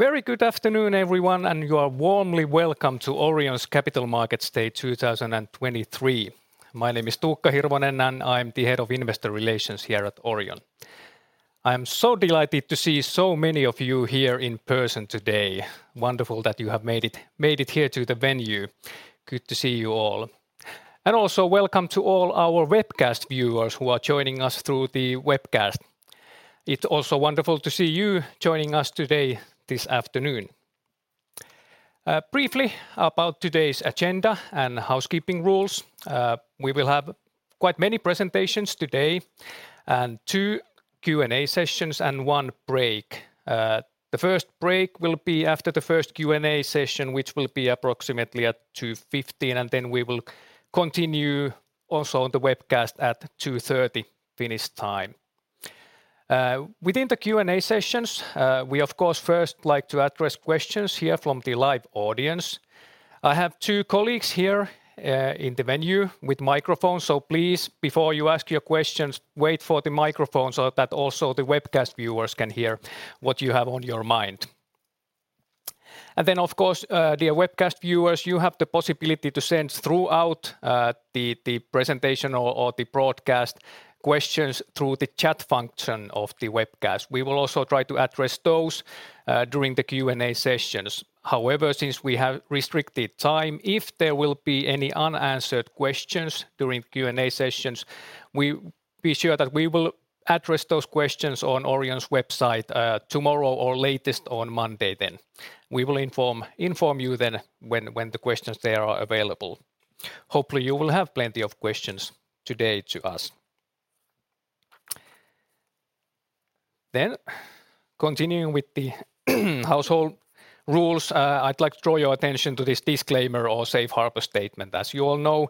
Very good afternoon, everyone. You are warmly welcome to Orion's Capital Markets Day 2023. My name is Tuukka Hirvonen, and I'm the Head of Investor Relations here at Orion. I'm so delighted to see so many of you here in person today. Wonderful that you have made it here to the venue. Good to see you all. Also welcome to all our webcast viewers who are joining us through the webcast. It's also wonderful to see you joining us today, this afternoon. Briefly about today's agenda and housekeeping rules, we will have quite many presentations today, and two Q&A sessions, and one break. The first break will be after the first Q&A session, which will be approximately at 2:15, and then we will continue also on the webcast at 2:30 Finnish time. Within the Q&A sessions, we, of course, first like to address questions here from the live audience. I have two colleagues here in the venue with microphones. Please, before you ask your questions, wait for the microphone so that also the webcast viewers can hear what you have on your mind. Of course, dear webcast viewers, you have the possibility to send throughout the presentation or the broadcast questions through the chat function of the webcast. We will also try to address those during the Q&A sessions. However, since we have restricted time, if there will be any unanswered questions during the Q&A sessions, we be sure that we will address those questions on Orion's website tomorrow or latest on Monday then. We will inform you then when the questions there are available. Hopefully, you will have plenty of questions today to us. Continuing with the household rules, I'd like to draw your attention to this disclaimer or safe harbor statement. As you all know,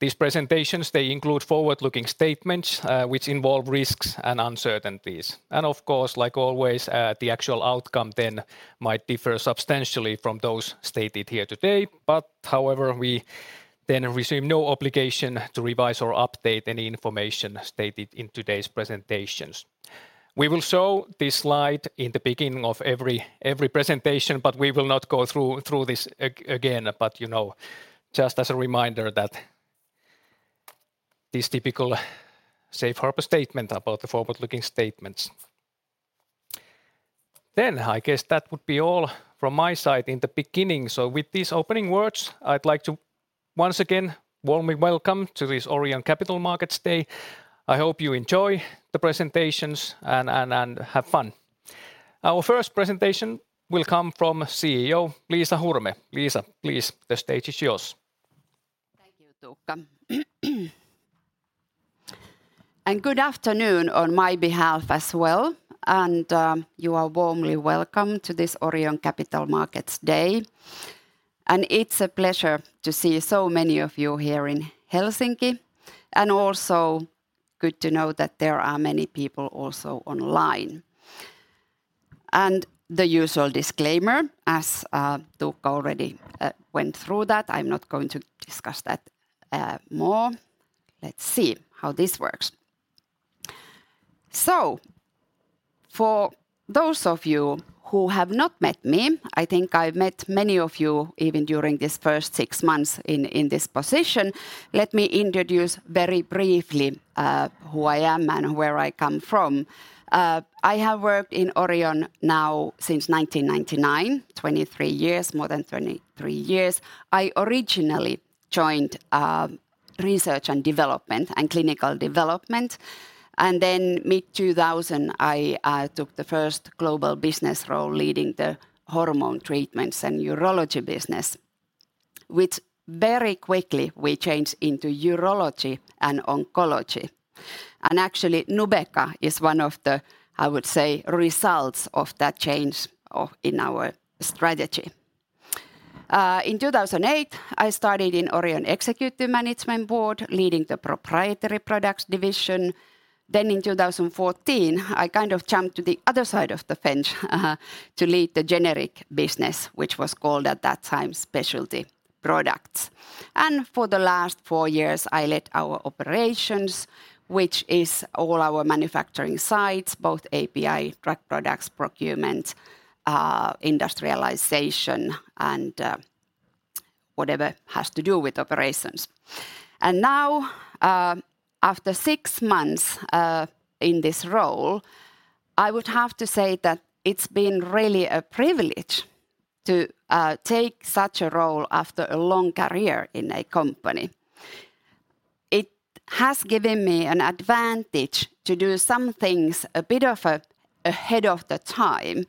these presentations, they include forward-looking statements, which involve risks and uncertainties. Of course, like always, the actual outcome then might differ substantially from those stated here today. However, we then receive no obligation to revise or update any information stated in today's presentations. We will show this slide in the beginning of every presentation, but we will not go through this again, but, you know, just as a reminder that this typical safe harbor statement about the forward-looking statements. I guess that would be all from my side in the beginning. With these opening words, I'd like to once again warmly welcome to this Orion Capital Markets Day. I hope you enjoy the presentations and have fun. Our first presentation will come from CEO Liisa Hurme. Liisa, please, the stage is yours. Thank you, Tuukka. Good afternoon on my behalf as well, you are warmly welcome to this Orion Capital Markets Day. It's a pleasure to see so many of you here in Helsinki, and also good to know that there are many people also online. The usual disclaimer, as Tuukka already went through that, I'm not going to discuss that more. Let's see how this works. For those of you who have not met me, I think I've met many of you even during this first six months in this position, let me introduce very briefly who I am and where I come from. I have worked in Orion now since 1999, 23 years, more than 23 years. I originally joined research and development and clinical development, then mid-2000, I took the first global business role leading the hormone treatments and urology business, which very quickly we changed into urology and oncology. Actually, Nubeqa is one of the, I would say, results of that change in our strategy. In 2008, I started in Orion Executive Management Board, leading the Proprietary Products Division. In 2014, I kind of jumped to the other side of the fence, to lead the generic business, which was called at that time Specialty Products. For the last four years, I led our operations, which is all our manufacturing sites, both API, drug products, procurement, industrialization, and whatever has to do with operations. Now, after six months in this role, I would have to say that it's been really a privilege to take such a role after a long career in a company. It has given me an advantage to do some things a bit ahead of the time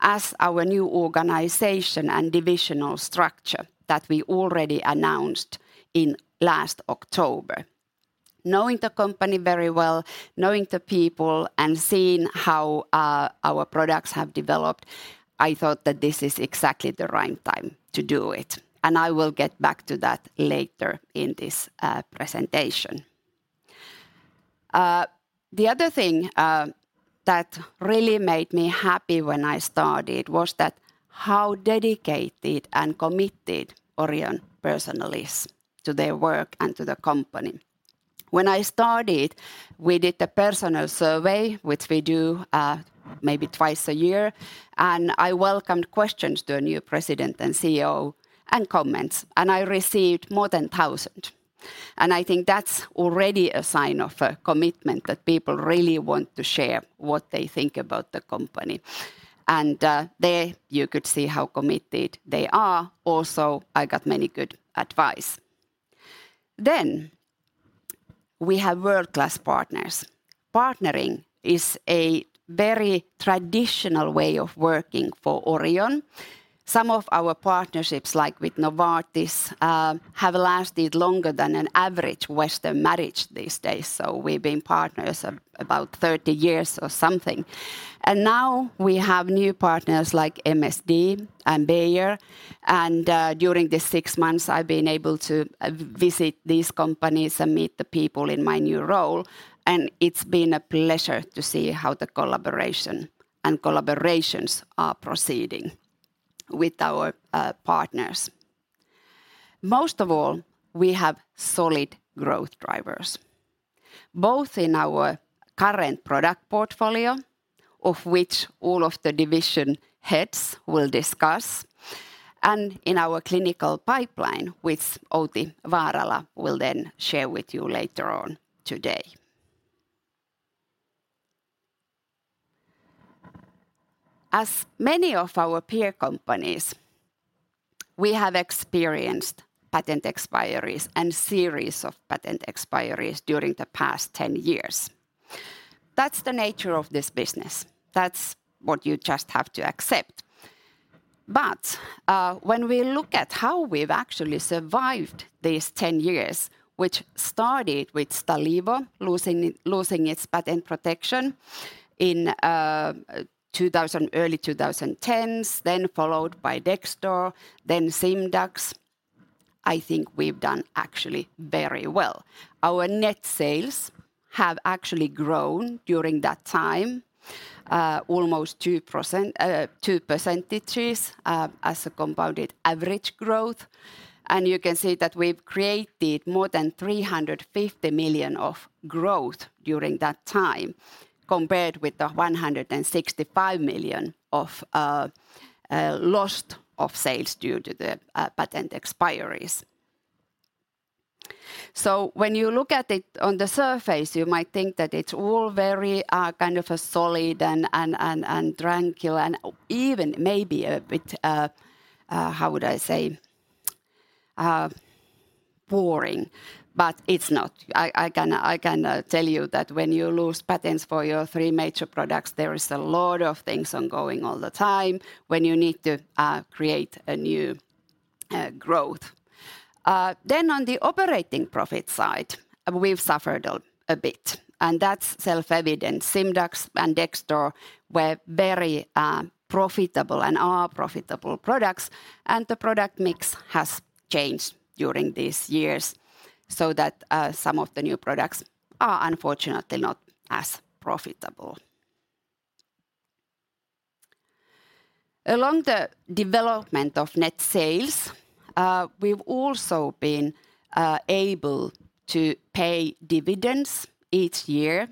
as our new organization and divisional structure that we already announced in last October. Knowing the company very well, knowing the people, and seeing how our products have developed, I thought that this is exactly the right time to do it, and I will get back to that later in this presentation. The other thing that really made me happy when I started was that how dedicated and committed Orion personnel is to their work and to the company. When I started, we did a personal survey, which we do, maybe twice a year, and I welcomed questions to a new president and CEO, and comments, and I received more than 1,000. I think that's already a sign of a commitment that people really want to share what they think about the company. There you could see how committed they are. Also, I got many good advice. We have world-class partners. Partnering is a very traditional way of working for Orion. Some of our partnerships, like with Novartis, have lasted longer than an average Western marriage these days, so we've been partners, about 30 years or something. Now we have new partners like MSD and Bayer, during the 6 months, I've been able to visit these companies and meet the people in my new role, and it's been a pleasure to see how the collaboration and collaborations are proceeding with our partners. Most of all, we have solid growth drivers, both in our current product portfolio, of which all of the division heads will discuss, and in our clinical pipeline, which Outi Vaarala will then share with you later on today. As many of our peer companies, we have experienced patent expiries and series of patent expiries during the past 10 years. That's the nature of this business. That's what you just have to accept. When we look at how we've actually survived these 10 years, which started with Stalevo losing its patent protection in early 2010s, then followed by Dexdor, then Simdax, I think we've done actually very well. Our net sales have actually grown during that time, almost 2% as a compounded average growth, you can see that we've created more than 350 million of growth during that time, compared with the 165 million of lost of sales due to the patent expiries. When you look at it on the surface, you might think that it's all very kind of a solid and tranquil, and even maybe a bit how would I say? Boring, but it's not. I can tell you that when you lose patents for your three major products, there is a lot of things ongoing all the time when you need to create a new growth. On the operating profit side, we've suffered a bit, and that's self-evident. Simdax and Dexdor were very profitable and are profitable products, and the product mix has changed during these years so that some of the new products are unfortunately not as profitable. Along the development of net sales, we've also been able to pay dividends each year.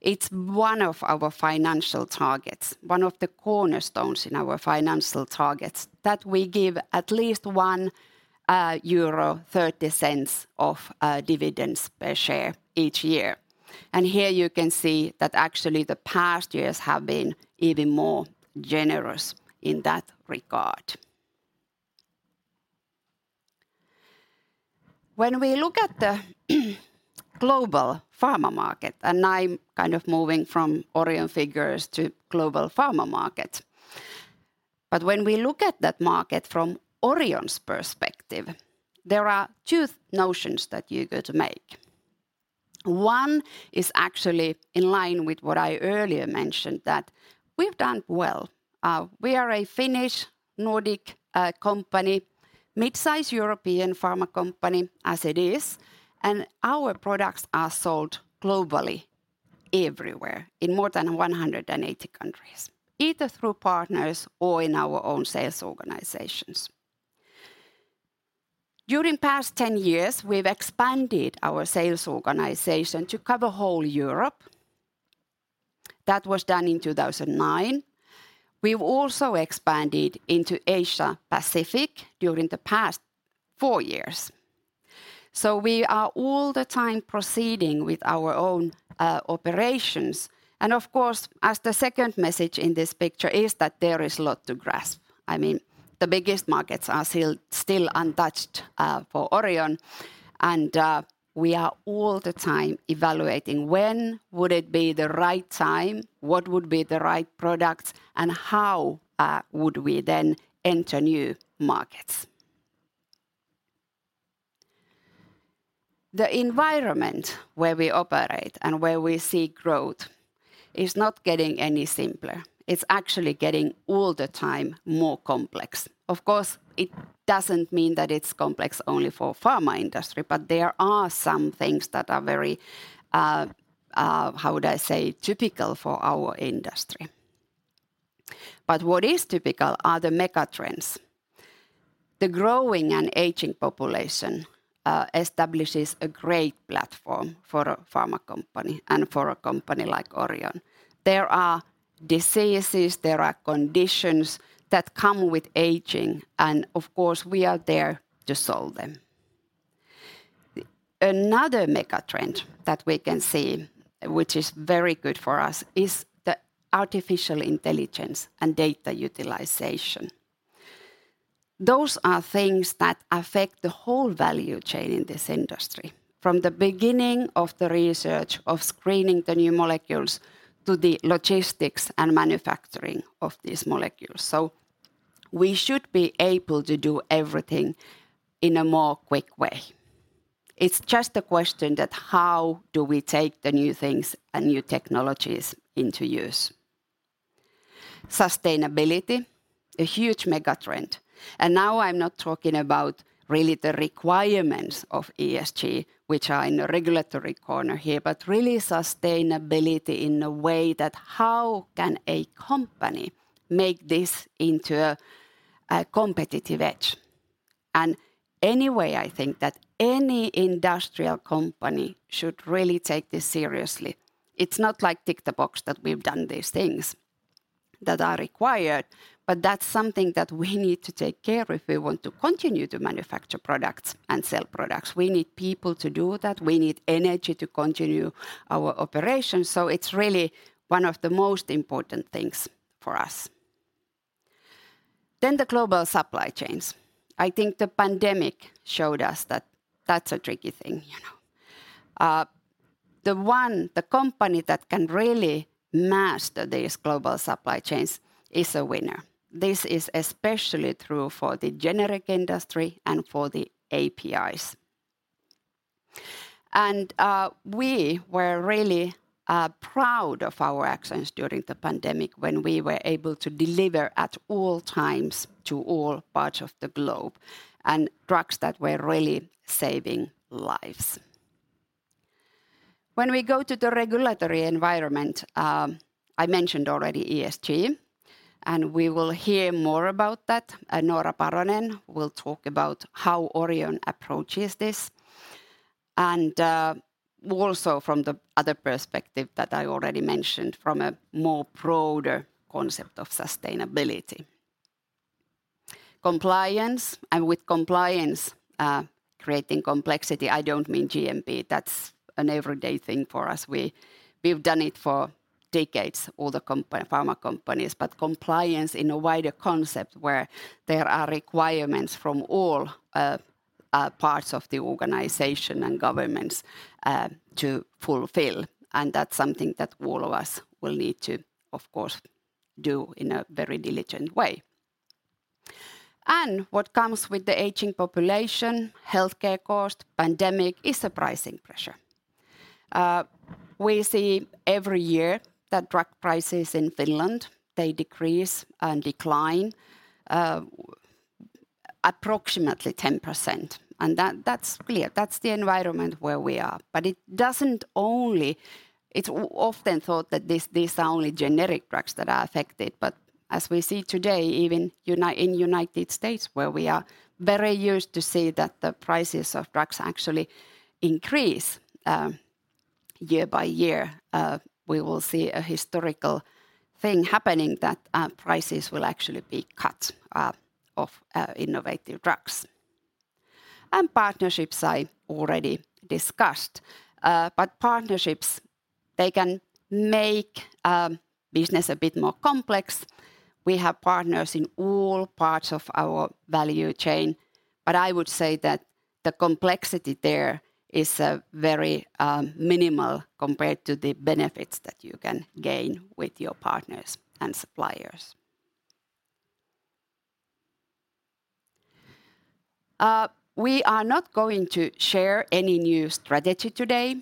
It's one of our financial targets, one of the cornerstones in our financial targets, that we give at least 1.30 euro of dividends per share each year. Here you can see that actually, the past years have been even more generous in that regard. When we look at the global pharma market, and I'm kind of moving from Orion figures to global pharma market, but when we look at that market from Orion's perspective, there are two notions that you got to make. One is actually in line with what I earlier mentioned, that we've done well. We are a Finnish Nordic company, mid-size European pharma company as it is, and our products are sold globally, everywhere, in more than 180 countries, either through partners or in our own sales organizations. During past 10 years, we've expanded our sales organization to cover whole Europe. That was done in 2009. We've also expanded into Asia Pacific during the past 4 years. We are all the time proceeding with our own operations, and of course, as the second message in this picture is that there is a lot to grasp. I mean, the biggest markets are still untouched for Orion. We are all the time evaluating when would it be the right time? What would be the right products, and how would we then enter new markets? The environment where we operate and where we see growth is not getting any simpler. It's actually getting all the time more complex. Of course, it doesn't mean that it's complex only for pharma industry, but there are some things that are very, how would I say, typical for our industry. What is typical are the mega trends. The growing and aging population establishes a great platform for a pharma company and for a company like Orion. There are diseases, there are conditions that come with aging, and of course, we are there to solve them. Another mega trend that we can see, which is very good for us, is the artificial intelligence and data utilization. Those are things that affect the whole value chain in this industry, from the beginning of the research of screening the new molecules to the logistics and manufacturing of these molecules. We should be able to do everything in a more quick way. It's just a question that how do we take the new things and new technologies into use? Sustainability, a huge mega trend. Now I'm not talking about really the requirements of ESG, which are in the regulatory corner here, but really sustainability in a way that how can a company make this into a competitive edge? Anyway, I think that any industrial company should really take this seriously. It's not like tick the box, that we've done these things that are required, but that's something that we need to take care if we want to continue to manufacture products and sell products. We need people to do that. We need energy to continue our operations, so it's really one of the most important things for us. The global supply chains. I think the pandemic showed us that that's a tricky thing, you know. The company that can really master these global supply chains is a winner. This is especially true for the generic industry and for the API. We were really proud of our actions during the pandemic, when we were able to deliver at all times to all parts of the globe, and drugs that were really saving lives. When we go to the regulatory environment, I mentioned already ESG, we will hear more about that, Noora Paronen will talk about how Orion approaches this, also from the other perspective that I already mentioned, from a more broader concept of sustainability. Compliance, with compliance, creating complexity, I don't mean GMP. That's an everyday thing for us. We've done it for decades, all the. pharma companies, but compliance in a wider concept, where there are requirements from all parts of the organization and governments to fulfill, that's something that all of us will need to, of course, do in a very diligent way. What comes with the aging population, healthcare cost, pandemic, is a pricing pressure. We see every year that drug prices in Finland, they decrease and decline approximately 10%, that's clear. That's the environment where we are. It doesn't only... It's often thought that these are only generic drugs that are affected, but as we see today, even in United States, where we are very used to see that the prices of drugs actually increase year by year, we will see a historical thing happening, that prices will actually be cut of innovative drugs. Partnerships I already discussed, but partnerships, they can make business a bit more complex. We have partners in all parts of our value chain, but I would say that the complexity there is very minimal compared to the benefits that you can gain with your partners and suppliers. We are not going to share any new strategy today.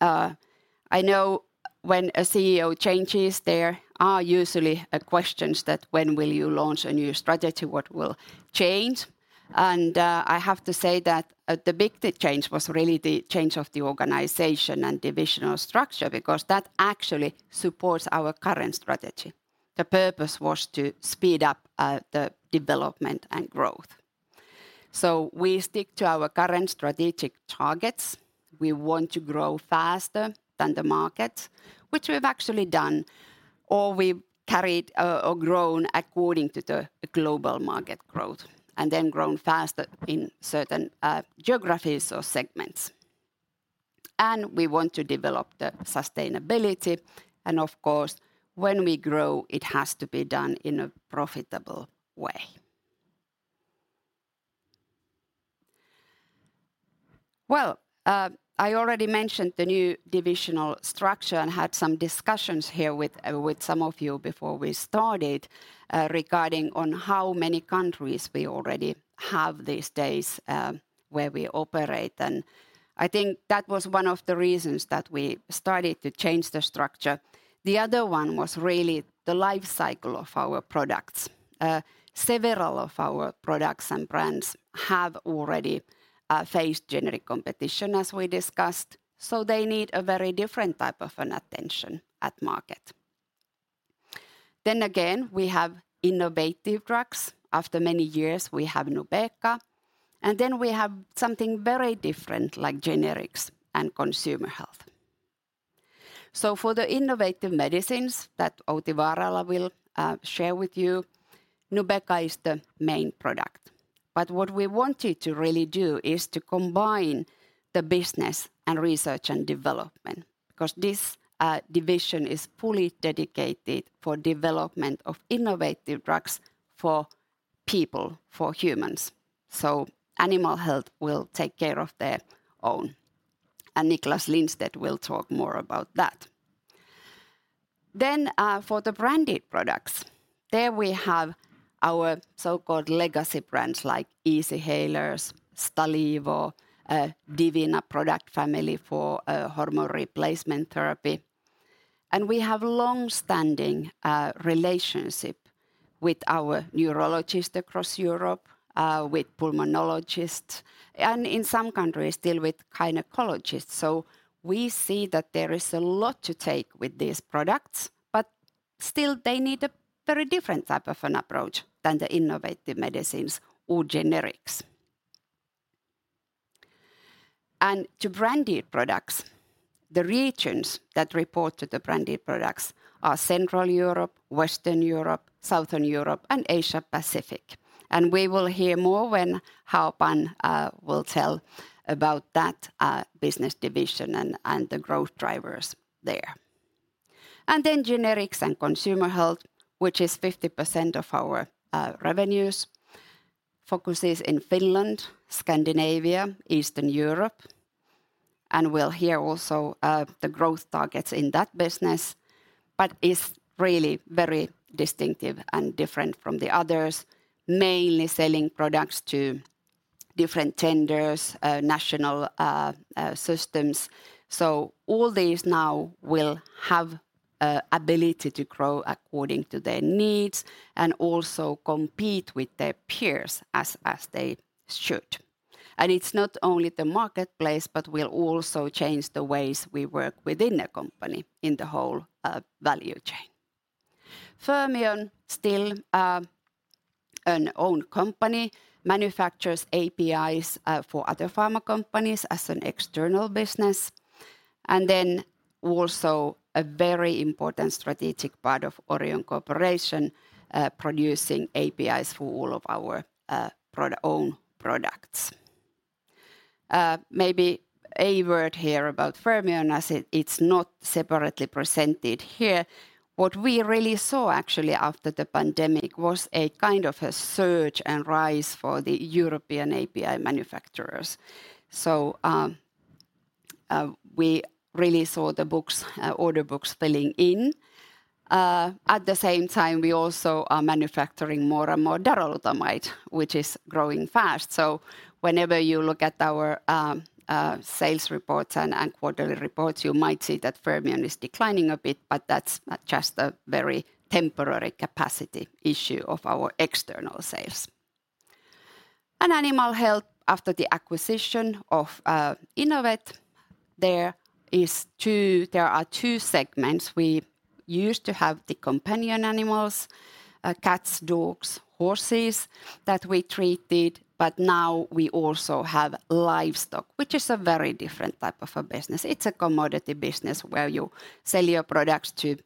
I know when a CEO changes, there are usually questions that, "When will you launch a new strategy? What will change?" I have to say that the big change was really the change of the organization and divisional structure, because that actually supports our current strategy. The purpose was to speed up the development and growth. We stick to our current strategic targets. We want to grow faster than the market, which we've actually done, or we've carried, or grown according to the global market growth, and then grown faster in certain geographies or segments. We want to develop the sustainability, and of course, when we grow, it has to be done in a profitable way. I already mentioned the new divisional structure and had some discussions here with some of you before we started regarding on how many countries we already have these days where we operate, and I think that was one of the reasons that we started to change the structure. The other one was really the life cycle of our products, several of our products and brands have already faced generic competition, as we discussed, so they need a very different type of an attention at market. We have innovative drugs. After many years, we have Nubeqa, we have something very different, like generics and consumer health. For the innovative medicines that Outi Vaarala will share with you, Nubeqa is the main product. What we wanted to really do is to combine the business and research and development, ’cause this division is fully dedicated for development of innovative drugs for people, for humans, so Animal Health will take care of their own, and Niclas Lindstedt will talk more about that. For the branded products, there we have our so-called legacy brands, like Easyhalers, Stalevo, Divina product family for hormone replacement therapy. We have longstanding relationship with our neurologists across Europe, with pulmonologists, and in some countries, still with gynecologists. We see that there is a lot to take with these products, but still, they need a very different type of an approach than the innovative medicines or generics. To Branded Products, the regions that report to the Branded Products are Central Europe, Western Europe, Southern Europe, and Asia Pacific, and we will hear more when Hao Pan will tell about that business division and the growth drivers there. Generics and Consumer Health, which is 50% of our revenues, focuses in Finland, Scandinavia, Eastern Europe, and we'll hear also the growth targets in that business, but it's really very distinctive and different from the others, mainly selling products to different tenders, national systems. All these now will have an ability to grow according to their needs and also compete with their peers as they should. It's not only the marketplace, but will also change the ways we work within the company in the whole value chain. Fermion, still, an own company, manufactures APIs for other pharma companies as an external business, and then also a very important strategic part of Orion Corporation, producing APIs for all of our own products. Maybe a word here about Fermion, as it's not separately presented here. What we really saw, actually, after the pandemic, was a kind of a surge and rise for the European API manufacturers. We really saw the books, order books filling in. At the same time, we also are manufacturing more and more darolutamide, which is growing fast. Whenever you look at our sales reports and quarterly reports, you might see that Fermion is declining a bit, but that's just a very temporary capacity issue of our external sales. Animal Health, after the acquisition of Inovet, there are two segments. We used to have the companion animals, cats, dogs, horses, that we treated, but now we also have livestock, which is a very different type of a business. It's a commodity business where you sell your products to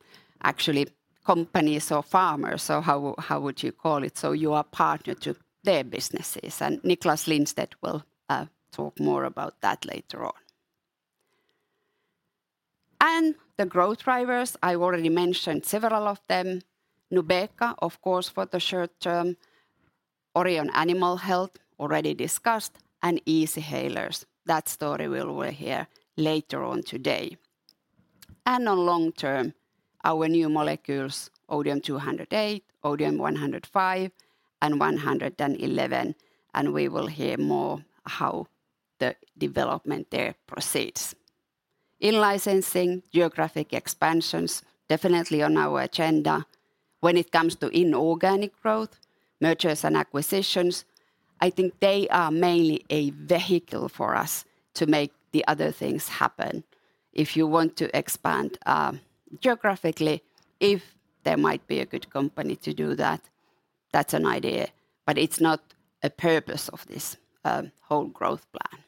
actually companies or farmers, how would you call it? You are partner to their businesses, and Niclas Lindstedt will talk more about that later on. The growth drivers, I already mentioned several of them. Nubeqa, of course, for the short term, Orion Animal Health, already discussed, and Easyhalers. That story we will hear later on today. On long term, our new molecules, ODM-208, ODM-105, and ODM-111, and we will hear more how the development there proceeds. In licensing, geographic expansions, definitely on our agenda. When it comes to inorganic growth, mergers and acquisitions, I think they are mainly a vehicle for us to make the other things happen. If you want to expand geographically, if there might be a good company to do that's an idea, but it's not a purpose of this whole growth plan.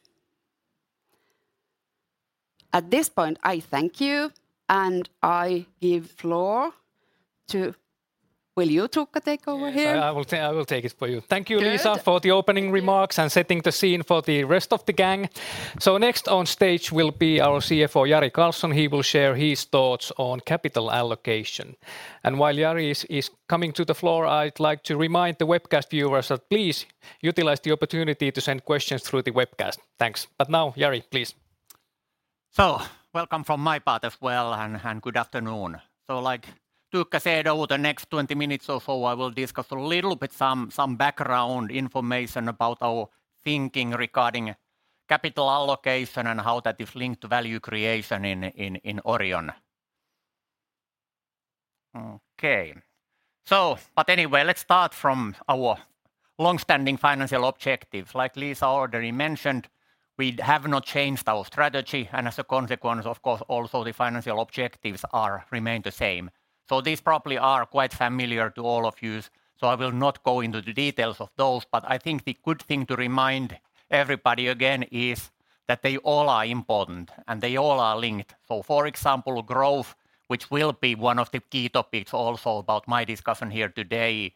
At this point, I thank you, and I give floor to... Will you, Tuukka, take over here? Yes, I will take it for you. Good. Thank you, Liisa, for the opening remarks and setting the scene for the rest of the gang. Next on stage will be our CFO, Jari Karlson. He will share his thoughts on capital allocation. While Jari is coming to the floor, I'd like to remind the webcast viewers that please utilize the opportunity to send questions through the webcast. Thanks. Now, Jari, please. Welcome from my part as well, and good afternoon. Like Tuukka said, over the next 20 minutes or so, I will discuss a little bit some background information about our thinking regarding capital allocation and how that is linked to value creation in Orion. Anyway, let's start from our long-standing financial objectives. Like Liisa already mentioned, we have not changed our strategy, and as a consequence, of course, also the financial objectives remain the same. These probably are quite familiar to all of you, so I will not go into the details of those, but I think the good thing to remind everybody again is that they all are important, and they all are linked. For example, growth, which will be one of the key topics also about my discussion here today,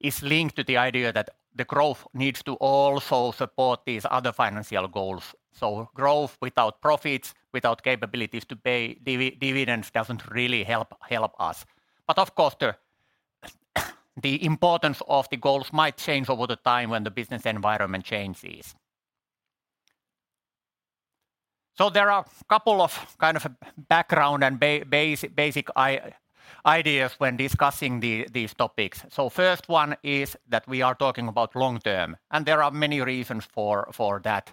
is linked to the idea that the growth needs to also support these other financial goals. Growth without profits, without capabilities to pay dividends, doesn't really help us. Of course, the importance of the goals might change over the time when the business environment changes. There are couple of kind of background and basic ideas when discussing these topics. First one is that we are talking about long term, and there are many reasons for that.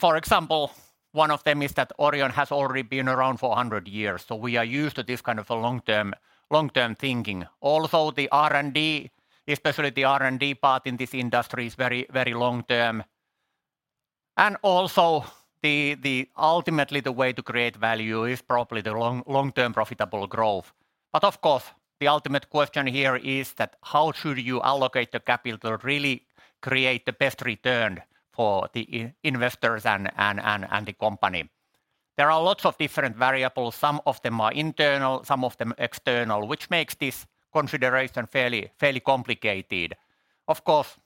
For example, one of them is that Orion has already been around for 100 years, so we are used to this kind of a long-term thinking. Also, the R&D, especially the R&D part in this industry, is very long term. Also, the ultimately, the way to create value is probably the long-term profitable growth. Of course, the ultimate question here is that how should you allocate the capital to really create the best return for the investors and the company? There are lots of different variables: some of them are internal, some of them external, which makes this consideration fairly complicated. Of course,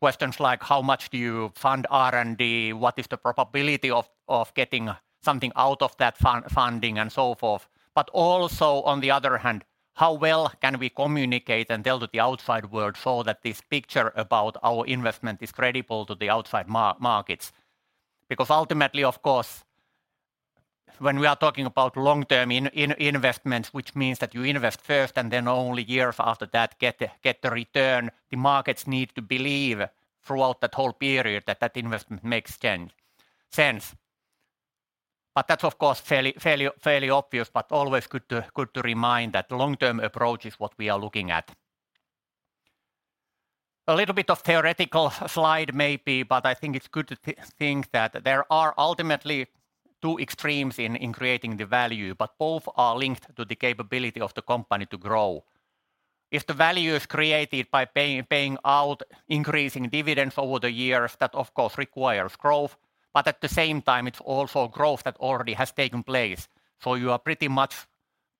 questions like, how much do you fund R&D? What is the probability of getting something out of that funding, and so forth? Also, on the other hand, how well can we communicate and tell to the outside world so that this picture about our investment is credible to the outside markets? Ultimately, of course, when we are talking about long-term investments, which means that you invest first and then only years after that, get the return, the markets need to believe throughout that whole period that that investment makes sense. That's, of course, fairly obvious, but always good to remind that long-term approach is what we are looking at. A little bit of theoretical slide maybe, but I think it's good to think that there are ultimately two extremes in creating the value, but both are linked to the capability of the company to grow. If the value is created by paying out increasing dividends over the years, that of course, requires growth, but at the same time, it's also growth that already has taken place. You are pretty much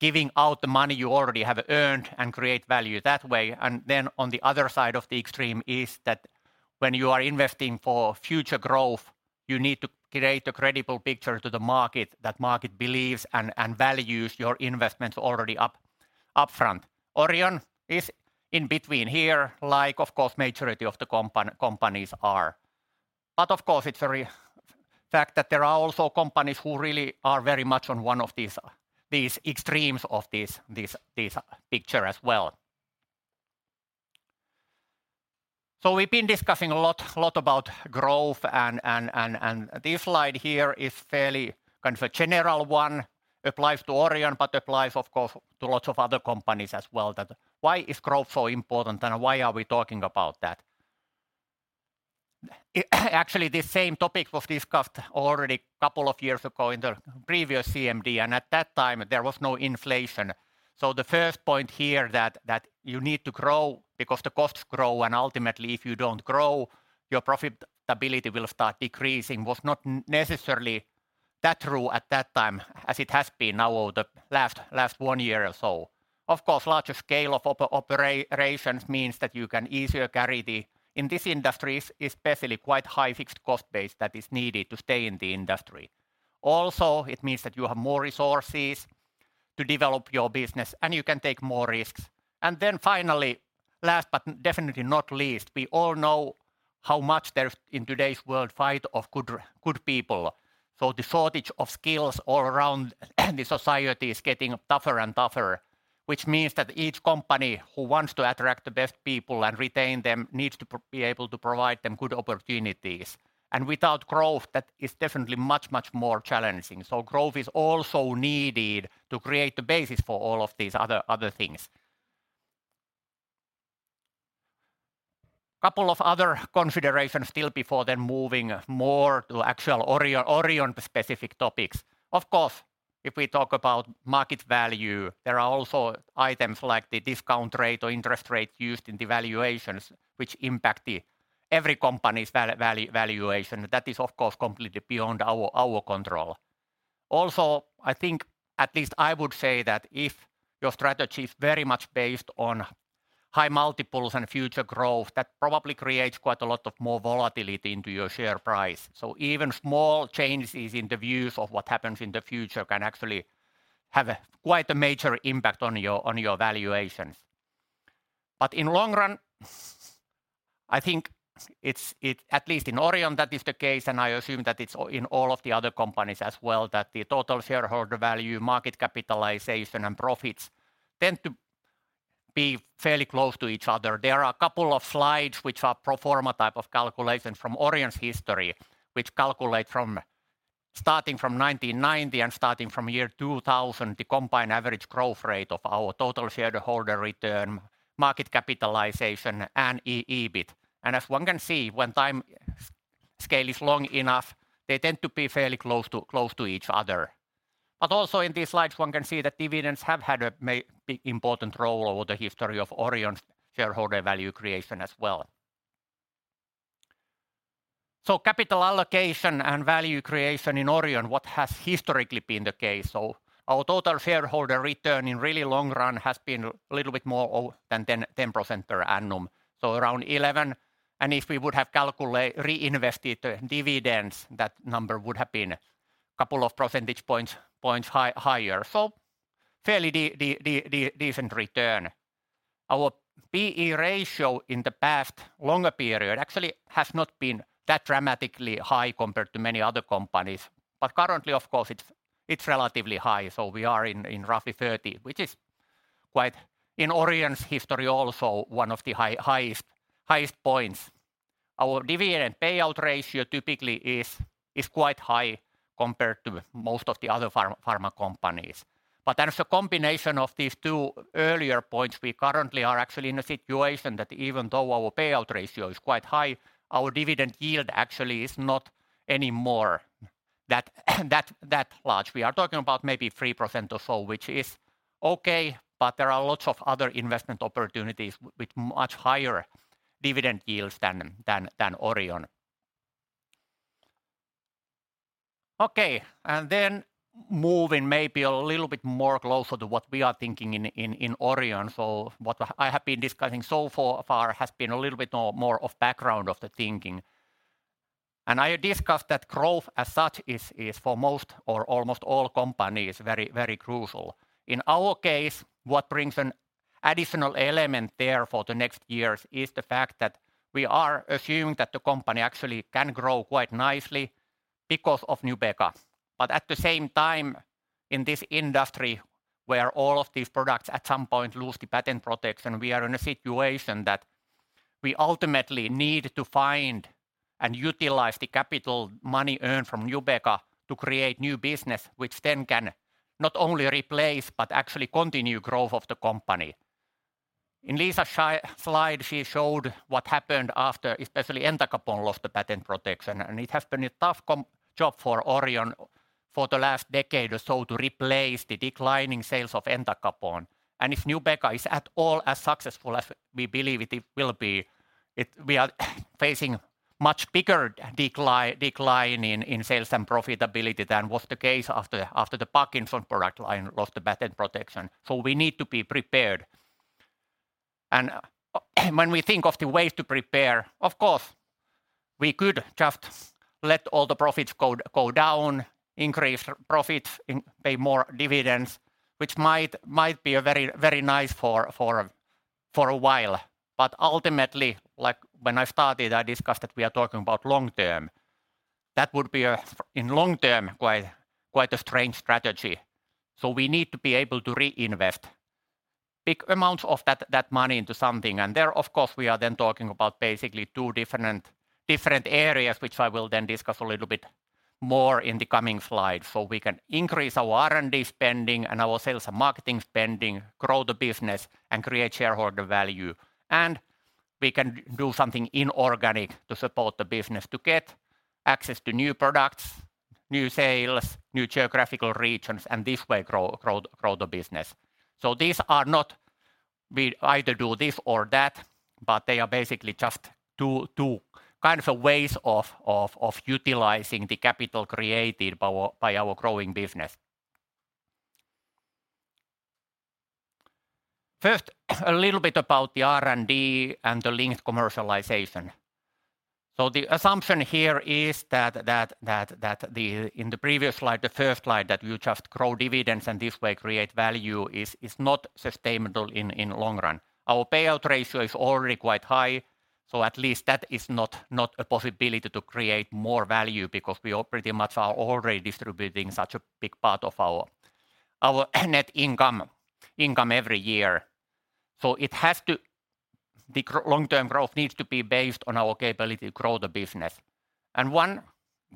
giving out the money you already have earned and create value that way. On the other side of the extreme is that when you are investing for future growth, you need to create a credible picture to the market, that market believes and values your investments already upfront. Orion is in between here, like, of course, majority of the companies are. Of course, it's a fact that there are also companies who really are very much on one of these extremes of this picture as well. We've been discussing a lot about growth and this slide here is fairly kind of a general one, applies to Orion, but applies, of course, to lots of other companies as well, that why is growth so important and why are we talking about that? Actually, this same topic was discussed already couple of years ago in the previous CMD, and at that time, there was no inflation. The first point here that you need to grow because the costs grow, and ultimately, if you don't grow, your profitability will start decreasing, was not necessarily that true at that time as it has been now over the last one year or so. Of course, larger scale of operations means that you can easier carry the, in this industry, especially quite high fixed cost base that is needed to stay in the industry. It means that you have more resources to develop your business, and you can take more risks. Finally, last, but definitely not least, we all know how much there's, in today's world, fight of good people. The shortage of skills all around the society is getting tougher and tougher, which means that each company who wants to attract the best people and retain them, needs to be able to provide them good opportunities. Without growth, that is definitely much, much more challenging. Growth is also needed to create the basis for all of these other things. Couple of other considerations still before then moving more to actual Orion-specific topics. Of course, if we talk about market value, there are also items like the discount rate or interest rate used in the valuations, which impact the every company's valuation. That is, of course, completely beyond our control. Also, I think, at least I would say that if your strategy is very much based on high multiples and future growth, that probably creates quite a lot of more volatility into your share price. Even small changes in the views of what happens in the future can actually have a quite a major impact on your, on your valuations. In long run, I think it's at least in Orion, that is the case, and I assume that it's in all of the other companies as well, that the total shareholder value, market capitalization and profits tend to be fairly close to each other. There are a couple of slides which are pro forma type of calculation from Orion's history, which calculate from starting from 1990 and starting from year 2000, the combined average growth rate of our total shareholder return, market capitalization, and EBIT. As one can see, when time scale is long enough, they tend to be fairly close to each other. Also in these slides, one can see that dividends have had a big important role over the history of Orion's shareholder value creation as well. Capital allocation and value creation in Orion, what has historically been the case? Our total shareholder return in really long run has been a little bit more than 10% per annum, so around 11, and if we would have reinvested the dividends, that number would have been a couple of percentage points higher. Fairly decent return. Our P/E ratio in the past longer period actually has not been that dramatically high compared to many other companies, but currently, of course, it's relatively high, so we are in roughly 30, which is quite in Orion's history also one of the highest points. Our dividend payout ratio typically is quite high compared to most of the other pharma companies. As a combination of these two earlier points, we currently are actually in a situation that even though our payout ratio is quite high, our dividend yield actually is not anymore that large. We are talking about maybe 3% or so, which is okay, but there are lots of other investment opportunities with much higher dividend yields than Orion. Moving maybe a little bit more closer to what we are thinking in Orion. What I have been discussing so far has been a little bit more of background of the thinking. I discussed that growth as such is for most or almost all companies, very crucial. In our case, what brngs an additional element there for the next years is the fact that we are assuming that the company actually can grow quite nicely because of Nubeqa. At the same time, in this industry, where all of these products at some point lose the patent protection, we are in a situation that we ultimately need to find and utilize the capital money earned from Nubeqa to create new business, which then can not only replace, but actually continue growth of the company. In Liisa's slide, she showed what happened after especially entacapone lost the patent protection, and it has been a tough job for Orion for the last decade or so to replace the declining sales of entacapone. If Nubeqa is at all as successful as we believe it will be, it... We are facing much bigger decline in sales and profitability than was the case after the Parkinson product line lost the patent protection. We need to be prepared. When we think of the ways to prepare, of course, we could just let all the profits go down, increase profits, pay more dividends, which might be a very, very nice for a while. Ultimately, like when I started, I discussed that we are talking about long term. That would be a, in long term, quite a strange strategy. We need to be able to reinvest big amounts of that money into something, and there, of course, we are then talking about basically two different areas, which I will then discuss a little bit more in the coming slides. We can increase our R&D spending and our sales and marketing spending, grow the business, and create shareholder value. We can do something inorganic to support the business, to get access to new products, new sales, new geographical regions, and this way, grow the business. These are not we either do this or that, but they are basically just two kind of ways of utilizing the capital created by our growing business. First, a little bit about the R&D and the linked commercialization. The assumption here is that the, in the previous slide, the first slide, that you just grow dividends and this way create value is not sustainable in long run. Our payout ratio is already quite high, so at least that is not a possibility to create more value because we are pretty much already distributing such a big part of our net income every year. The long-term growth needs to be based on our capability to grow the business. One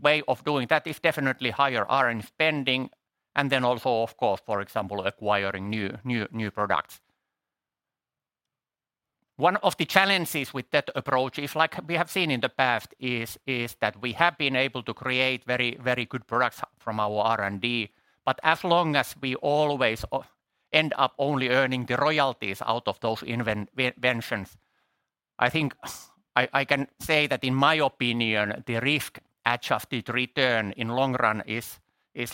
way of doing that is definitely higher R&D spending, and then also, of course, for example, acquiring new products. One of the challenges with that approach is, like we have seen in the past, is that we have been able to create very, very good products from our R&D. As long as we always end up only earning the royalties out of those inventions, I think I can say that in my opinion, the risk-adjusted return in long run is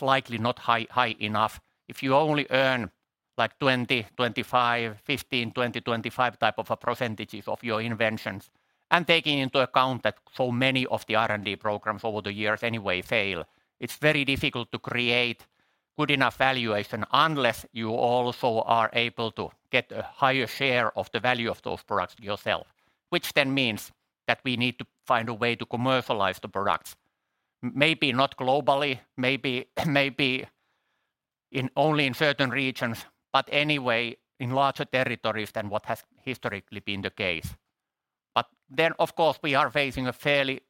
likely not high enough. If you only earn like 20%, 25%, 15%, 20%, 25% type of a % of your inventions, taking into account that so many of the R&D programs over the years anyway fail, it's very difficult to create good enough valuation unless you also are able to get a higher share of the value of those products yourself, which then means that we need to find a way to commercialize the products. maybe not globally, maybe in only in certain regions, but anyway, in larger territories than what has historically been the case. Of course, we are facing a fairly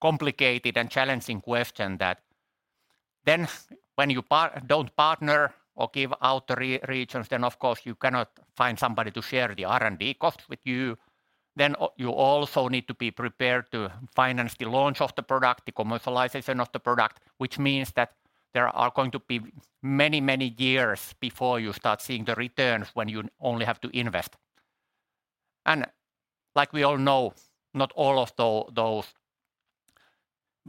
complicated and challenging question that when you don't partner or give out regions, then of course you cannot find somebody to share the R&D costs with you. You also need to be prepared to finance the launch of the product, the commercialization of the product, which means that there are going to be many, many years before you start seeing the returns when you only have to invest. Like we all know, not all of those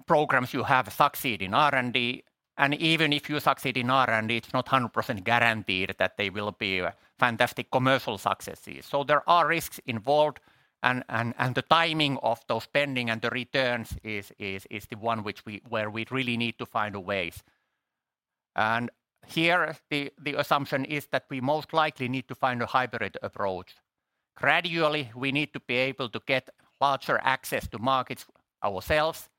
programs you have succeed in R&D, and even if you succeed in R&D, it's not 100% guaranteed that they will be fantastic commercial successes. There are risks involved, and the timing of those spending and the returns is the one which we where we really need to find a ways. Here, the assumption is that we most likely need to find a hybrid approach. Gradually, we need to be able to get larger access to markets ourselves,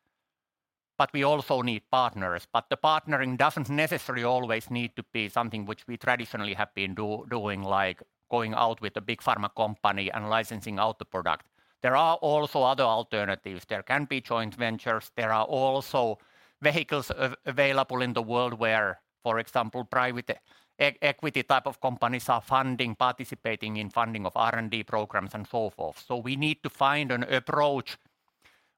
but we also need partners. The partnering doesn't necessarily always need to be something which we traditionally have been doing, like going out with a big pharma company and licensing out the product. There are also other alternatives. There can be joint ventures. There are also vehicles available in the world where, for example, private equity type of companies are funding, participating in funding of R&D programs and so forth. We need to find an approach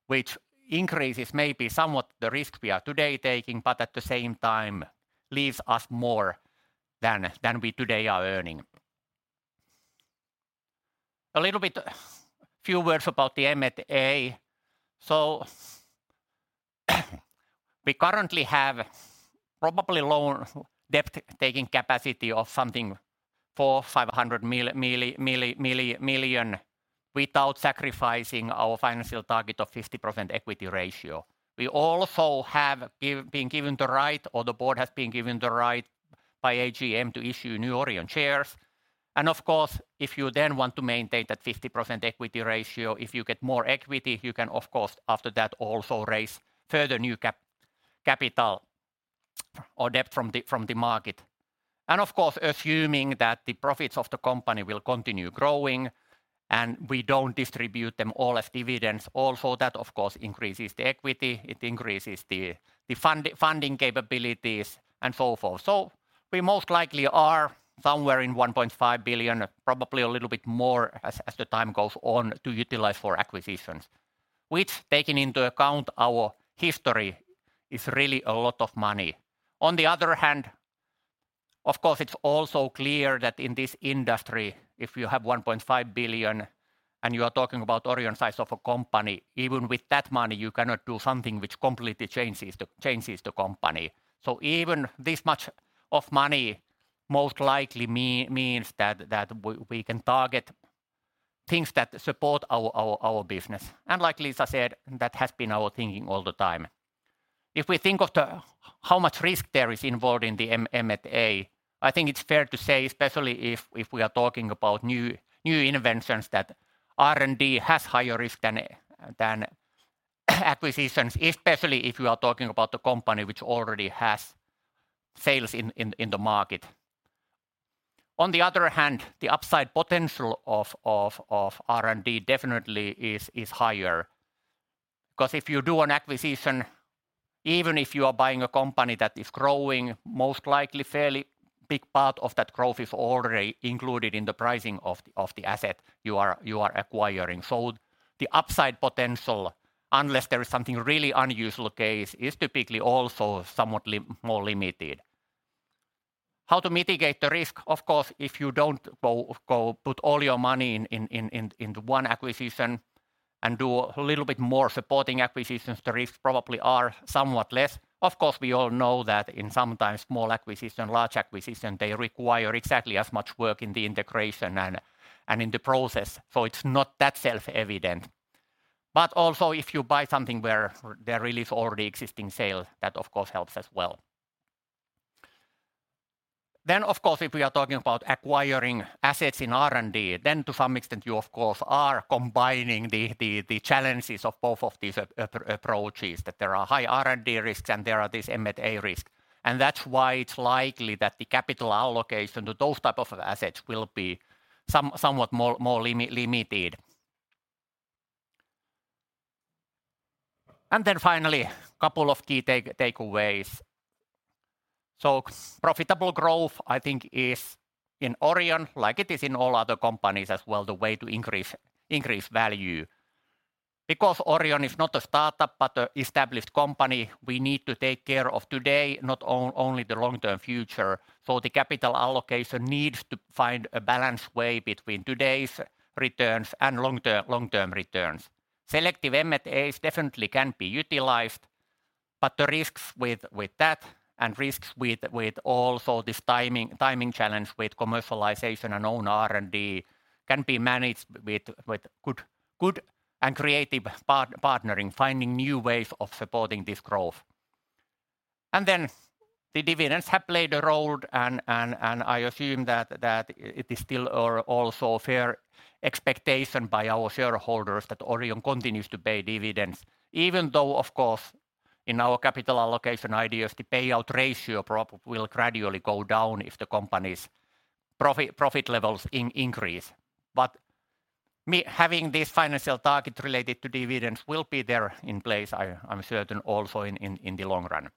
which increases maybe somewhat the risk we are today taking, but at the same time, leaves us more than we today are earning. A little bit, few words about the M&A. We currently have probably loan debt taking capacity of something, 400-500 million without sacrificing our financial target of 50% equity ratio. We also have been given the right, or the board has been given the right by AGM to issue new Orion shares. Of course, if you then want to maintain that 50% equity ratio, if you get more equity, you can, of course, after that, also raise further new capital or debt from the market. Of course, assuming that the profits of the company will continue growing, and we don't distribute them all as dividends, also, that, of course, increases the equity, it increases the funding capabilities and so forth. We most likely are somewhere in 1.5 billion, probably a little bit more as the time goes on, to utilize for acquisitions, which, taking into account our history, is really a lot of money. On the other hand, of course, it's also clear that in this industry, if you have 1.5 billion and you are talking about Orion size of a company, even with that money, you cannot do something which completely changes the company. Even this much of money, most likely means that we can target things that support our business. Like Liisa said, that has been our thinking all the time. If we think of the how much risk there is involved in M&A, I think it's fair to say, especially if we are talking about new inventions, that R&D has higher risk than acquisitions, especially if you are talking about a company which already has sales in the market. On the other hand, the upside potential of R&D definitely is higher because if you do an acquisition, even if you are buying a company that is growing, most likely fairly big part of that growth is already included in the pricing of the asset you are acquiring. So the upside potential, unless there is something really unusual case, is typically also somewhat more limited. How to mitigate the risk? Of course, if you don't go put all your money into one acquisition and do a little bit more supporting acquisitions, the risks probably are somewhat less. Of course, we all know that in sometimes small acquisition, large acquisition, they require exactly as much work in the integration and in the process, so it's not that self-evident. Also, if you buy something where there really is already existing sale, that of course helps as well. Of course, if we are talking about acquiring assets in R&D, then to some extent, you of course, are combining the challenges of both of these approaches, that there are high R&D risks, and there are this M&A risk. That's why it's likely that the capital allocation to those type of assets will be somewhat more limited. Finally, couple of key takeaways. Profitable growth, I think, is in Orion, like it is in all other companies as well, the way to increase value. Orion is not a startup, but an established company, we need to take care of today, not only the long-term future. The capital allocation needs to find a balanced way between today's returns and long-term returns. Selective M&As definitely can be utilized, but the risks with that and risks with also this timing challenge with commercialization and own R&D can be managed with good and creative partnering, finding new ways of supporting this growth. The dividends have played a role, and I assume that it is still also a fair expectation by our shareholders that Orion continues to pay dividends, even though, of course, in our capital allocation ideas, the payout ratio prop will gradually go down if the company's profit levels increase. Me having this financial target related to dividends will be there in place, I'm certain also in the long run.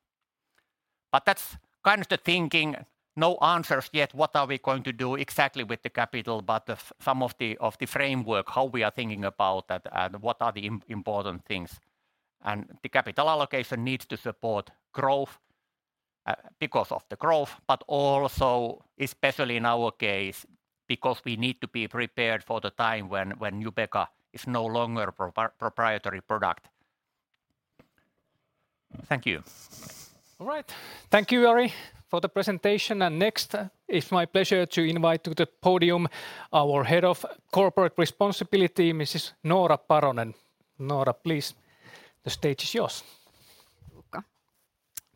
That's kind of the thinking. No answers yet, what are we going to do exactly with the capital, but some of the framework, how we are thinking about that, and what are the important things. The capital allocation needs to support growth, because of the growth, but also especially in our case, because we need to be prepared for the time when Nubeqa is no longer a proprietary product. Thank you. All right. Thank you, Jari, for the presentation. Next, it's my pleasure to invite to the podium our Head of Corporate Responsibility, Mrs. Noora Paronen. Noora, please, the stage is yours.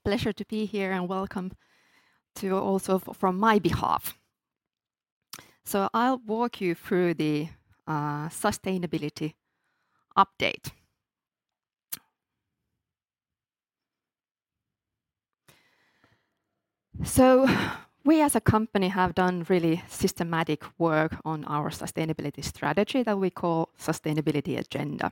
Pleasure to be here, and welcome to you also from my behalf. I'll walk you through the sustainability update. We as a company have done really systematic work on our sustainability strategy that we call sustainability agenda.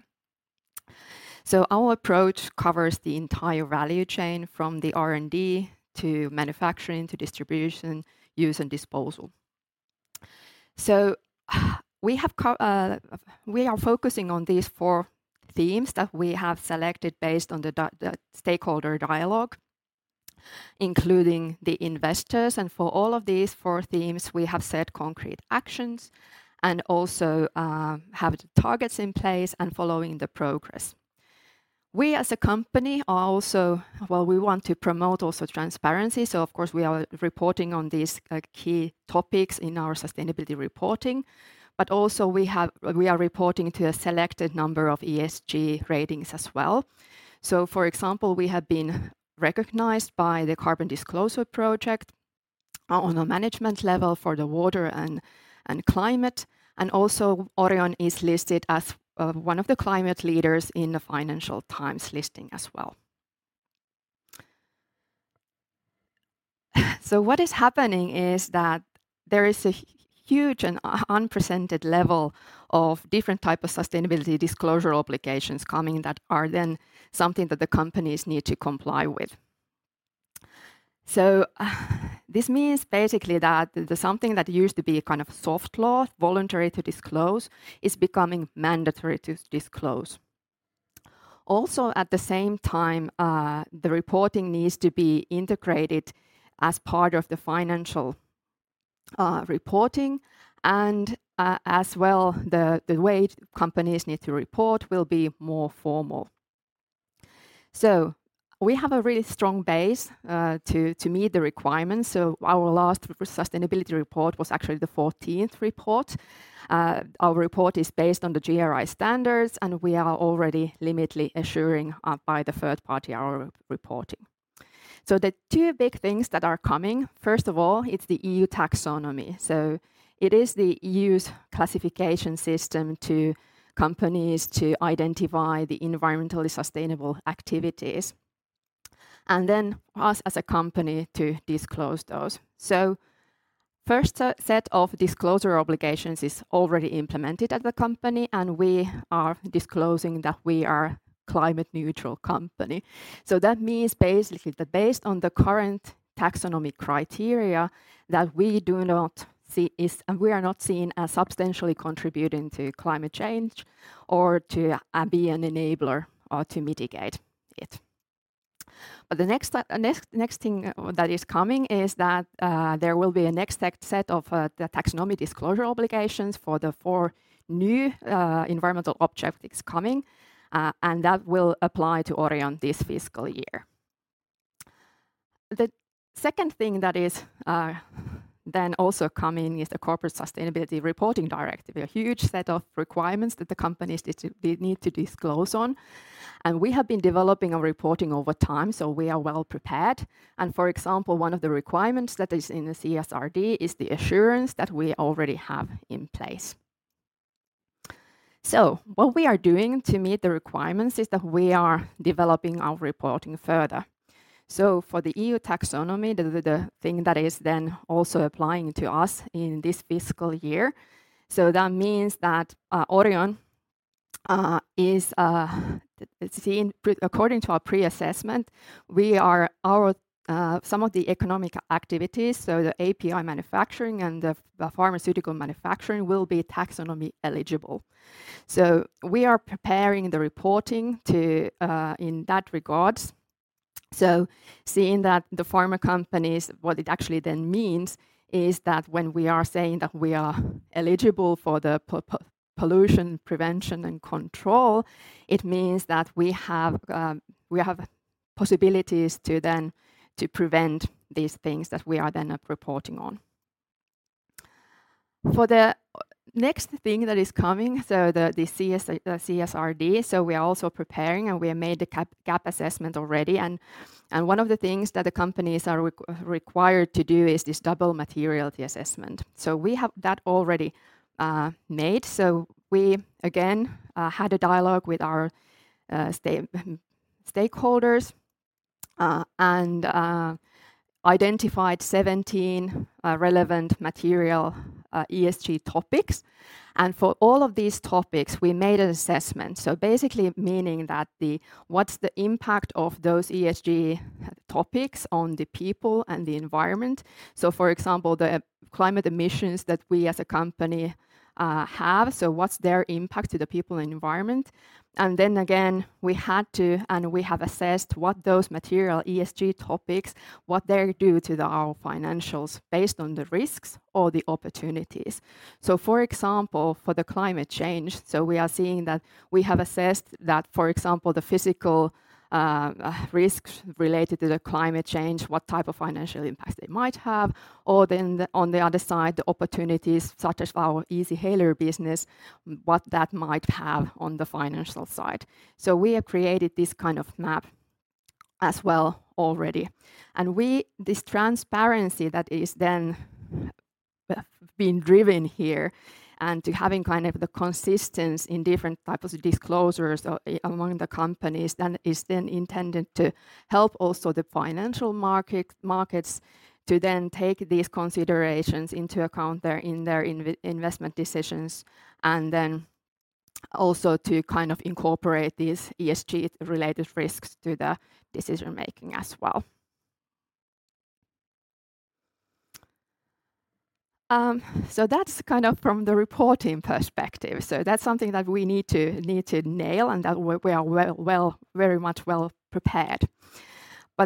Our approach covers the entire value chain, from the R&D, to manufacturing, to distribution, use, and disposal. We are focusing on these four themes that we have selected based on the stakeholder dialogue, including the investors. For all of these four themes, we have set concrete actions and also have the targets in place and following the progress. We, as a company, are also... Well, we want to promote also transparency, so of course, we are reporting on these key topics in our sustainability reporting, but also we are reporting to a selected number of ESG ratings as well. For example, we have been recognized by the Carbon Disclosure Project on a management level for the water and climate, and also Orion is listed as one of the climate leaders in the Financial Times listing as well. What is happening is that there is a huge and unprecedented level of different type of sustainability disclosure obligations coming that are then something that the companies need to comply with. This means basically that something that used to be a kind of soft law, voluntary to disclose, is becoming mandatory to disclose. Also, at the same time, the reporting needs to be integrated as part of the financial reporting, and as well, the way companies need to report will be more formal. We have a really strong base to meet the requirements. Our last sustainability report was actually the 14th report. Our report is based on the GRI standards, and we are already limitly assuring by the third party our reporting. The two big things that are coming, first of all, it's the EU Taxonomy. It is the EU's classification system to companies to identify the environmentally sustainable activities, and then us as a company to disclose those. First, set of disclosure obligations is already implemented at the company, and we are disclosing that we are climate neutral company. That means basically that based on the current taxonomic criteria, that we do not see we are not seen as substantially contributing to climate change or to be an enabler or to mitigate it. The next thing that is coming is that there will be a next set of the taxonomy disclosure obligations for the four new environmental objects coming, and that will apply to Orion this fiscal year. The second thing that is then also coming is the Corporate Sustainability Reporting Directive, a huge set of requirements that the companies need to disclose on, and we have been developing our reporting over time, so we are well prepared. For example, one of the requirements that is in the CSRD is the assurance that we already have in place. What we are doing to meet the requirements is that we are developing our reporting further. For the EU Taxonomy, the thing that is then also applying to us in this fiscal year, that means that Orion is seen according to our pre-assessment, some of the economic activities, so the API manufacturing and the pharmaceutical manufacturing, will be Taxonomy eligible. We are preparing the reporting in that regard. Seeing that the pharma companies, what it actually then means is that when we are saying that we are eligible for the pollution prevention and control, it means that we have possibilities to then to prevent these things that we are then reporting on. For the next thing that is coming, the CSRD, we are also preparing, and we have made the gap assessment already. One of the things that the companies are required to do is this double materiality assessment. We have that already made. We again had a dialogue with our stakeholders and identified 17 relevant material ESG topics. For all of these topics, we made an assessment. Basically meaning what's the impact of those ESG topics on the people and the environment? For example, the climate emissions that we as a company have, so what's their impact to the people and environment? Again, we had to, and we have assessed what those material ESG topics, what they do to our financials based on the risks or the opportunities. For example, for the climate change, so we are seeing that we have assessed that, for example, the physical risks related to the climate change, what type of financial impact they might have, or then on the other side, the opportunities such as our Easyhaler business, what that might have on the financial side. We have created this kind of map as well already. We this transparency that is then being driven here and to having kind of the consistency in different types of disclosures among the companies, then is then intended to help also the financial markets to then take these considerations into account their in their investment decisions, and then also to kind of incorporate these ESG-related risks to the decision-making as well. That's kind of from the reporting perspective. That's something that we need to nail, and that we are well, very much well prepared.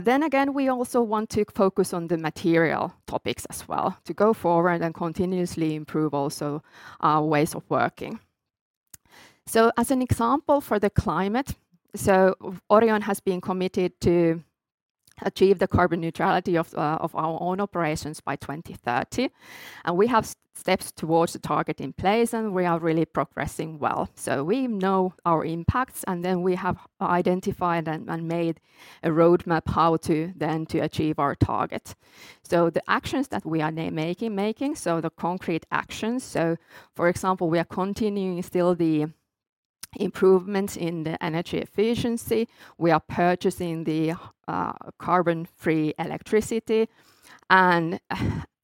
Then again, we also want to focus on the material topics as well to go forward and continuously improve also our ways of working. As an example, for the climate, Orion has been committed to achieve the carbon neutrality of our own operations by 2030, and we have steps towards the target in place, and we are really progressing well. We know our impacts, and then we have identified and made a roadmap how to achieve our target. The actions that we are making, the concrete actions, for example, we are continuing still the improvements in the energy efficiency. We are purchasing the carbon-free electricity, and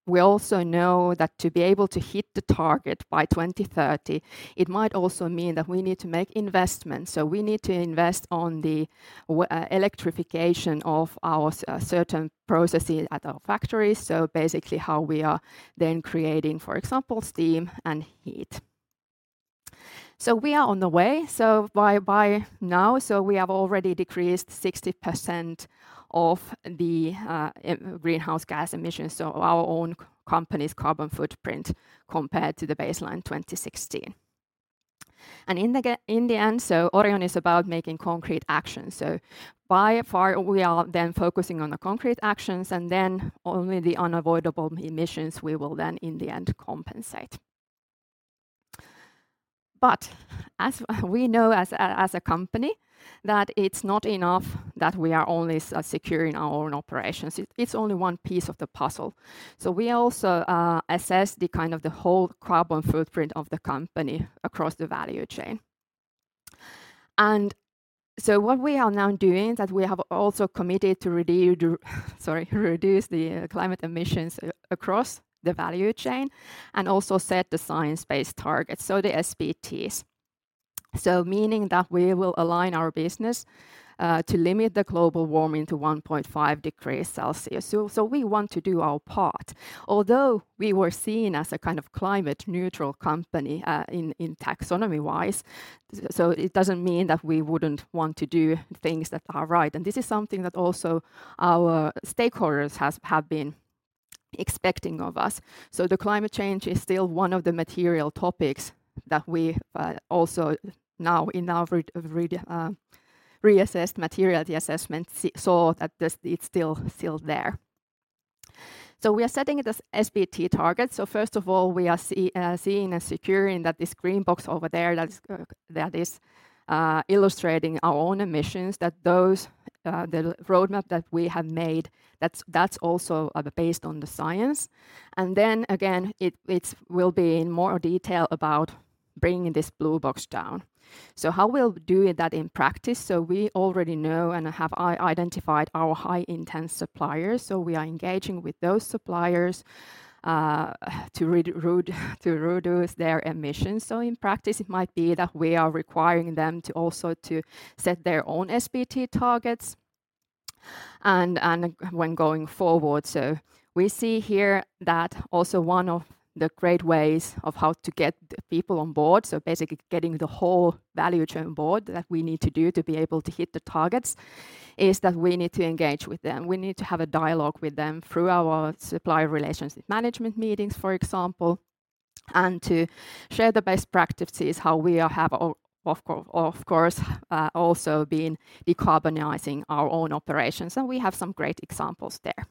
we also know that to be able to hit the target by 2030, it might also mean that we need to make investments. We need to invest on the electrification of our certain processes at our factory. Basically, how we are then creating, for example, steam and heat. We are on the way, so by now, so we have already decreased 60% of the greenhouse gas emissions, so our own company's carbon footprint compared to the baseline 2016. In the end, so Orion is about making concrete actions. By far, we are then focusing on the concrete actions, and then only the unavoidable emissions we will then, in the end, compensate. As we know as a company, that it's not enough that we are only securing our own operations. It's only one piece of the puzzle. We also assess the kind of the whole carbon footprint of the company across the value chain. What we are now doing, that we have also committed to. Sorry, reduce the climate emissions across the value chain and also set the science-based targets, so the SBTs. Meaning that we will align our business to limit the global warming to 1.5 degree Celsius. We want to do our part. Although we were seen as a kind of climate-neutral company in taxonomy-wise, it doesn't mean that we wouldn't want to do things that are right, and this is something that also our stakeholders have been expecting of us. The climate change is still one of the material topics that we also now in our reassessed materiality assessment saw that this, it's still there. We are setting the SBT target. First of all, we are seeing and securing that this green box over there, that's illustrating our own emissions, that those, the roadmap that we have made, that's also based on the science. Then again, it will be in more detail about bringing this blue box down. How we'll do that in practice? We already know and have identified our high-intense suppliers, so we are engaging with those suppliers to reduce their emissions. In practice, it might be that we are requiring them to also to set their own SBT targets, and when going forward. We see here that also one of the great ways of how to get the people on board, so basically getting the whole value chain on board, that we need to do to be able to hit the targets, is that we need to engage with them. We need to have a dialogue with them through our supplier relationship management meetings, for example, and to share the best practices, how we have of course, also been decarbonizing our own operations, and we have some great examples there.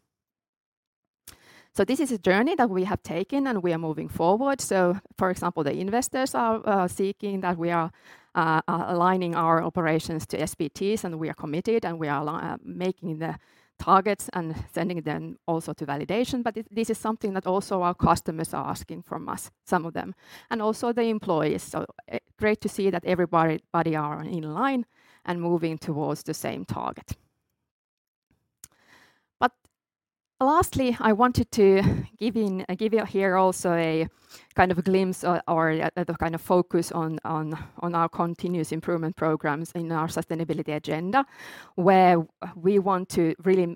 This is a journey that we have taken, and we are moving forward. For example, the investors are seeking that we are aligning our operations to SBTs, and we are committed, and we are making the targets and sending them also to validation. This is something that also our customers are asking from us, some of them, and also the employees. Great to see that everybody are in line and moving towards the same target. Lastly, I wanted to give you here also a kind of a glimpse or a kind of focus on our continuous improvement programs in our sustainability agenda, where we want to really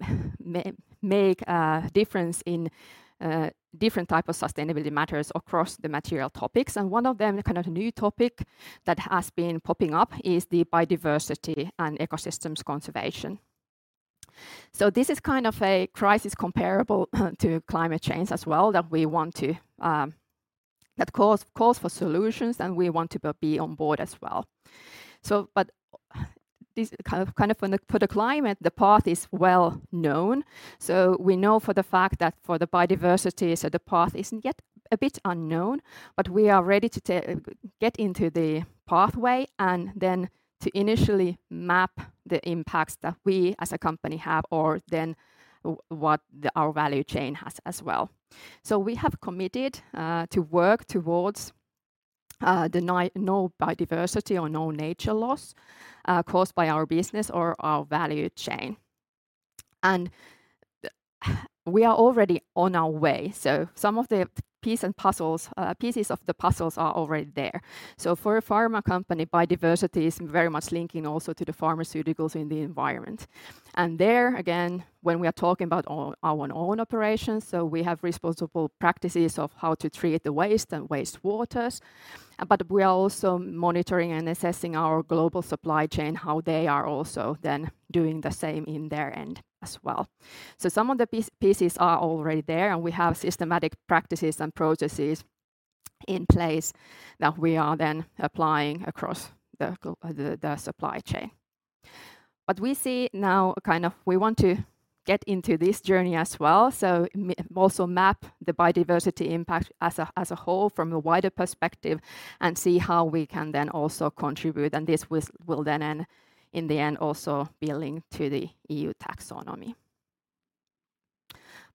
make a difference in different type of sustainability matters across the material topics. One of them, a kind of new topic that has been popping up, is the biodiversity and ecosystems conservation. This is kind of a crisis comparable to climate change as well, that we want to, that calls for solutions, we want to be on board as well. This kind of, for the climate, the path is well known. We know for the fact that for the biodiversity, so the path isn't yet a bit unknown, but we are ready to get into the pathway, and then to initially map the impacts that we, as a company, have or then what our value chain has as well. We have committed to work towards no biodiversity or no nature loss caused by our business or our value chain. We are already on our way, so some of the pieces of the puzzles are already there. For a pharma company, biodiversity is very much linking also to the pharmaceuticals in the environment. There, again, when we are talking about our own operations, so we have responsible practices of how to treat the waste and wastewaters, but we are also monitoring and assessing our global supply chain, how they are also then doing the same in their end as well. Some of the pieces are already there, and we have systematic practices and processes in place that we are then applying across the supply chain. We see now, kind of... We want to get into this journey as well, so also map the biodiversity impact as a, as a whole, from a wider perspective, and see how we can then also contribute, and this will then in the end, also be linked to the EU Taxonomy.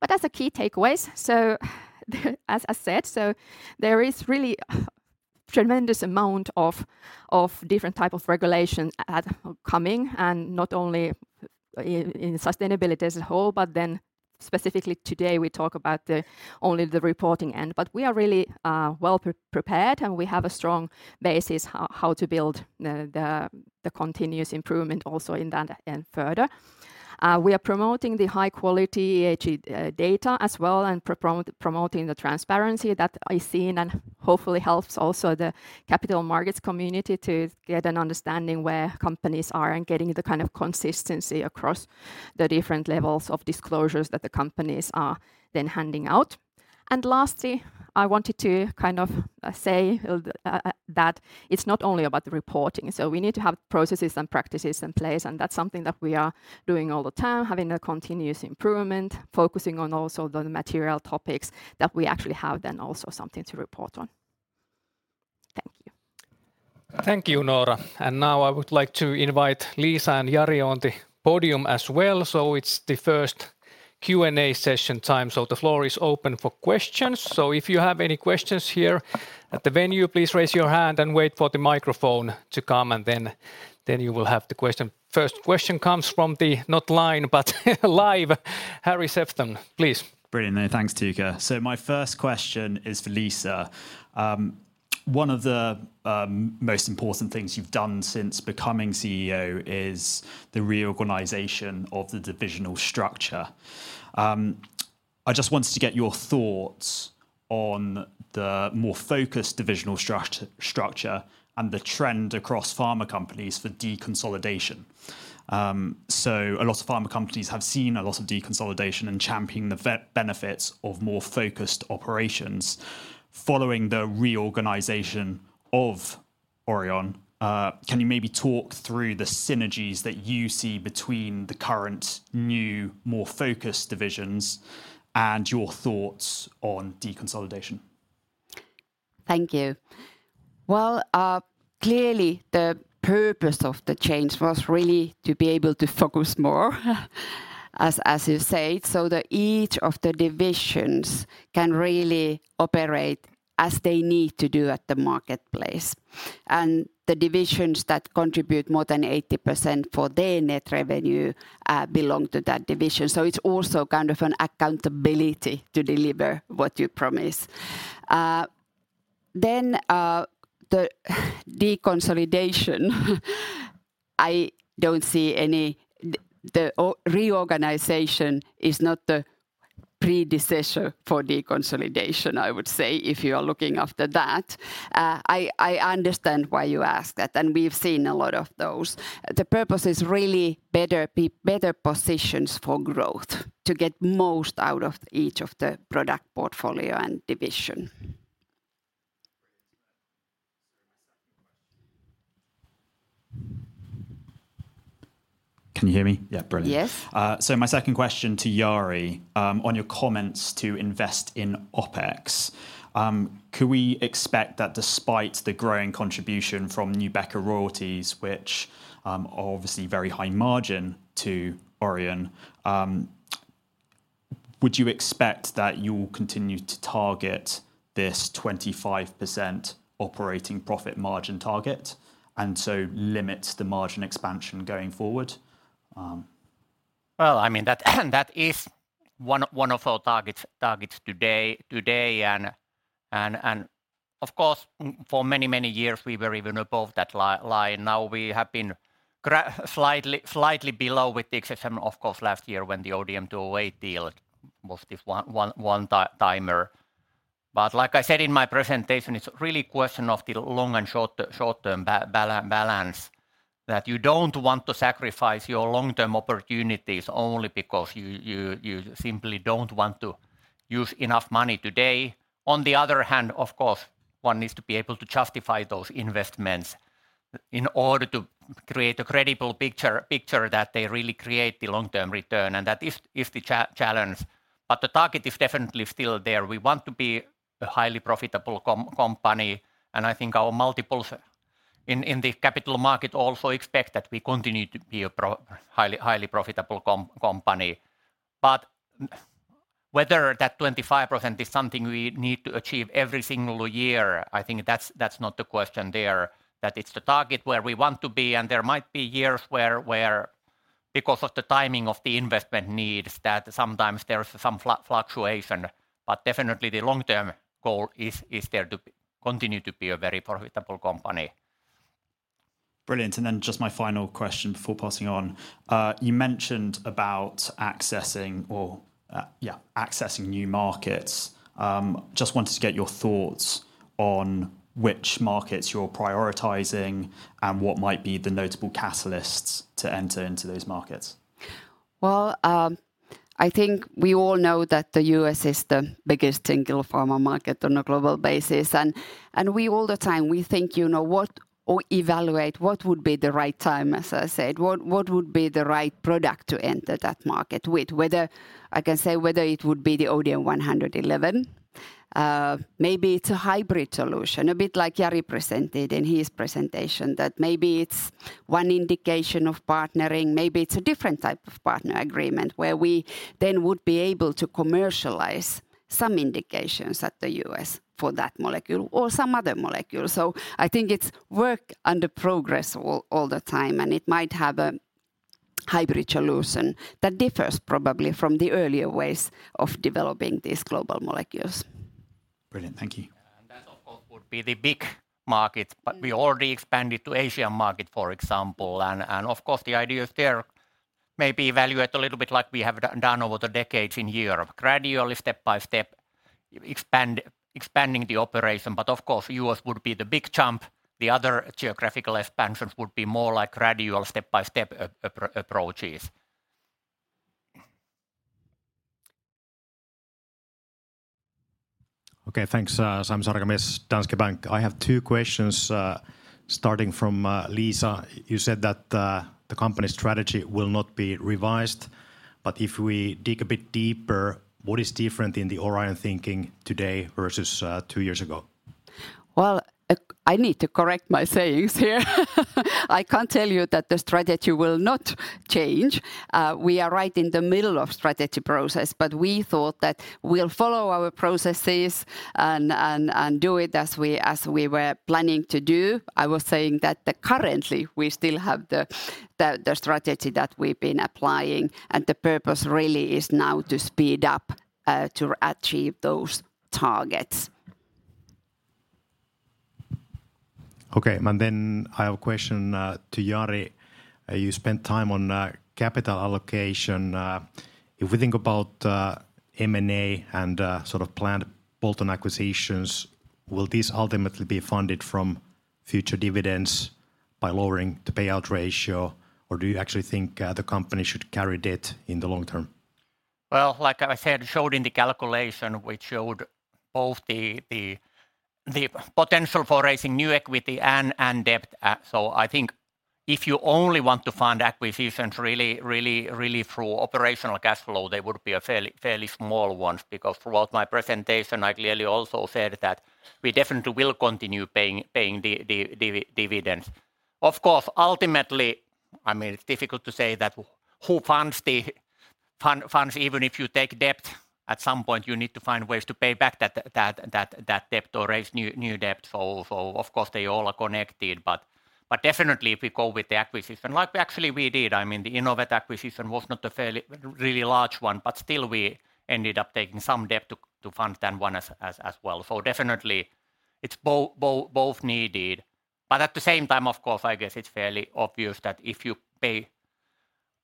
As the key takeaways, as I said, there is really a tremendous amount of different type of regulations coming, not only in sustainability as a whole, specifically today, we talk about only the reporting. We are really well prepared, and we have a strong basis how to build the continuous improvement also in that further. We are promoting the high-quality ESG data as well, promoting the transparency that I seen, hopefully helps also the capital markets community to get an understanding where companies are getting the kind of consistency across the different levels of disclosures that the companies are handing out. Lastly, I wanted to kind of say that it's not only about the reporting. We need to have processes and practices in place, and that's something that we are doing all the time, having a continuous improvement, focusing on also the material topics that we actually have, then also something to report on. Thank you. Thank you, Noora. Now I would like to invite Liisa and Jari on the podium as well. It's the first Q&A session time, the floor is open for questions. If you have any questions here at the venue, please raise your hand and wait for the microphone to come, then you will have the question. First question comes from the not line, but live, Graham Parry, please. Brilliant. Thanks, Tuukka. My first question is for Liisa. One of the most important things you've done since becoming CEO is the reorganization of the divisional structure. I just wanted to get your thoughts on the more focused divisional structure and the trend across pharma companies for deconsolidation. A lot of pharma companies have seen a lot of deconsolidation and championing the benefits of more focused operations. Following the reorganization of Orion, can you maybe talk through the synergies that you see between the current, new, more focused divisions, and your thoughts on deconsolidation? Thank you. Well, clearly, the purpose of the change was really to be able to focus more, as you said, so that each of the divisions can really operate as they need to do at the marketplace. The divisions that contribute more than 80% for their net revenue belong to that division, so it's also kind of an accountability to deliver what you promise. The deconsolidation, I don't see any. The reorganization is not the predecessor for deconsolidation, I would say, if you are looking after that. I understand why you ask that, and we've seen a lot of those. The purpose is really better positions for growth, to get most out of each of the product portfolio and division. Can you hear me? Yeah, brilliant. Yes. My second question to Jari, on your comments to invest in OpEx, could we expect that despite the growing contribution from Nubeqa royalties, which are obviously very high margin to Orion, would you expect that you'll continue to target this 25% operating profit margin target, and so limits the margin expansion going forward? Well, I mean, that is one of our targets today. Of course, for many years we were even above that line. Now, we have been slightly below with the exception, of course, last year when the ODM-208 deal was this one timer. Like I said in my presentation, it's really a question of the long and short-term balance, that you don't want to sacrifice your long-term opportunities only because you simply don't want to use enough money today. On the other hand, of course, one needs to be able to justify those investments in order to create a credible picture that they really create the long-term return, and that is the challenge. The target is definitely still there. We want to be a highly profitable company, I think our multiples in the capital market also expect that we continue to be a highly profitable company. Whether that 25% is something we need to achieve every single year, I think that's not the question there, that it's the target where we want to be, There might be years where because of the timing of the investment needs, that sometimes there's some fluctuation. Definitely the long-term goal is there to continue to be a very profitable company. Brilliant. Just my final question before passing on. You mentioned about accessing new markets. Just wanted to get your thoughts on which markets you're prioritizing, and what might be the notable catalysts to enter into those markets? Well, I think we all know that the U.S. is the biggest single pharma market on a global basis. We all the time, we think, you know, what or evaluate what would be the right time, as I said, what would be the right product to enter that market with? Whether I can say whether it would be the ODM-111, maybe it's a hybrid solution, a bit like Jari presented in his presentation, that maybe it's one indication of partnering, maybe it's a different type of partner agreement, where we then would be able to commercialize some indications at the U.S. for that molecule or some other molecule. I think it's work under progress all the time, and it might have a hybrid solution that differs probably from the earlier ways of developing these global molecules. Brilliant. Thank you. That, of course, would be the big markets, but we already expanded to Asian market, for example. Of course, the idea is there, maybe evaluate a little bit like we have done over the decades in Europe. Gradually, step by step, expanding the operation. Of course, U.S. would be the big jump. The other geographical expansions would be more like gradual, step-by-step approaches. Okay, thanks. Sami Sarkamies, Danske Bank. I have two questions, starting from Liisa. You said that the company's strategy will not be revised, but if we dig a bit deeper, what is different in the Orion thinking today versus two years ago? Well, I need to correct my sayings here. I can't tell you that the strategy will not change. We are right in the middle of strategy process. We thought that we'll follow our processes and do it as we were planning to do. I was saying that currently, we still have the strategy that we've been applying, and the purpose really is now to speed up to achieve those targets. Okay. Then I have a question to Jari. You spent time on capital allocation. If we think about M&A and sort of planned bolt-on acquisitions, will this ultimately be funded from future dividends by lowering the payout ratio, or do you actually think the company should carry debt in the long term? Well, like I said, showed in the calculation, which showed both the potential for raising new equity and debt. I think if you only want to fund acquisitions really through operational cash flow, they would be a fairly small one. Throughout my presentation, I clearly also said that we definitely will continue paying dividends. Of course, ultimately, I mean, it's difficult to say that who funds the funds, even if you take debt, at some point, you need to find ways to pay back that debt or raise new debt. Of course, they all are connected. Definitely if we go with the acquisition, like actually we did, I mean, the Inovet acquisition was not a fairly, really large one, but still we ended up taking some debt to fund that one as well. Definitely it's both needed. At the same time, of course, I guess it's fairly obvious that if you pay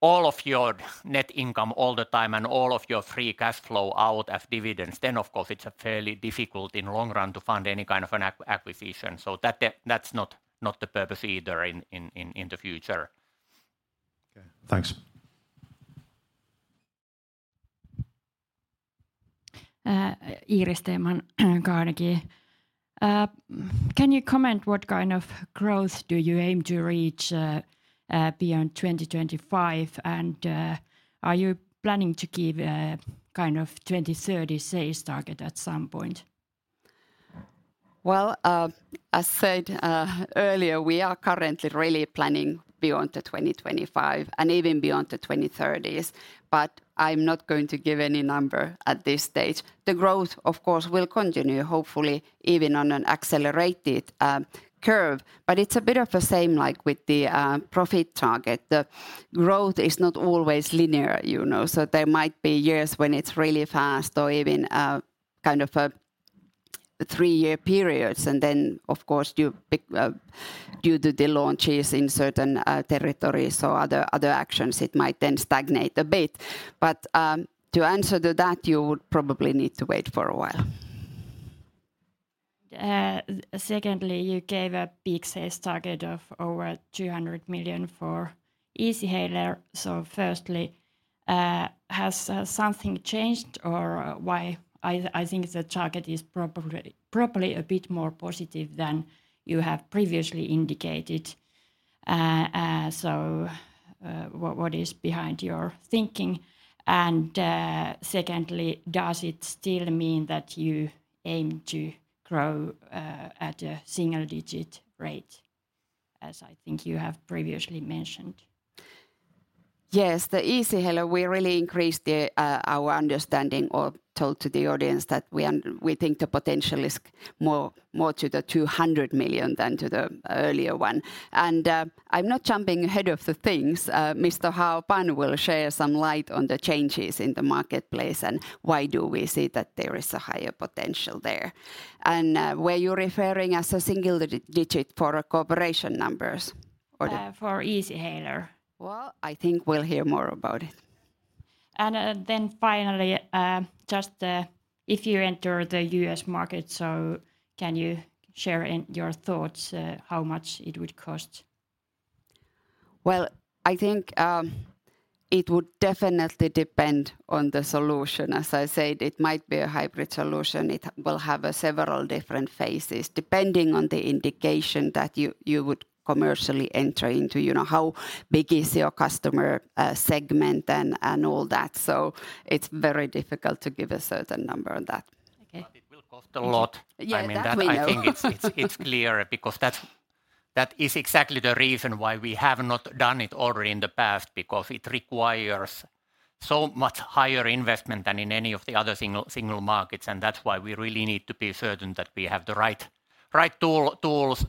all of your net income all the time and all of your free cash flow out as dividends, then of course, it's a fairly difficult in long run to fund any kind of an acquisition. That's not the purpose either in the future. Okay. Thanks. Iiris Theman, Carnegie. Can you comment what kind of growth do you aim to reach beyond 2025? Are you planning to give a kind of 2030 sales target at some point? Well, as said earlier, we are currently really planning beyond the 2025 and even beyond the 2030s. I'm not going to give any number at this stage. The growth, of course, will continue, hopefully even on an accelerated curve. It's a bit of the same like with the profit target. The growth is not always linear, you know. There might be years when it's really fast or even kind of a 3-year periods. Then, of course, you pick, due to the launches in certain territories or other actions, it might then stagnate a bit. To answer to that, you would probably need to wait for a while. Secondly, you gave a peak sales target of over 200 million for Easyhaler. Firstly, has something changed, or why I think the target is probably a bit more positive than you have previously indicated? What is behind your thinking? Secondly, does it still mean that you aim to grow at a single-digit rate, as I think you have previously mentioned? Yes, the Easyhaler, we really increased the our understanding or told to the audience that we think the potential is more, more to the 200 million than to the earlier one. I'm not jumping ahead of the things. Mr. Hao Pan will share some light on the changes in the marketplace, why do we see that there is a higher potential there. Were you referring as a single digit for cooperation numbers? for Easyhaler. Well, I think we'll hear more about it. Finally, just, if you enter the U.S. market, can you share in your thoughts, how much it would cost? Well, I think it would definitely depend on the solution. As I said, it might be a hybrid solution. It will have several different phases, depending on the indication that you would commercially enter into. You know, how big is your customer segment and all that. It's very difficult to give a certain number on that. Okay. It will cost a lot. Yeah, that we know. I mean, that I think it's clear because that is exactly the reason why we have not done it already in the past, because it requires so much higher investment than in any of the other single markets. That's why we really need to be certain that we have the right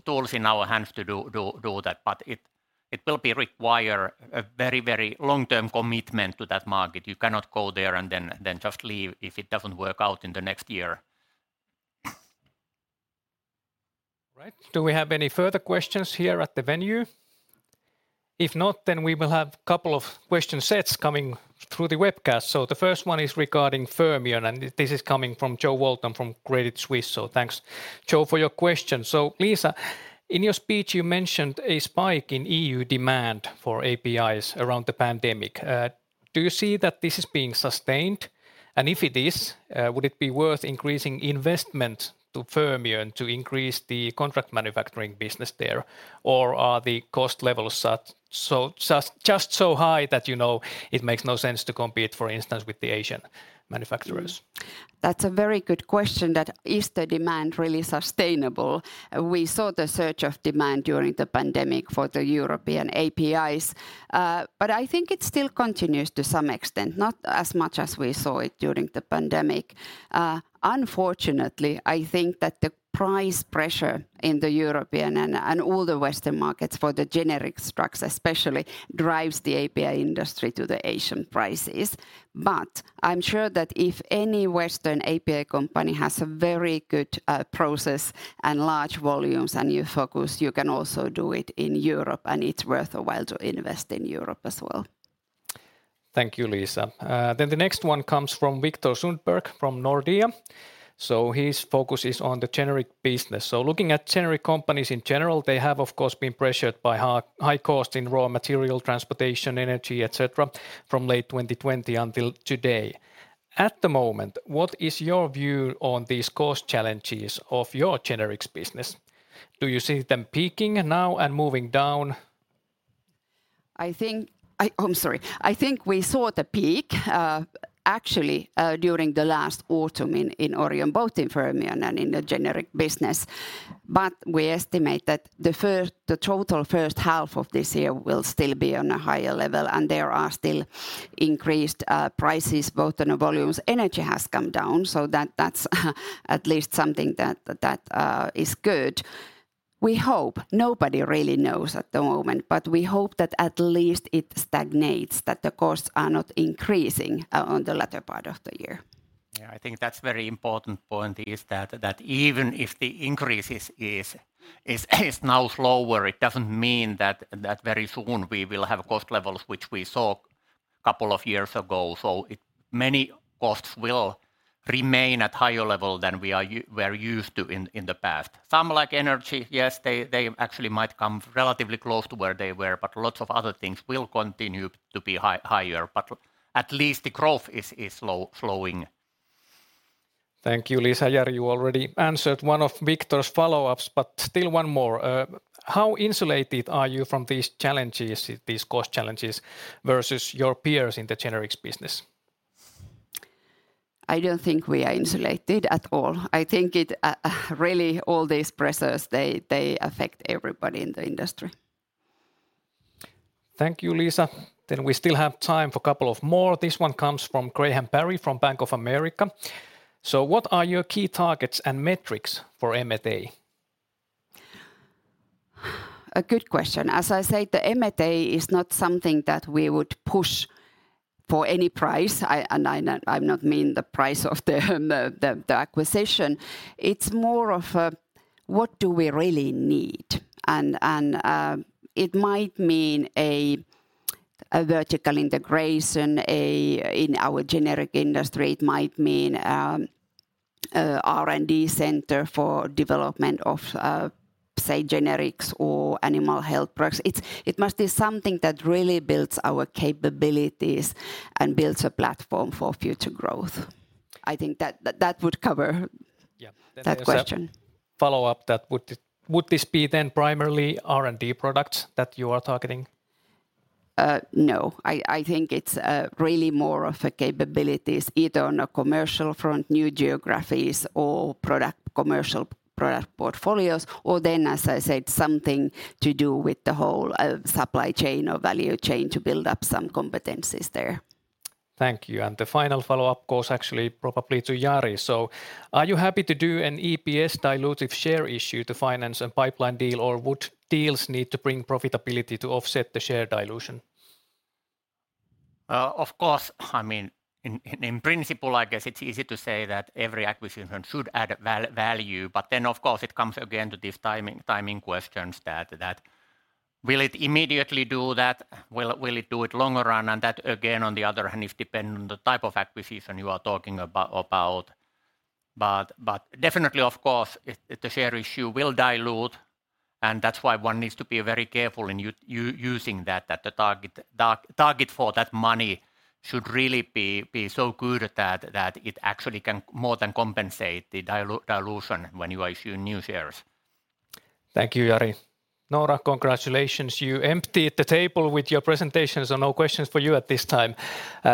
tools in our hands to do that. It will be require a very, very long-term commitment to that market. You cannot go there and then just leave if it doesn't work out in the next year. Right. Do we have any further questions here at the venue? If not, then we will have couple of question sets coming through the webcast. The first one is regarding Fermion, and this is coming from Jo Walton from Credit Suisse. Thanks, Joe, for your question. Liisa, in your speech, you mentioned a spike in EU demand for APIs around the pandemic. Do you see that this is being sustained? If it is, would it be worth increasing investment to Fermion to increase the contract manufacturing business there? Or are the cost levels such so, just so high that, you know, it makes no sense to compete, for instance, with the Asian manufacturers? That's a very good question, that is the demand really sustainable? We saw the surge of demand during the pandemic for the European APIs. I think it still continues to some extent, not as much as we saw it during the pandemic. Unfortunately, I think that the price pressure in the European and all the Western markets for the generic drugs especially, drives the API industry to the Asian prices. I'm sure that if any Western API company has a very good process and large volumes and you focus, you can also do it in Europe, and it's worth a while to invest in Europe as well. Thank you, Liisa. The next one comes from Viktor Sundberg, from Nordea. His focus is on the generic business. Looking at generic companies in general, they have, of course, been pressured by high cost in raw material, transportation, energy, et cetera, from late 2020 until today. At the moment, what is your view on these cost challenges of your generics business? Do you see them peaking now and moving down? I'm sorry. I think we saw the peak, actually, during the last autumn in Orion, both in Fermion and in the generic business. We estimate that the first, the total first half of this year will still be on a higher level, and there are still increased prices, both on the volumes. Energy has come down, so that's at least something that is good. We hope, nobody really knows at the moment, but we hope that at least it stagnates, that the costs are not increasing on the latter part of the year. I think that's very important point, that even if the increases is now slower, it doesn't mean that very soon we will have cost levels which we saw two years ago. It many costs will remain at higher level than we are we're used to in the past. Some, like energy, yes, they actually might come relatively close to where they were, but lots of other things will continue to be higher, but at least the growth is flowing down. Thank you, Liisa. Jari, you already answered one of Viktor's follow-ups, but still one more. How insulated are you from these challenges, these cost challenges, versus your peers in the generics business? I don't think we are insulated at all. I think it, really, all these pressures, they affect everybody in the industry. Thank you, Liisa. We still have time for a couple of more. This one comes from Graham Parry from Bank of America. What are your key targets and metrics for M&A? A good question. As I said, the M&A is not something that we would push for any price. I, and I not mean the price of the acquisition. It's more of a what do we really need? It might mean a vertical integration in our generic industry, it might mean a R&D center for development of say, generics or animal health products. It must be something that really builds our capabilities and builds a platform for future growth. I think that would cover- Yeah. that question. Follow-up, that would this be then primarily R&D products that you are targeting? I think it's really more of a capabilities, either on a commercial front, new geographies, or product, commercial product portfolios, or then, as I said, something to do with the whole supply chain or value chain to build up some competencies there. Thank you. The final follow-up goes actually probably to Jari. Are you happy to do an EPS dilutive share issue to finance a pipeline deal, or would deals need to bring profitability to offset the share dilution? Of course, I mean, in principle, I guess it's easy to say that every acquisition should add value, but then, of course, it comes again to these timing questions that will it immediately do that? Will it do it longer run? That, again, on the other hand, is dependent on the type of acquisition you are talking about. Definitely, of course, the share issue will dilute, and that's why one needs to be very careful in using that the target for that money should really be so good at that it actually can more than compensate the dilution when you are issuing new shares. Thank you, Jari. Noora, congratulations. You emptied the table with your presentations. No questions for you at this time.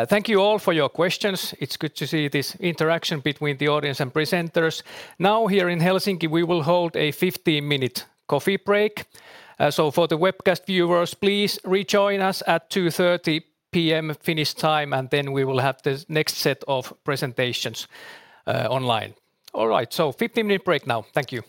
Thank you all for your questions. It's good to see this interaction between the audience and presenters. Now, here in Helsinki, we will hold a 15-minute coffee break. For the webcast viewers, please rejoin us at 2:30 P.M. Finnish time. We will have the next set of presentations online. All right, 15-minute break now. Thank you.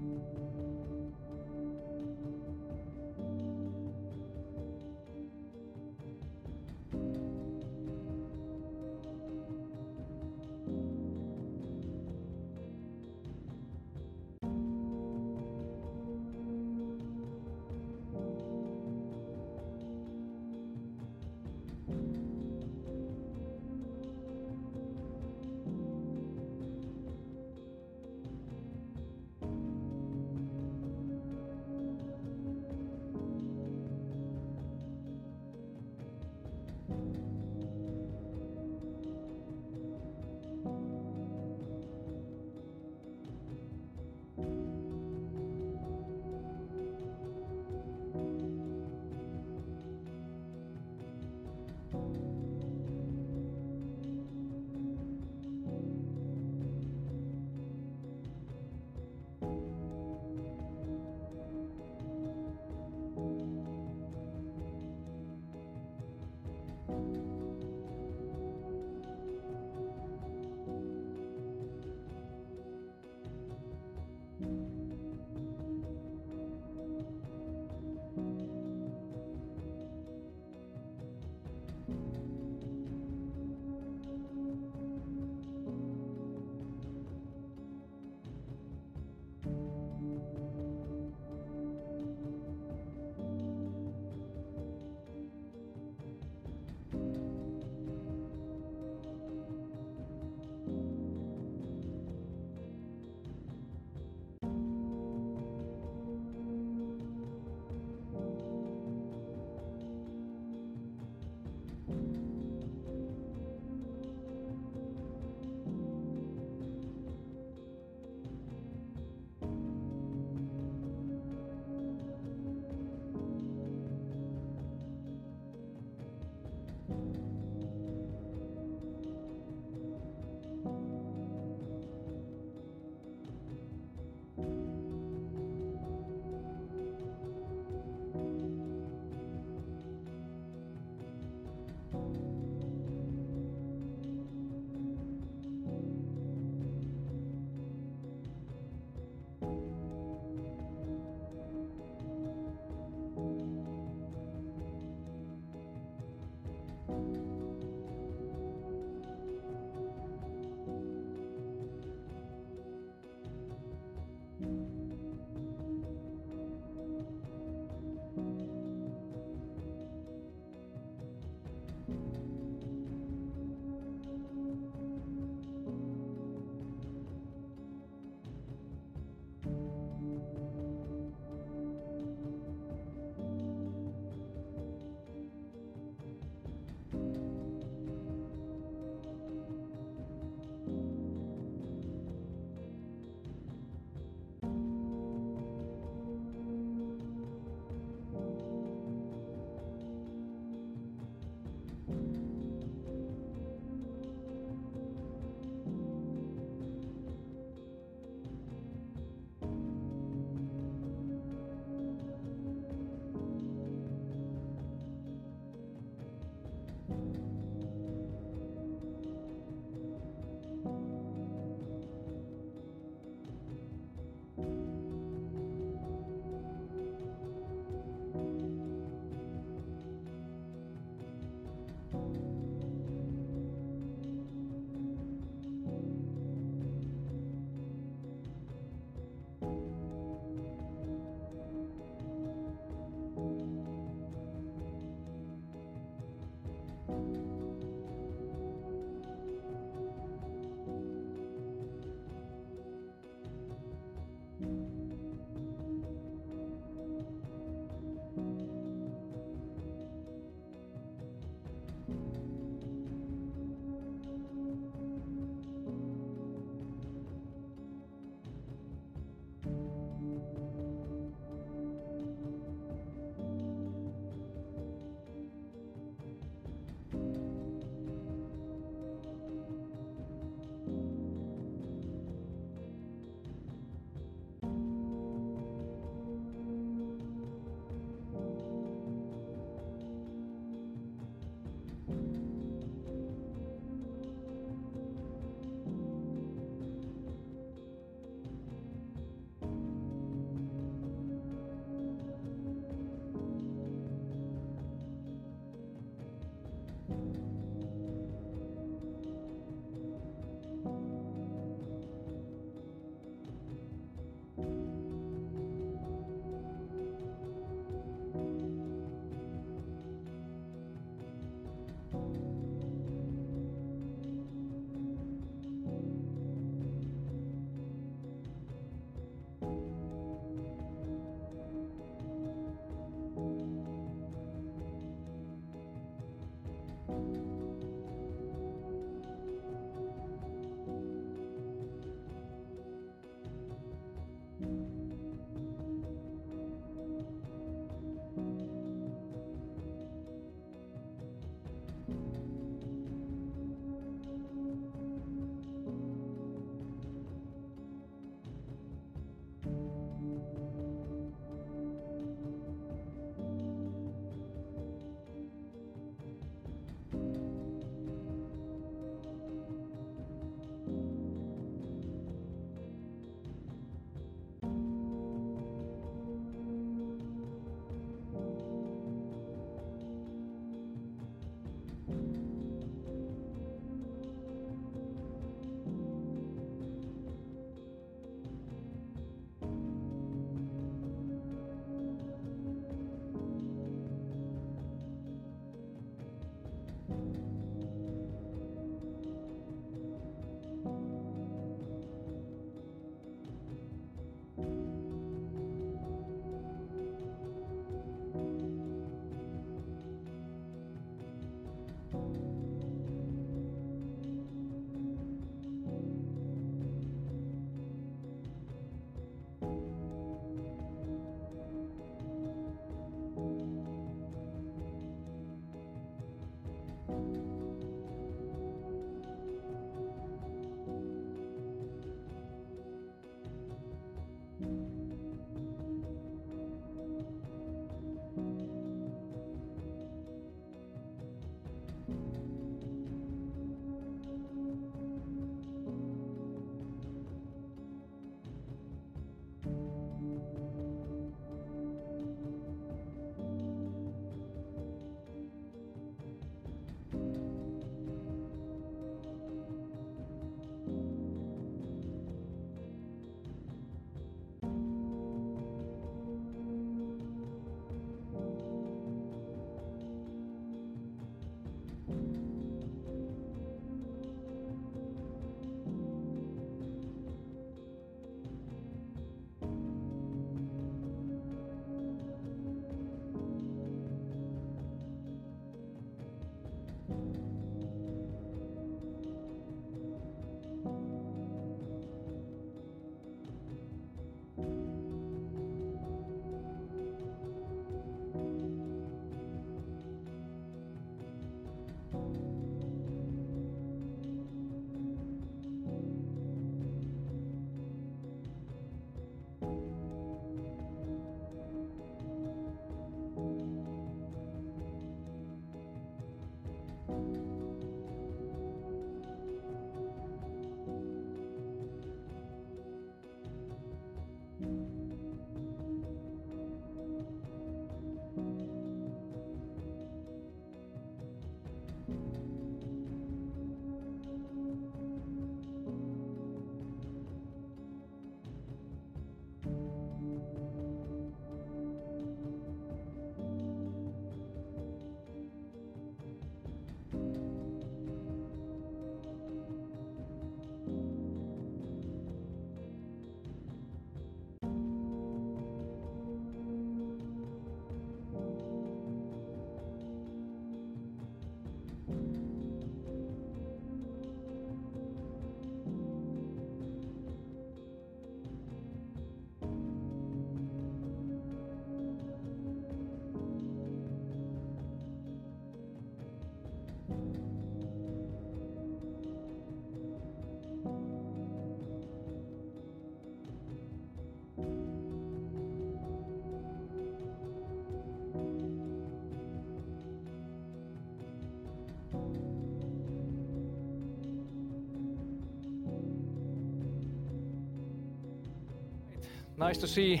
Nice to see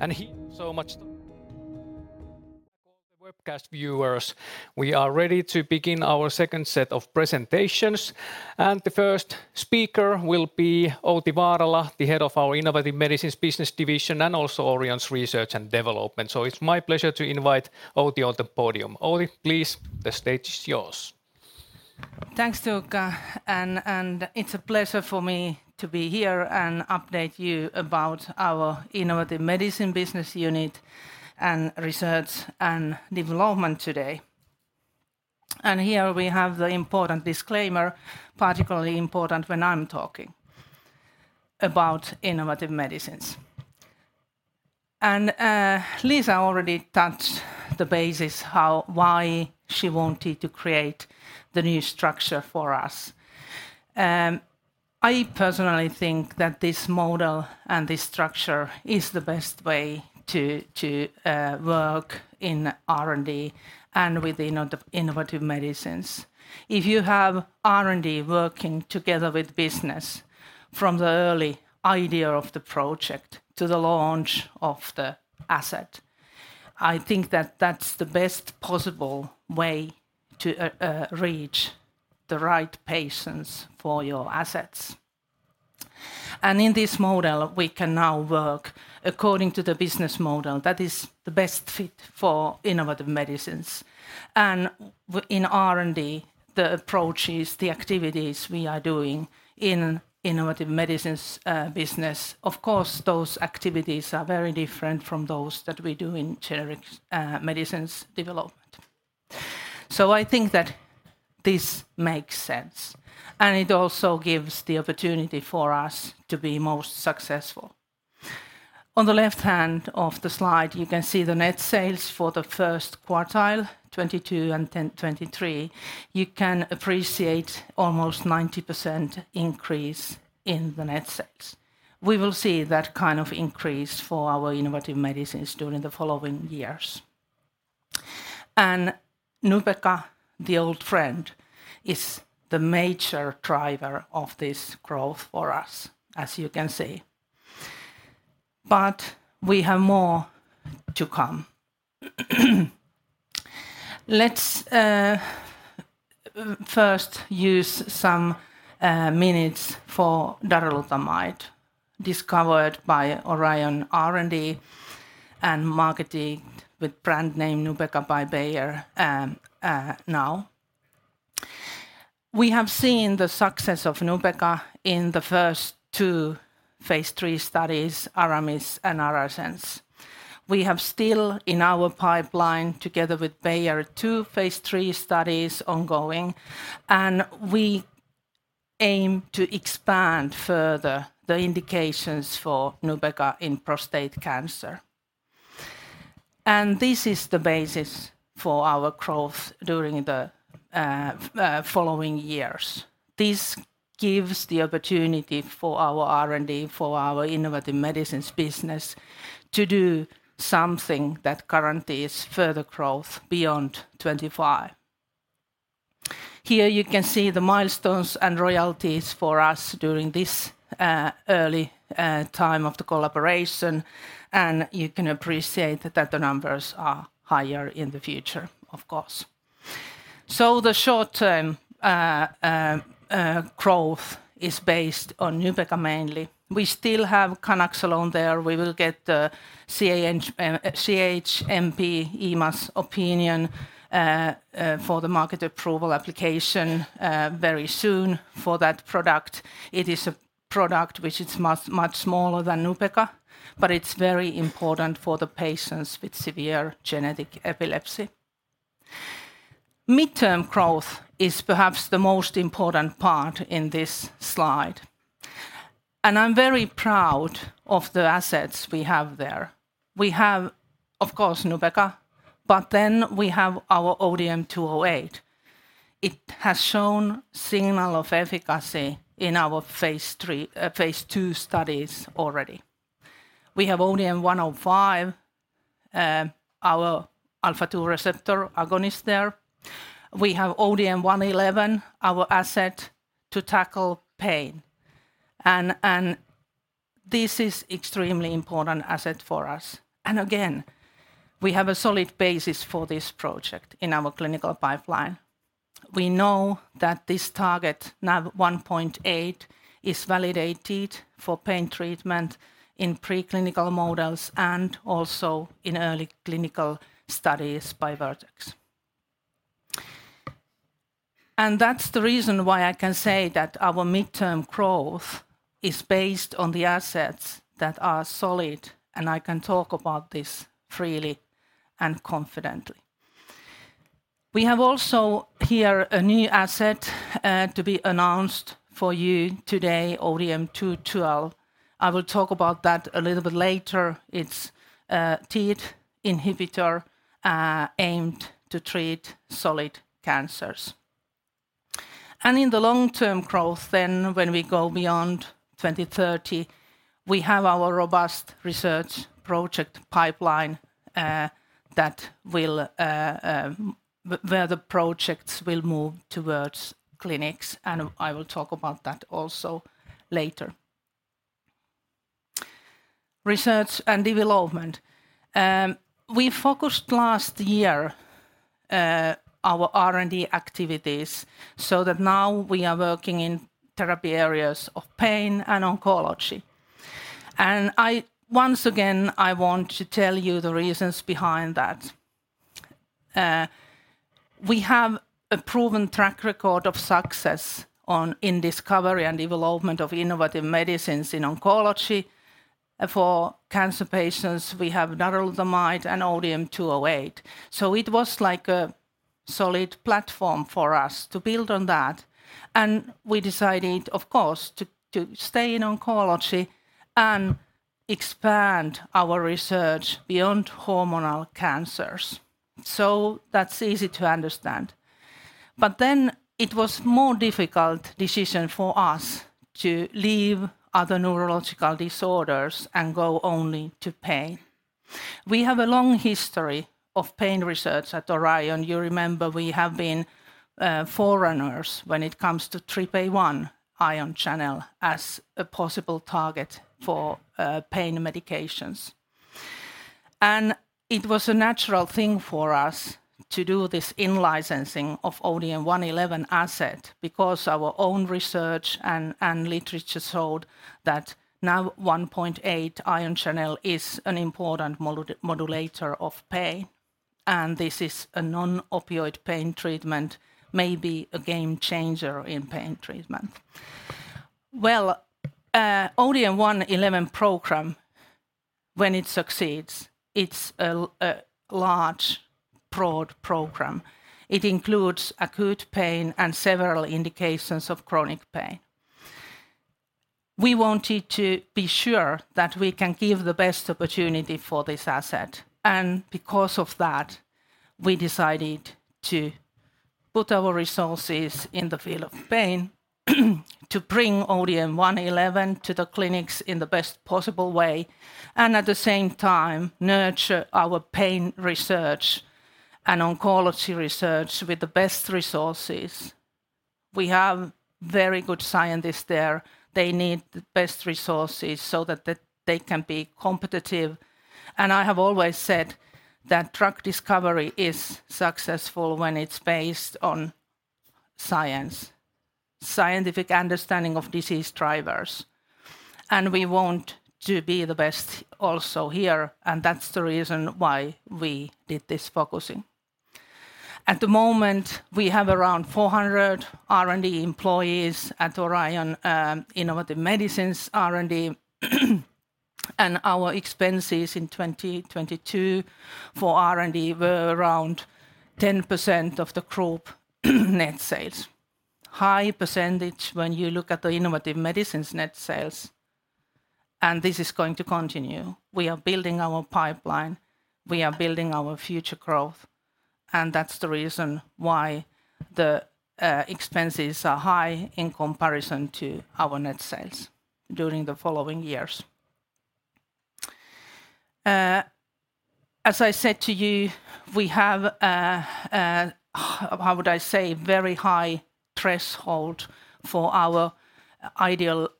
and hear so much. Welcome all the webcast viewers. We are ready to begin our second set of presentations. The first speaker will be Outi Vaarala, the head of our Innovative Medicines Business Division, and also Orion's Research and Development. It's my pleasure to invite Outi on the podium. Outi, please, the stage is yours. Thanks, Tuukka, and it's a pleasure for me to be here and update you about our Innovative Medicine Business Unit and Research and Development today. Here we have the important disclaimer, particularly important when I'm talking about innovative medicines. Liisa already touched the bases why she wanted to create the new structure for us. I personally think that this model and this structure is the best way to work in R&D and with the innovative medicines. If you have R&D working together with business from the early idea of the project to the launch of the asset, I think that that's the best possible way to reach the right patients for your assets. In this model, we can now work according to the business model that is the best fit for innovative medicines. In R&D, the approaches, the activities we are doing in innovative medicines business, of course, those activities are very different from those that we do in generic medicines development. I think that this makes sense, and it also gives the opportunity for us to be most successful. On the left hand of the slide, you can see the net sales for the first quartile, 2022 and then 2023. You can appreciate almost 90% increase in the net sales. We will see that kind of increase for our innovative medicines during the following years. Nubeqa, the old friend, is the major driver of this growth for us, as you can see. We have more to come. Let's first use some minutes for darolutamide, discovered by Orion R&D and marketed with brand name Nubeqa by Bayer now. We have seen the success of Nubeqa in the first two phase III studies, ARAMIS and ARASENS. We have still, in our pipeline, together with Bayer, two phase III studies ongoing. We aim to expand further the indications for Nubeqa in prostate cancer. This is the basis for our growth during the following years. This gives the opportunity for our R&D, for our innovative medicines business, to do something that guarantees further growth beyond 25. Here you can see the milestones and royalties for us during this early time of the collaboration. You can appreciate that the numbers are higher in the future, of course. The short-term growth is based on Nubeqa mainly. We still have canagliflozin there. We will get the CHMP EMA's opinion for the market approval application very soon for that product. It is a product which is much, much smaller than Nubeqa, but it's very important for the patients with severe genetic epilepsy. Mid-term growth is perhaps the most important part in this slide. I'm very proud of the assets we have there. We have, of course, Nubeqa, but then we have our ODM-208. It has shown signal of efficacy in our phase II studies already. We have ODM-105, our alpha-2 receptor agonist there. We have ODM-111, our asset to tackle pain, and this is extremely important asset for us. Again, we have a solid basis for this project in our clinical pipeline. We know that this target, NaV1.8, is validated for pain treatment in preclinical models and also in early clinical studies by Vertex. That's the reason why I can say that our mid-term growth is based on the assets that are solid, and I can talk about this freely and confidently. We have also here a new asset to be announced for you today, ODM-212. I will talk about that a little bit later. It's a TEAD inhibitor aimed to treat solid cancers. In the long-term growth, when we go beyond 2030, we have our robust research project pipeline where the projects will move towards clinics, and I will talk about that also later. Research and development. We focused last year our R&D activities, so that now we are working in therapy areas of pain and oncology. Once again, I want to tell you the reasons behind that. We have a proven track record of success on in discovery and development of innovative medicines in oncology. For cancer patients, we have darolutamide and ODM-208. It was like a solid platform for us to build on that, and we decided, of course, to stay in oncology and expand our research beyond hormonal cancers. That's easy to understand. It was more difficult decision for us to leave other neurological disorders and go only to pain. We have a long history of pain research at Orion. You remember we have been forerunners when it comes to TRPA1 ion channel as a possible target for pain medications. It was a natural thing for us to do this in-licensing of ODM-111 asset, because our own research and literature showed that NaV1.8 ion channel is an important modulator of pain, and this is a non-opioid pain treatment, maybe a game changer in pain treatment. Well, ODM-111 program, when it succeeds, it's a large, broad program. It includes acute pain and several indications of chronic pain. We wanted to be sure that we can give the best opportunity for this asset, and because of that, we decided to put our resources in the field of pain, to bring ODM-111 to the clinics in the best possible way, and at the same time, nurture our pain research and oncology research with the best resources. We have very good scientists there. They need the best resources so that they can be competitive. I have always said that drug discovery is successful when it's based on science, scientific understanding of disease drivers, and we want to be the best also here, and that's the reason why we did this focusing. At the moment, we have around 400 R&D employees at Orion, Innovative Medicines R&D. Our expenses in 2022 for R&D were around 10% of the group net sales. High percentage when you look at the Innovative Medicines net sales, this is going to continue. We are building our pipeline, we are building our future growth, that's the reason why the expenses are high in comparison to our net sales during the following years. As I said to you, we have a, how would I say? Very high threshold for our ideal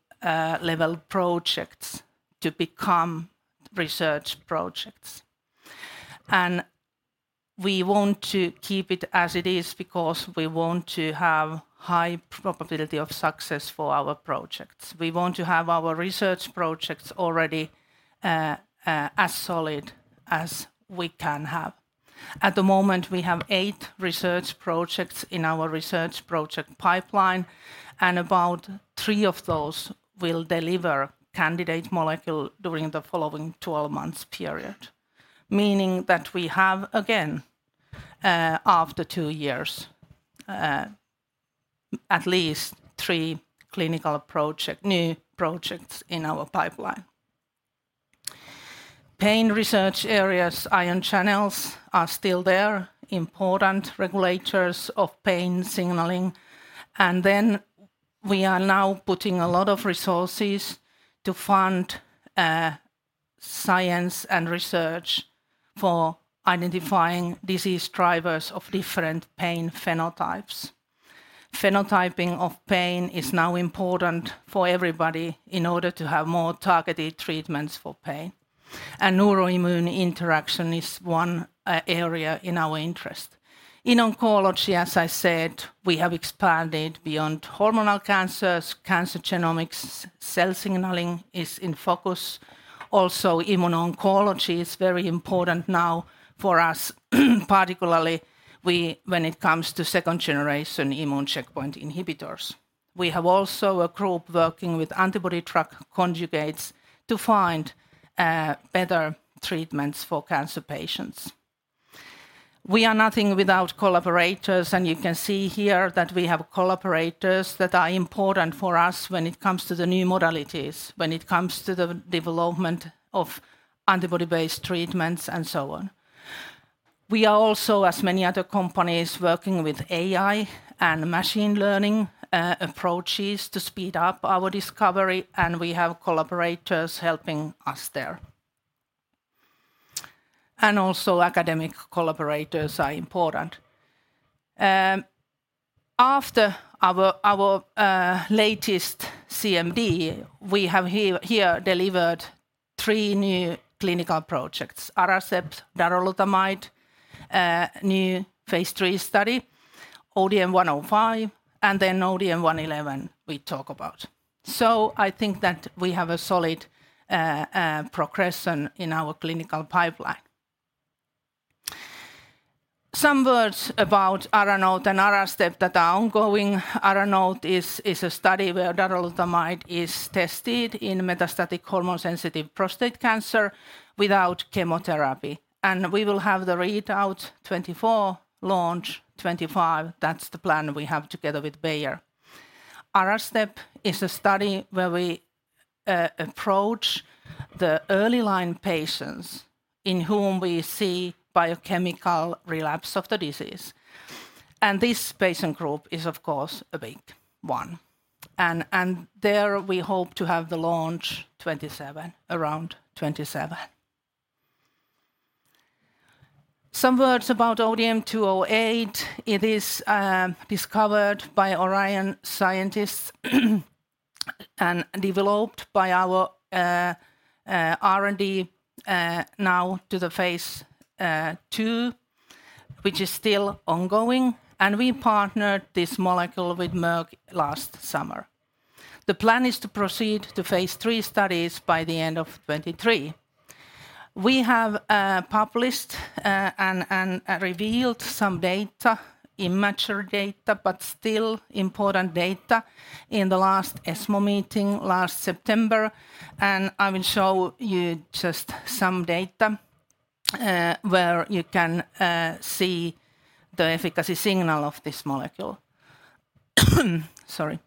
level projects to become research projects. We want to keep it as it is because we want to have high probability of success for our projects. We want to have our research projects already as solid as we can have. At the moment, we have eight research projects in our research project pipeline. About three of those will deliver candidate molecule during the following 12 months period, meaning that we have, again, after two years, at least three clinical new projects in our pipeline. Pain research areas, ion channels are still there, important regulators of pain signaling. Then we are now putting a lot of resources to fund science and research for identifying disease drivers of different pain phenotypes. Phenotyping of pain is now important for everybody in order to have more targeted treatments for pain. Neuroimmune interaction is one area in our interest. In oncology, as I said, we have expanded beyond hormonal cancers, cancer genomics. Cell signaling is in focus. Immuno-oncology is very important now for us, particularly when it comes to second-generation immune checkpoint inhibitors. We have also a group working with antibody-drug conjugates to find better treatments for cancer patients. We are nothing without collaborators, you can see here that we have collaborators that are important for us when it comes to the new modalities, when it comes to the development of antibody-based treatments, and so on. We are also, as many other companies, working with AI and machine learning approaches to speed up our discovery, we have collaborators helping us there. Also, academic collaborators are important. After our latest CMD, we have here delivered three new clinical projects: ARASTEP, darolutamide, new phase III study, ODM-105, ODM-111, we talk about. I think that we have a solid progression in our clinical pipeline. Some words about ARANOTE and ARASTEP that are ongoing. ARANOTE is a study where darolutamide is tested in metastatic hormone-sensitive prostate cancer without chemotherapy, we will have the readout 2024, launch 2025. That's the plan we have together with Bayer. ARASTEP is a study where we approach the early line patients in whom we see biochemical relapse of the disease. This patient group is, of course, a big one. There we hope to have the launch 2027, around 2027. Some words about ODM-208. It is discovered by Orion scientists and developed by our R&D now to the phase two, which is still ongoing. We partnered this molecule with Merck last summer. The plan is to proceed to phase three studies by the end of 2023. We have published and revealed some data, immature data, but still important data in the last ESMO meeting last September. I will show you just some data where you can see the efficacy signal of this molecule. Sorry.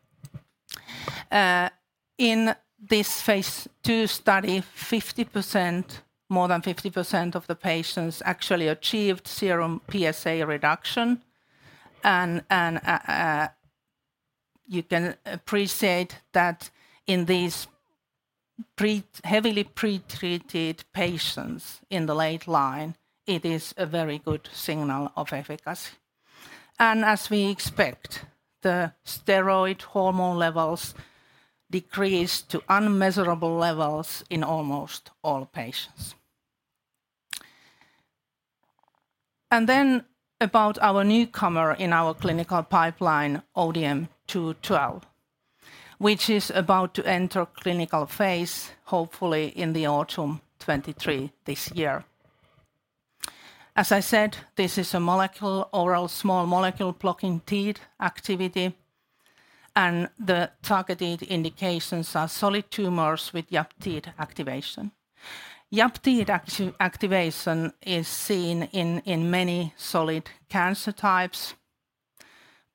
In this phase two study, 50%, more than 50% of the patients actually achieved serum PSA reduction. You can appreciate that in these heavily pre-treated patients in the late line, it is a very good signal of efficacy. As we expect, the steroid hormone levels decrease to unmeasurable levels in almost all patients. About our newcomer in our clinical pipeline, ODM-212, which is about to enter clinical phase, hopefully in the autumn 2023, this year. As I said, this is a molecule, oral small molecule blocking TEAD activity, and the targeted indications are solid tumors with YAP/TEAD activation. YAP/TEAD activation is seen in many solid cancer types.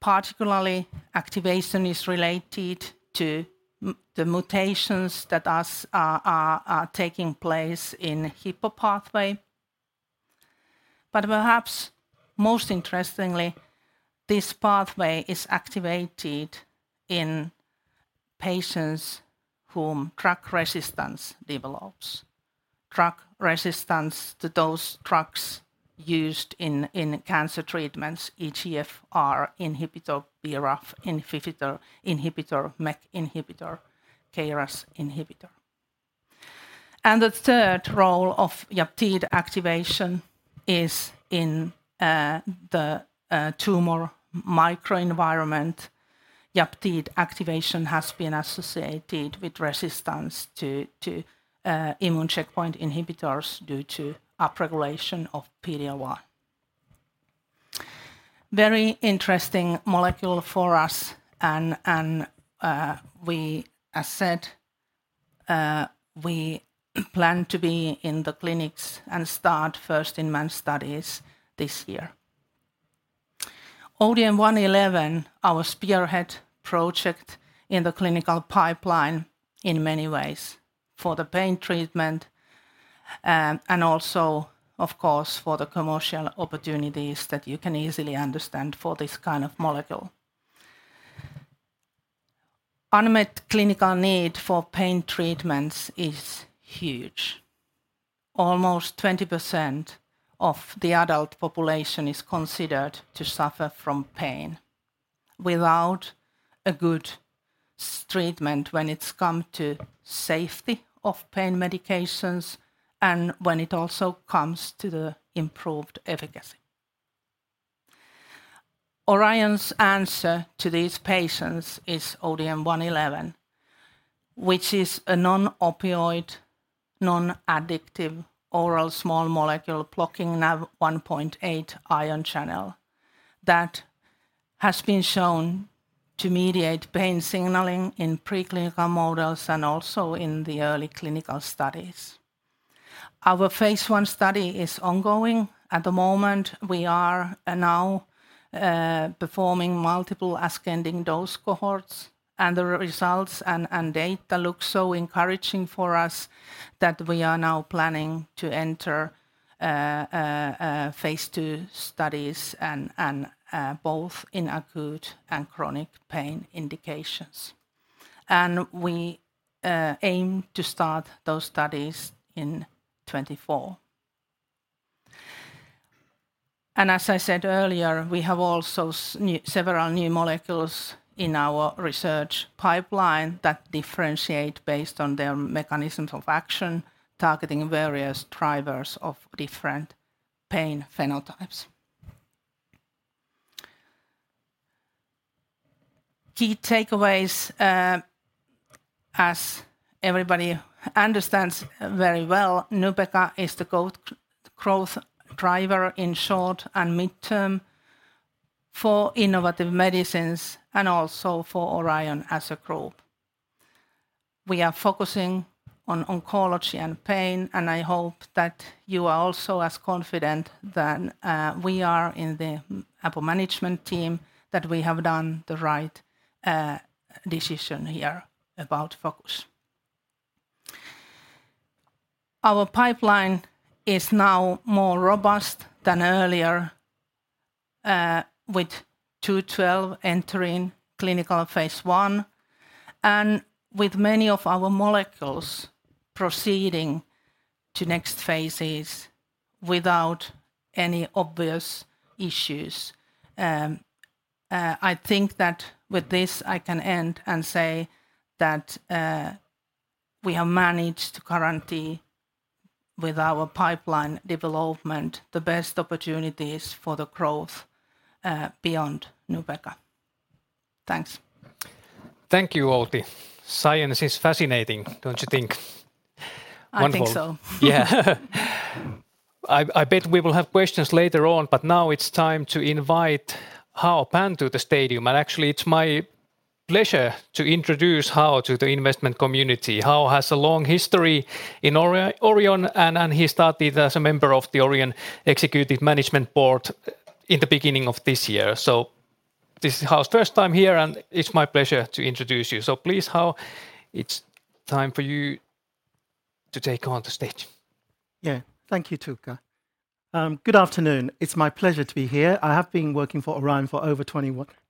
Particularly, activation is related to the mutations that are taking place in Hippo pathway. Perhaps most interestingly, this pathway is activated in patients whom drug resistance develops. Drug resistance to those drugs used in cancer treatments, EGFR inhibitor, BRAF inhibitor, MEK inhibitor, KRAS inhibitor. The third role of YAP/TEAD activation is in the tumor microenvironment. YAP/TAZ activation has been associated with resistance to immune checkpoint inhibitors due to upregulation of PD-L1. Very interesting molecule for us, and we, as said, we plan to be in the clinics and start first in-man studies this year. ODM-111, our spearhead project in the clinical pipeline in many ways, for the pain treatment, and also, of course, for the commercial opportunities that you can easily understand for this kind of molecule. Unmet clinical need for pain treatments is huge. Almost 20% of the adult population is considered to suffer from pain, without a good treatment when it's come to safety of pain medications and when it also comes to the improved efficacy. Orion's answer to these patients is ODM-111, which is a non-opioid, non-addictive, oral small molecule blocking NaV1.8 ion channel, that has been shown to mediate pain signaling in preclinical models and also in the early clinical studies. Our Phase I study is ongoing. At the moment, we are now performing multiple ascending dose cohorts, and the results and data look so encouraging for us that we are now planning to enter Phase II studies and both in acute and chronic pain indications. We aim to start those studies in 2024. As I said earlier, we have also several new molecules in our research pipeline that differentiate based on their mechanisms of action, targeting various drivers of different pain phenotypes. Key takeaways, as everybody understands very well, Nubeqa is the growth driver in short and mid-term for innovative medicines and also for Orion as a group. We are focusing on oncology and pain, and I hope that you are also as confident than we are in the Orion management team, that we have done the right decision here about focus. Our pipeline is now more robust than earlier, with 212 entering clinical Phase I, and with many of our molecules proceeding to next phases without any obvious issues. I think that with this I can end and say that we have managed to guarantee with our pipeline development, the best opportunities for the growth beyond Nubeqa. Thanks. Thank you, Outi. Science is fascinating, don't you think? I think so. Yeah. I bet we will have questions later on, but now it's time to invite Hao Pan to the stadium. Actually, it's my pleasure to introduce Hao to the investment community. Hao has a long history in Orion, and he started as a member of the Orion Executive Management Board in the beginning of this year. This is Hao's first time here, and it's my pleasure to introduce you. Please, Hao, it's time for you to take on the stage. Thank you, Tuukka. Good afternoon, it's my pleasure to be here. I have been working for Orion for over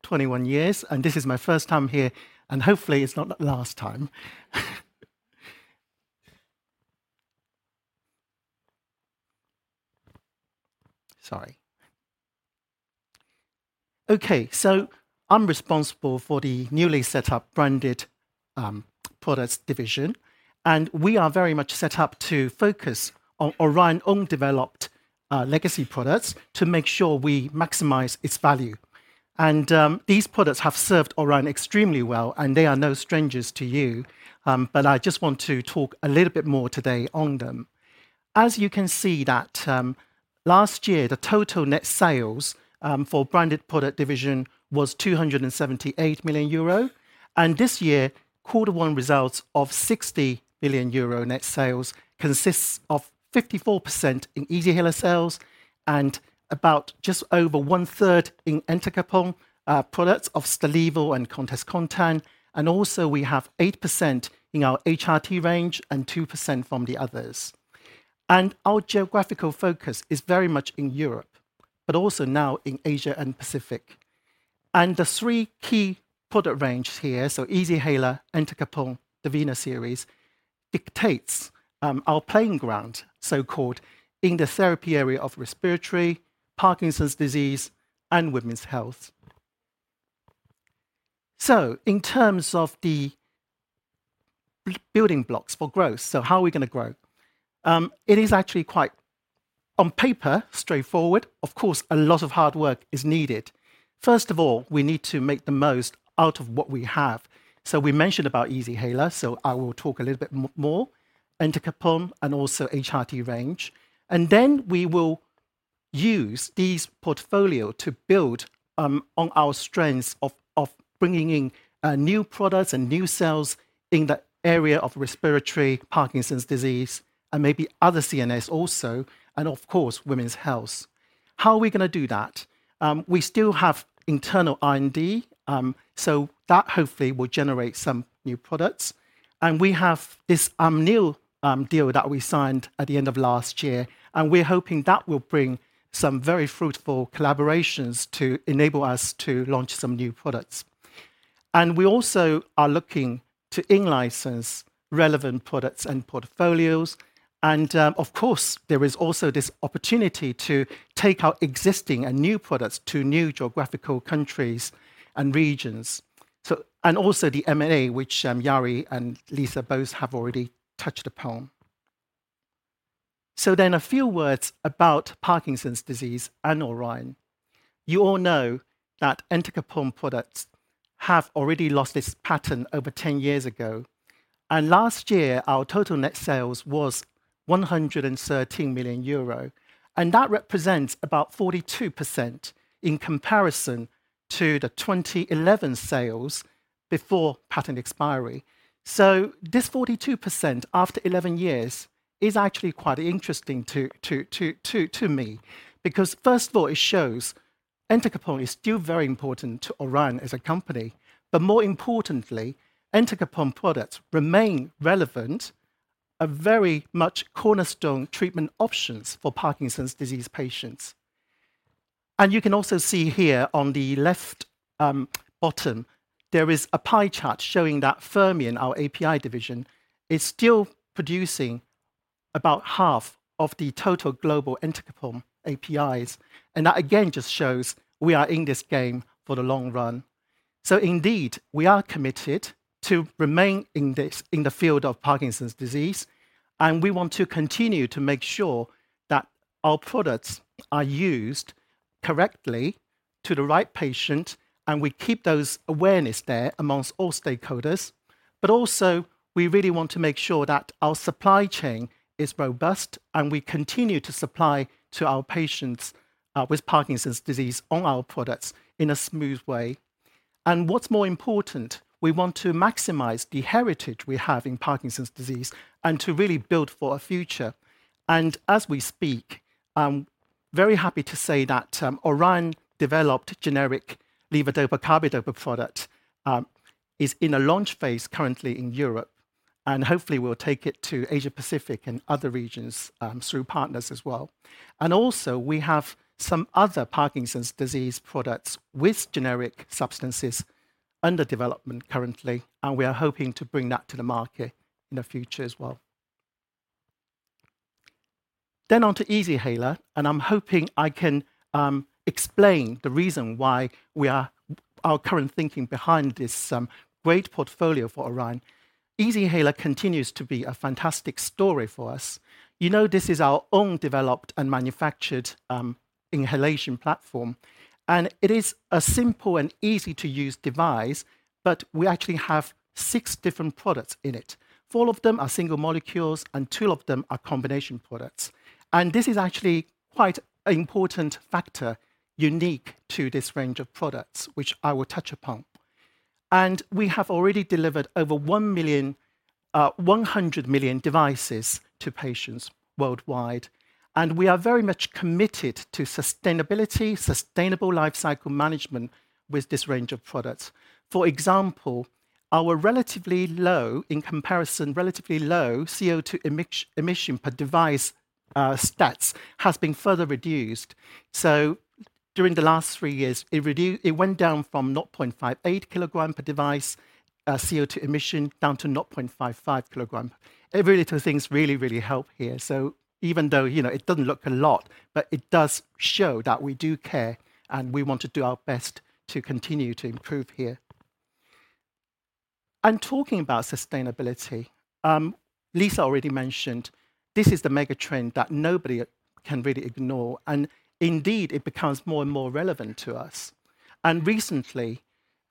21 years, and this is my first time here, and hopefully it's not the last time. Sorry. Okay, I'm responsible for the newly set up Branded Products division, and we are very much set up to focus on Orion own developed legacy products to make sure we maximize its value. These products have served Orion extremely well, and they are no strangers to you. I just want to talk a little bit more today on them. As you can see that, last year the total net sales for Branded Product division was 278 million euro. This year, quarter one results of 60 billion euro net sales consists of 54% in Easyhaler sales, about just over one-third in entacapone products of Stalevo and Comtess, Comtan, we have 8% in our HRT range, and 2% from the others. Our geographical focus is very much in Europe, but also now in Asia and Pacific. The three key product ranges here, so Easyhaler, entacapone, Divina series, dictates our playing ground, so called, in the therapy area of respiratory, Parkinson's disease, and women's health. In terms of the building blocks for growth, so how are we gonna grow? It is actually quite, on paper, straightforward. Of course, a lot of hard work is needed. First of all, we need to make the most out of what we have. We mentioned about Easyhaler, I will talk a little bit more, entacapone, and also HRT range. We will use this portfolio to build on our strengths of bringing in new products and new sales in the area of respiratory, Parkinson's disease, and maybe other CNS also, and of course, women's health. How are we gonna do that? We still have internal R&D, so that hopefully will generate some new products. We have this new deal that we signed at the end of last year, and we're hoping that will bring some very fruitful collaborations to enable us to launch some new products. We also are looking to in-license relevant products and portfolios, and, of course, there is also this opportunity to take our existing and new products to new geographical countries and regions. Also the M&A, which Jari and Liisa both have already touched upon. A few words about Parkinson's disease and Orion. You all know that entacapone products have already lost this patent over 10 years ago, and last year, our total net sales was 113 million euro, and that represents about 42% in comparison to the 2011 sales before patent expiry. This 42% after 11 years is actually quite interesting to me, because first of all, it shows entacapone is still very important to Orion as a company, but more importantly, entacapone products remain relevant, a very much cornerstone treatment options for Parkinson's disease patients. You can also see here on the left, bottom, there is a pie chart showing that Fermion, our API division, is still producing about half of the total global entacapone APIs. That again just shows we are in this game for the long run. Indeed, we are committed to remain in this, in the field of Parkinson's disease, and we want to continue to make sure that our products are used correctly to the right patient, and we keep those awareness there amongst all stakeholders. Also, we really want to make sure that our supply chain is robust, and we continue to supply to our patients with Parkinson's disease all our products in a smooth way. What's more important, we want to maximize the heritage we have in Parkinson's disease and to really build for a future. As we speak, I'm very happy to say that Orion-developed generic levodopa-carbidopa product is in a launch phase currently in Europe, and hopefully we'll take it to Asia Pacific and other regions through partners as well. Also we have some other Parkinson's disease products with generic substances under development currently, and we are hoping to bring that to the market in the future as well. On to Easyhaler, and I'm hoping I can explain the reason why our current thinking behind this great portfolio for Orion. Easyhaler continues to be a fantastic story for us. You know, this is our own developed and manufactured inhalation platform, and it is a simple and easy-to-use device, but we actually have 6 different products in it. 4 of them are single molecules, and 2 of them are combination products. This is actually quite an important factor, unique to this range of products, which I will touch upon. We have already delivered over 100 million devices to patients worldwide, and we are very much committed to sustainability, sustainable lifecycle management with this range of products. For example, our relatively low, in comparison, relatively low CO2 emission per device stats has been further reduced. During the last 3 years, it went down from 0.58 kilogram per device, CO2 emission, down to 0.55 kilogram. Every little things really help here. Even though, you know, it doesn't look a lot, but it does show that we do care, and we want to do our best to continue to improve here. Talking about sustainability, Liisa already mentioned this is the mega trend that nobody can really ignore, and indeed, it becomes more and more relevant to us. Recently,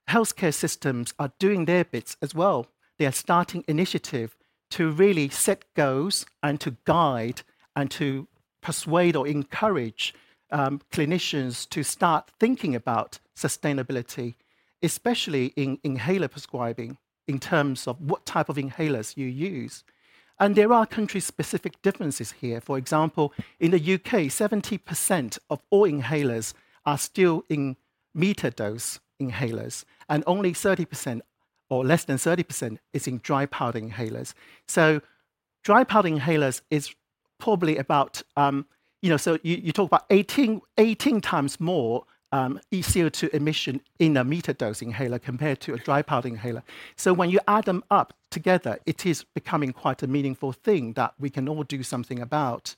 healthcare systems are doing their bits as well. They are starting initiative to really set goals and to guide and to persuade or encourage clinicians to start thinking about sustainability, especially in inhaler prescribing, in terms of what type of inhalers you use. There are country-specific differences here. For example, in the U.K., 70% of all inhalers are still in metered dose inhalers, and only 30%, or less than 30%, is in dry powder inhalers. Dry powder inhalers is probably about, you know, you talk about 18 times more ECO2 emission in a metered dose inhaler compared to a dry powder inhaler. When you add them up together, it is becoming quite a meaningful thing that we can all do something about.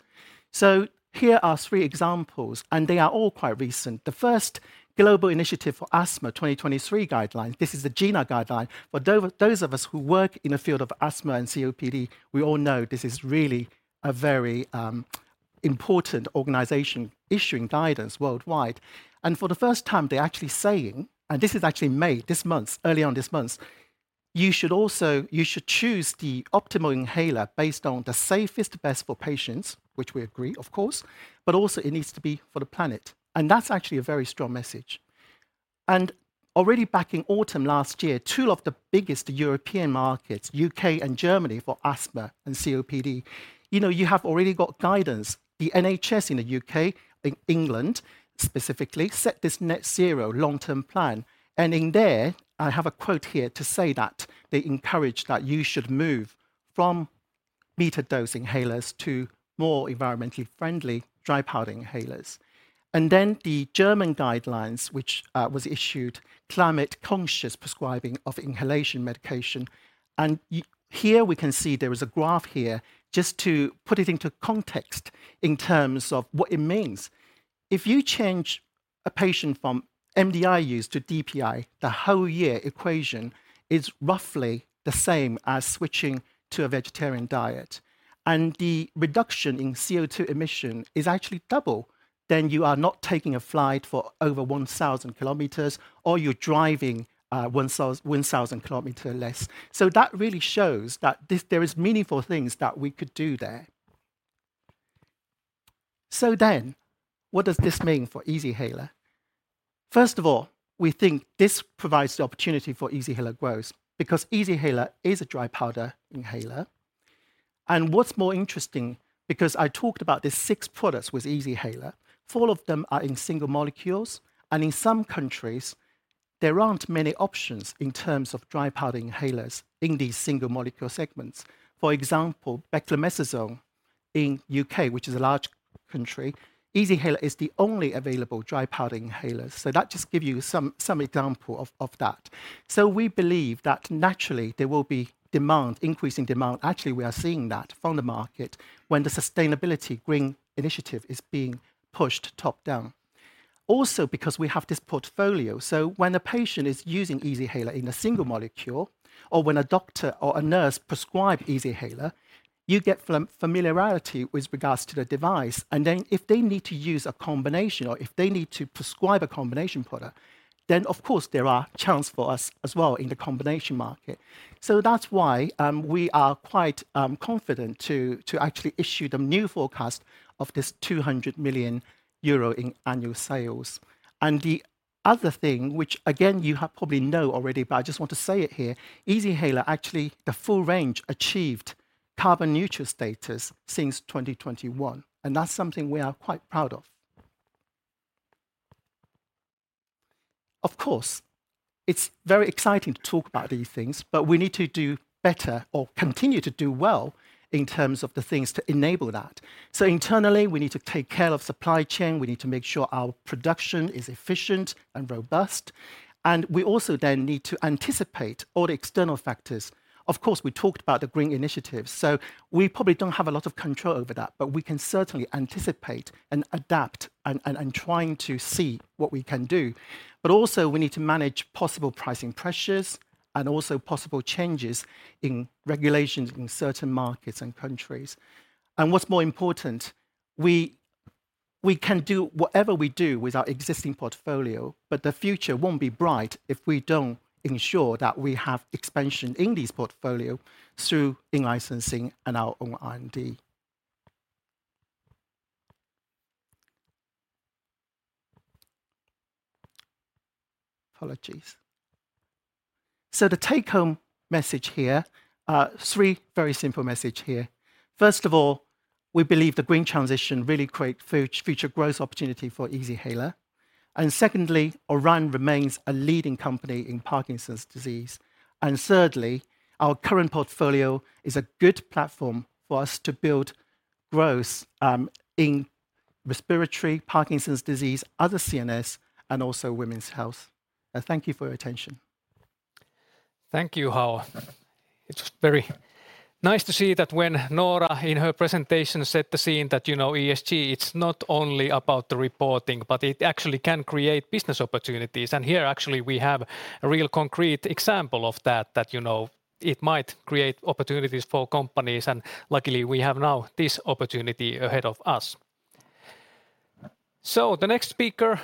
Here are three examples, and they are all quite recent. The first Global Initiative for Asthma 2023 guidelines. This is the GINA guideline. For those of us who work in the field of asthma and COPD, we all know this is really a very important organization issuing guidance worldwide. For the first time, they're actually saying, and this is actually May, this month, early on this month. "You should choose the optimal inhaler based on the safest best for patients," which we agree, of course, "but also it needs to be for the planet." That's actually a very strong message. Already back in autumn last year, two of the biggest European markets, U.K. and Germany, for asthma and COPD, you know, you have already got guidance. The NHS in the U.K., in England specifically, set this net zero long-term plan, and in there, I have a quote here to say that they encourage that you should move from metered-dose inhalers to more environmentally friendly dry powder inhalers. The German guidelines, which was issued, climate conscious prescribing of inhalation medication. Here we can see there is a graph here, just to put it into context in terms of what it means. If you change a patient from MDI use to DPI, the whole year equation is roughly the same as switching to a vegetarian diet, and the reduction in CO2 emission is actually double than you are not taking a flight for over 1,000 km, or you're driving 1,000 km less. That really shows that there is meaningful things that we could do there. What does this mean for Easyhaler? First of all, we think this provides the opportunity for Easyhaler growth, because Easyhaler is a dry powder inhaler. What's more interesting, because I talked about the six products with Easyhaler, four of them are in single molecules, and in some countries, there aren't many options in terms of dry powder inhalers in these single molecule segments. For example, beclometasone in U.K., which is a large country, Easyhaler is the only available dry powder inhaler. That just give you some example of that. We believe that naturally there will be demand, increasing demand. Actually, we are seeing that from the market when the sustainability green initiative is being pushed top-down. Because we have this portfolio, so when a patient is using Easyhaler in a single molecule, or when a doctor or a nurse prescribe Easyhaler, you get familiarity with regards to the device. If they need to use a combination or if they need to prescribe a combination product, then of course there are channels for us as well in the combination market. That's why we are quite confident to actually issue the new forecast of this 200 million euro in annual sales. The other thing, which again, you probably know already, but I just want to say it here, Easyhaler, actually, the full range achieved carbon neutral status since 2021, and that's something we are quite proud of. Of course, it's very exciting to talk about these things, but we need to do better or continue to do well in terms of the things to enable that. Internally, we need to take care of supply chain, we need to make sure our production is efficient and robust, and we also then need to anticipate all the external factors. Of course, we talked about the green initiatives, so we probably don't have a lot of control over that, but we can certainly anticipate and adapt and trying to see what we can do. Also, we need to manage possible pricing pressures and also possible changes in regulations in certain markets and countries. What's more important, we can do whatever we do with our existing portfolio, but the future won't be bright if we don't ensure that we have expansion in this portfolio through in-licensing and our own R&D. Apologies. The take-home message here, three very simple message here. First of all, we believe the green transition really create future growth opportunity for Easyhaler. Secondly, Orion remains a leading company in Parkinson's disease. Thirdly, our current portfolio is a good platform for us to build growth in respiratory, Parkinson's disease, other CNS, and also women's health. I thank you for your attention. Thank you, Hao. It's very nice to see that when Noora, in her presentation, set the scene that, you know, ESG, it's not only about the reporting, but it actually can create business opportunities. Here, actually, we have a real concrete example of that, you know, it might create opportunities for companies. Luckily, we have now this opportunity ahead of us. The next speaker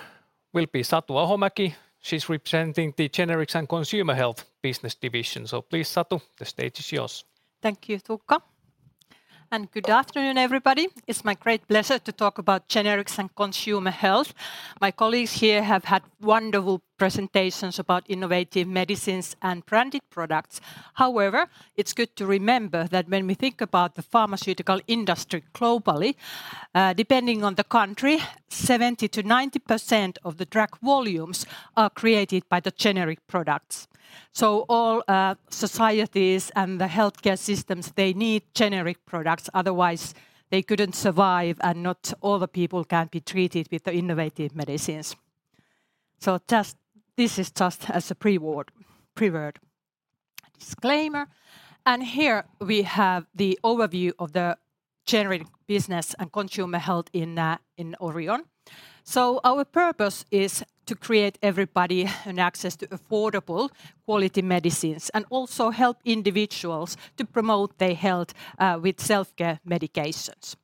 will be Satu Ahomäki. She's representing the Generics and Consumer Health business division. Please, Satu, the stage is yours. Thank you, Tuukka. Good afternoon, everybody. It's my great pleasure to talk about generics and consumer health. My colleagues here have had wonderful presentations about innovative medicines and branded products. However, it's good to remember that when we think about the pharmaceutical industry globally, depending on the country, 70%-90% of the track volumes are created by the generic products. All societies and the healthcare systems, they need generic products, otherwise they couldn't survive, and not all the people can be treated with the innovative medicines. This is just as a pre-word disclaimer. Here we have the overview of the generic business and consumer health in Orion. Our purpose is to create everybody an access to affordable quality medicines, and also help individuals to promote their health with self-care medications.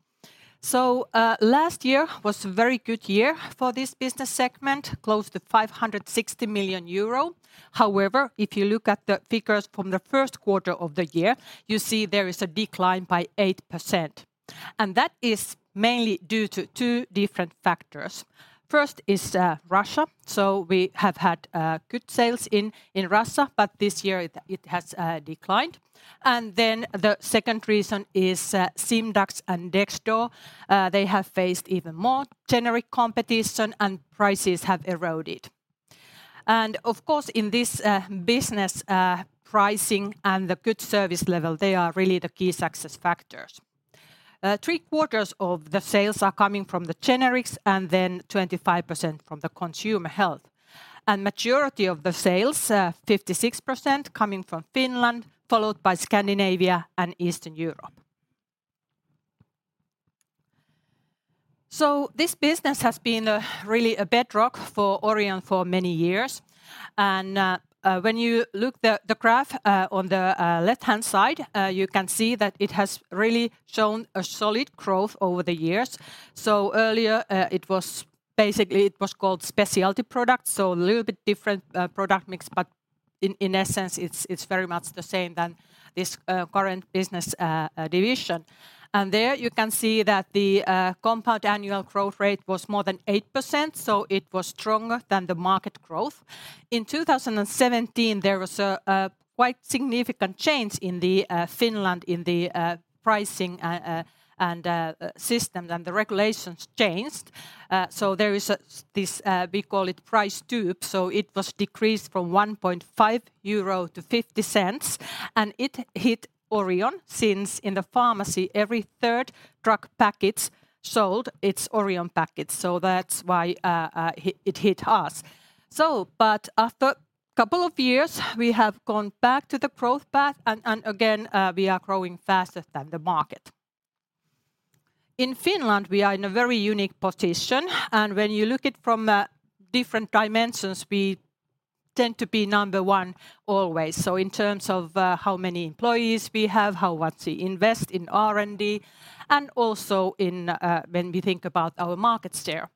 Last year was a very good year for this business segment, close to 560 million euro. However, if you look at the figures from the first quarter of the year, you see there is a decline by 8%, and that is mainly due to two different factors. First is Russia. We have had good sales in Russia, but this year it has declined. The second reason is Simdax and Dexdor. They have faced even more generic competition, and prices have eroded. Of course, in this business, pricing and the good service level, they are really the key success factors. 3/4 of the sales are coming from the generics and then 25% from the consumer health. Majority of the sales, 56%, coming from Finland, followed by Scandinavia and Eastern Europe. This business has been really a bedrock for Orion for many years, and when you look the graph on the left-hand side, you can see that it has really shown a solid growth over the years. Earlier, it was basically, it was called Specialty Products, a little bit different product mix, but in essence, it's very much the same than this current business division. There you can see that the compound annual growth rate was more than 8%, so it was stronger than the market growth. In 2017, there was a quite significant change in Finland, in the pricing, and system, and the regulations changed. There is this we call it price tube, it was decreased from 1.5 euro to 0.50, and it hit Orion, since in the pharmacy, every third drug package sold, it's Orion package, that's why it hit us. After couple of years, we have gone back to the growth path, and again, we are growing faster than the market. In Finland, we are in a very unique position, and when you look it from different dimensions, we tend to be number one always. In terms of how many employees we have, how much we invest in R&D, and also when we think about our market share.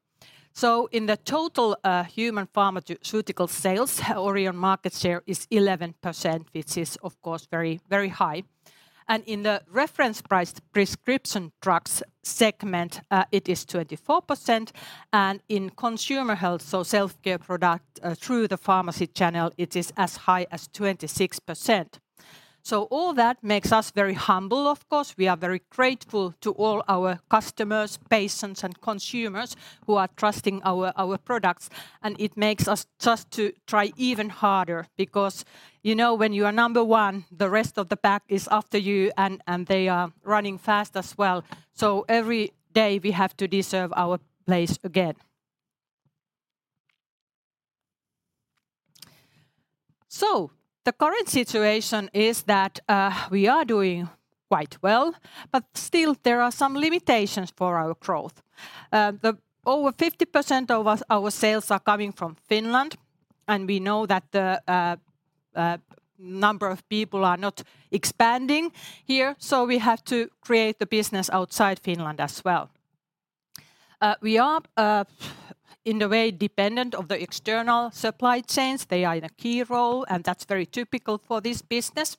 In the total human pharmaceutical sales, Orion market share is 11%, which is, of course, very, very high. In the reference priced prescription drugs segment, it is 24%, and in consumer health, so self-care product through the pharmacy channel, it is as high as 26%. All that makes us very humble, of course. We are very grateful to all our customers, patients, and consumers who are trusting our products, and it makes us just to try even harder because, you know, when you are number one, the rest of the pack is after you, and they are running fast as well. Every day we have to deserve our place again. The current situation is that we are doing quite well, but still there are some limitations for our growth. The over 50% of our sales are coming from Finland, and we know that the number of people are not expanding here, so we have to create the business outside Finland as well. We are in a way, dependent of the external supply chains. They are in a key role, and that's very typical for this business.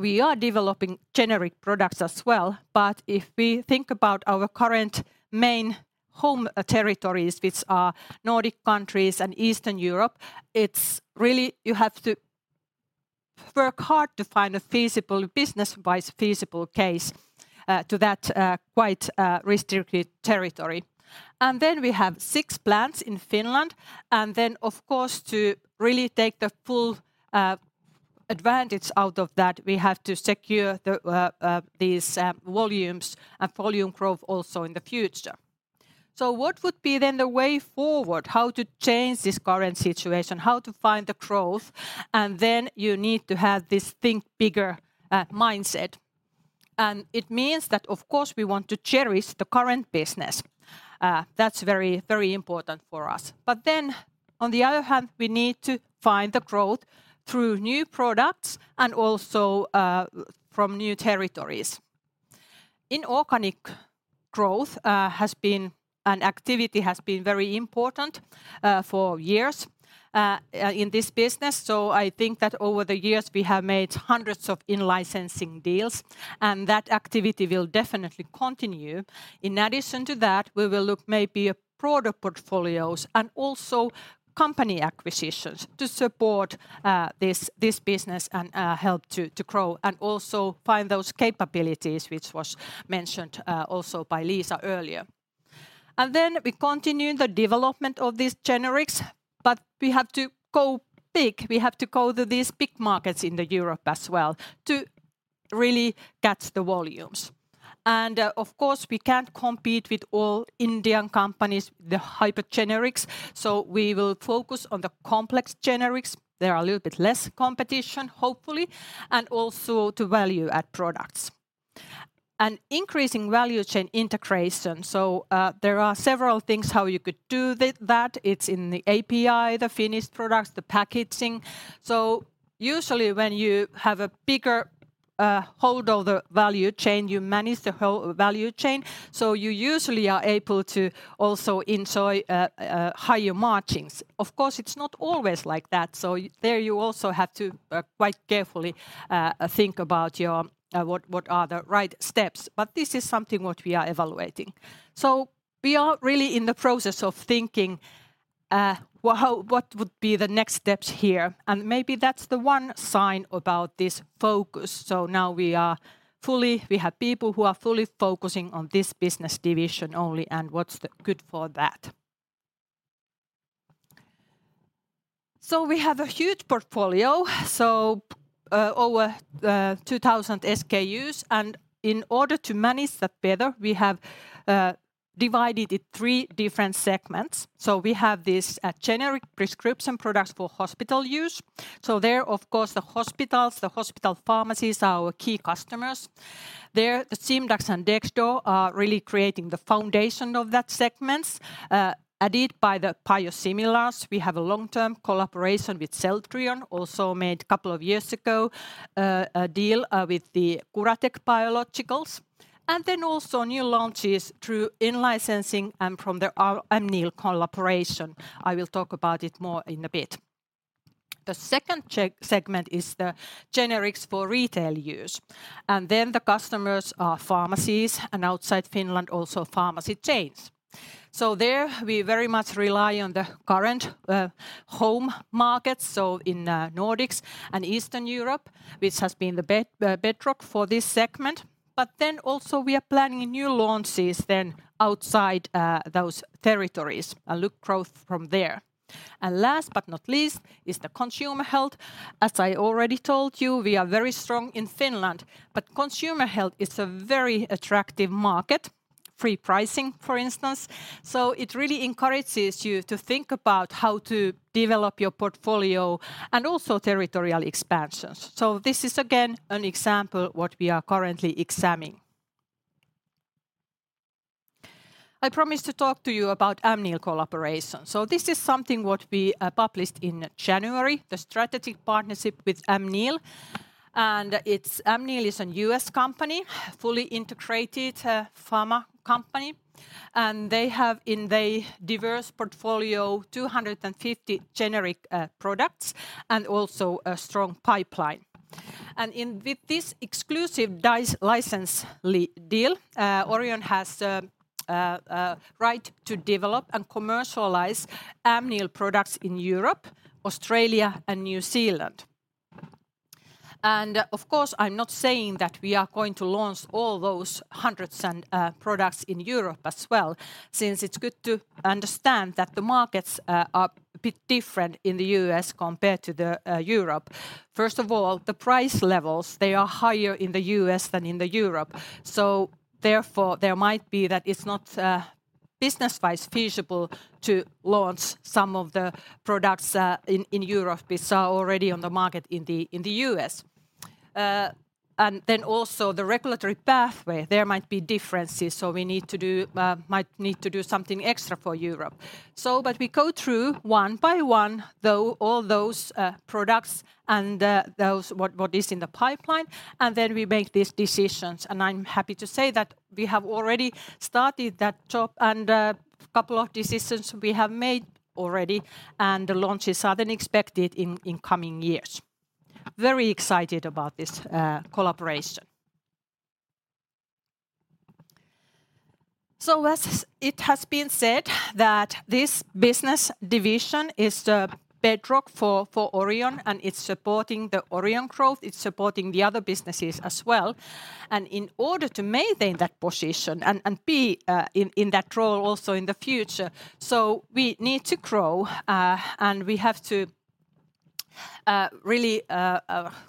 We are developing generic products as well, but if we think about our current main home territories, which are Nordic countries and Eastern Europe, it's really you have to work hard to find a feasible business-wise feasible case to that quite restricted territory. We have six plants in Finland, of course, to really take the full advantage out of that, we have to secure these volumes and volume growth also in the future. What would be the way forward? How to change this current situation, how to find the growth, and you need to have this think bigger mindset. It means that, of course, we want to cherish the current business. That's very important for us. On the other hand, we need to find the growth through new products and also from new territories. Inorganic growth has been an activity, has been very important for years in this business. I think that over the years we have made hundreds of in-licensing deals, and that activity will definitely continue. In addition to that, we will look maybe at product portfolios and also company acquisitions to support this business and help to grow and also find those capabilities, which was mentioned also by Liisa earlier. Then we continue the development of these generics, but we have to go big. We have to go to these big markets in the Europe as well to really catch the volumes. Of course, we can't compete with all Indian companies, the hyper generics, so we will focus on the complex generics. They are a little bit less competition, hopefully, and also to value-add products. Increasing value chain integration, so there are several things how you could do that. It's in the API, the finished products, the packaging. Usually, when you have a bigger hold of the value chain, you manage the whole value chain. You usually are able to also enjoy higher margins. Of course, it's not always like that, so there you also have to quite carefully think about your, what are the right steps, but this is something what we are evaluating. We are really in the process of thinking, well, what would be the next steps here, and maybe that's the one sign about this focus. We have people who are fully focusing on this business division only and what's good for that. We have a huge portfolio, over 2,000 SKUs, and in order to manage that better, we have divided it 3 different segments. We have this generic prescription products for hospital use. There, of course, the hospitals, the hospital pharmacies are our key customers. There, Simdax and Dexdor are really creating the foundation of that segment, added by the biosimilars. We have a long-term collaboration with Celltrion, also made two years ago a deal with the Curateq Biologics, also new launches through in-licensing and from the Amneal collaboration. I will talk about it more in a bit. The second check segment is the generics for retail use, the customers are pharmacies, and outside Finland, also pharmacy chains. There we very much rely on the current home markets, in Nordics and Eastern Europe, which has been the bedrock for this segment. Also we are planning new launches then outside those territories and look growth from there. Last but not least is the consumer health. As I already told you, we are very strong in Finland, but consumer health is a very attractive market, free pricing, for instance. It really encourages you to think about how to develop your portfolio and also territorial expansions. This is again, an example what we are currently examining. I promised to talk to you about Amneal collaboration. This is something what we published in January, the strategic partnership with Amneal is a U.S. company, fully integrated pharma company, and they have in their diverse portfolio, 250 generic products, and also a strong pipeline. In with this exclusive license deal, Orion has... right to develop and commercialize Amneal products in Europe, Australia, and New Zealand. Of course, I'm not saying that we are going to launch all those hundreds and products in Europe as well, since it's good to understand that the markets are a bit different in the U.S. compared to the Europe. First of all, the price levels, they are higher in the U.S. than in the Europe, so therefore there might be that it's not business-wise feasible to launch some of the products in Europe which are already on the market in the U.S. Also the regulatory pathway, there might be differences, so we might need to do something extra for Europe. We go through one by one, though, all those products and what is in the pipeline, and then we make these decisions. I'm happy to say that we have already started that job, and a couple of decisions we have made already, and the launches are then expected in coming years. Very excited about this collaboration. As it has been said, that this business division is the bedrock for Orion, and it's supporting the Orion growth, it's supporting the other businesses as well. In order to maintain that position and be in that role also in the future, so we need to grow and we have to really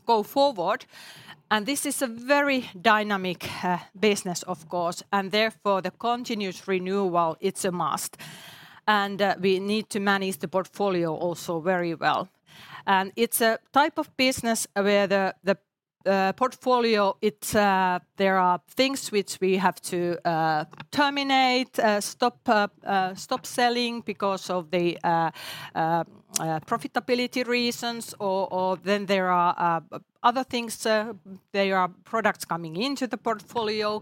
go forward. This is a very dynamic business, of course, and therefore the continuous renewal, it's a must. We need to manage the portfolio also very well. It's a type of business where the portfolio, there are things which we have to terminate, stop selling because of the profitability reasons or then there are other things, there are products coming into the portfolio.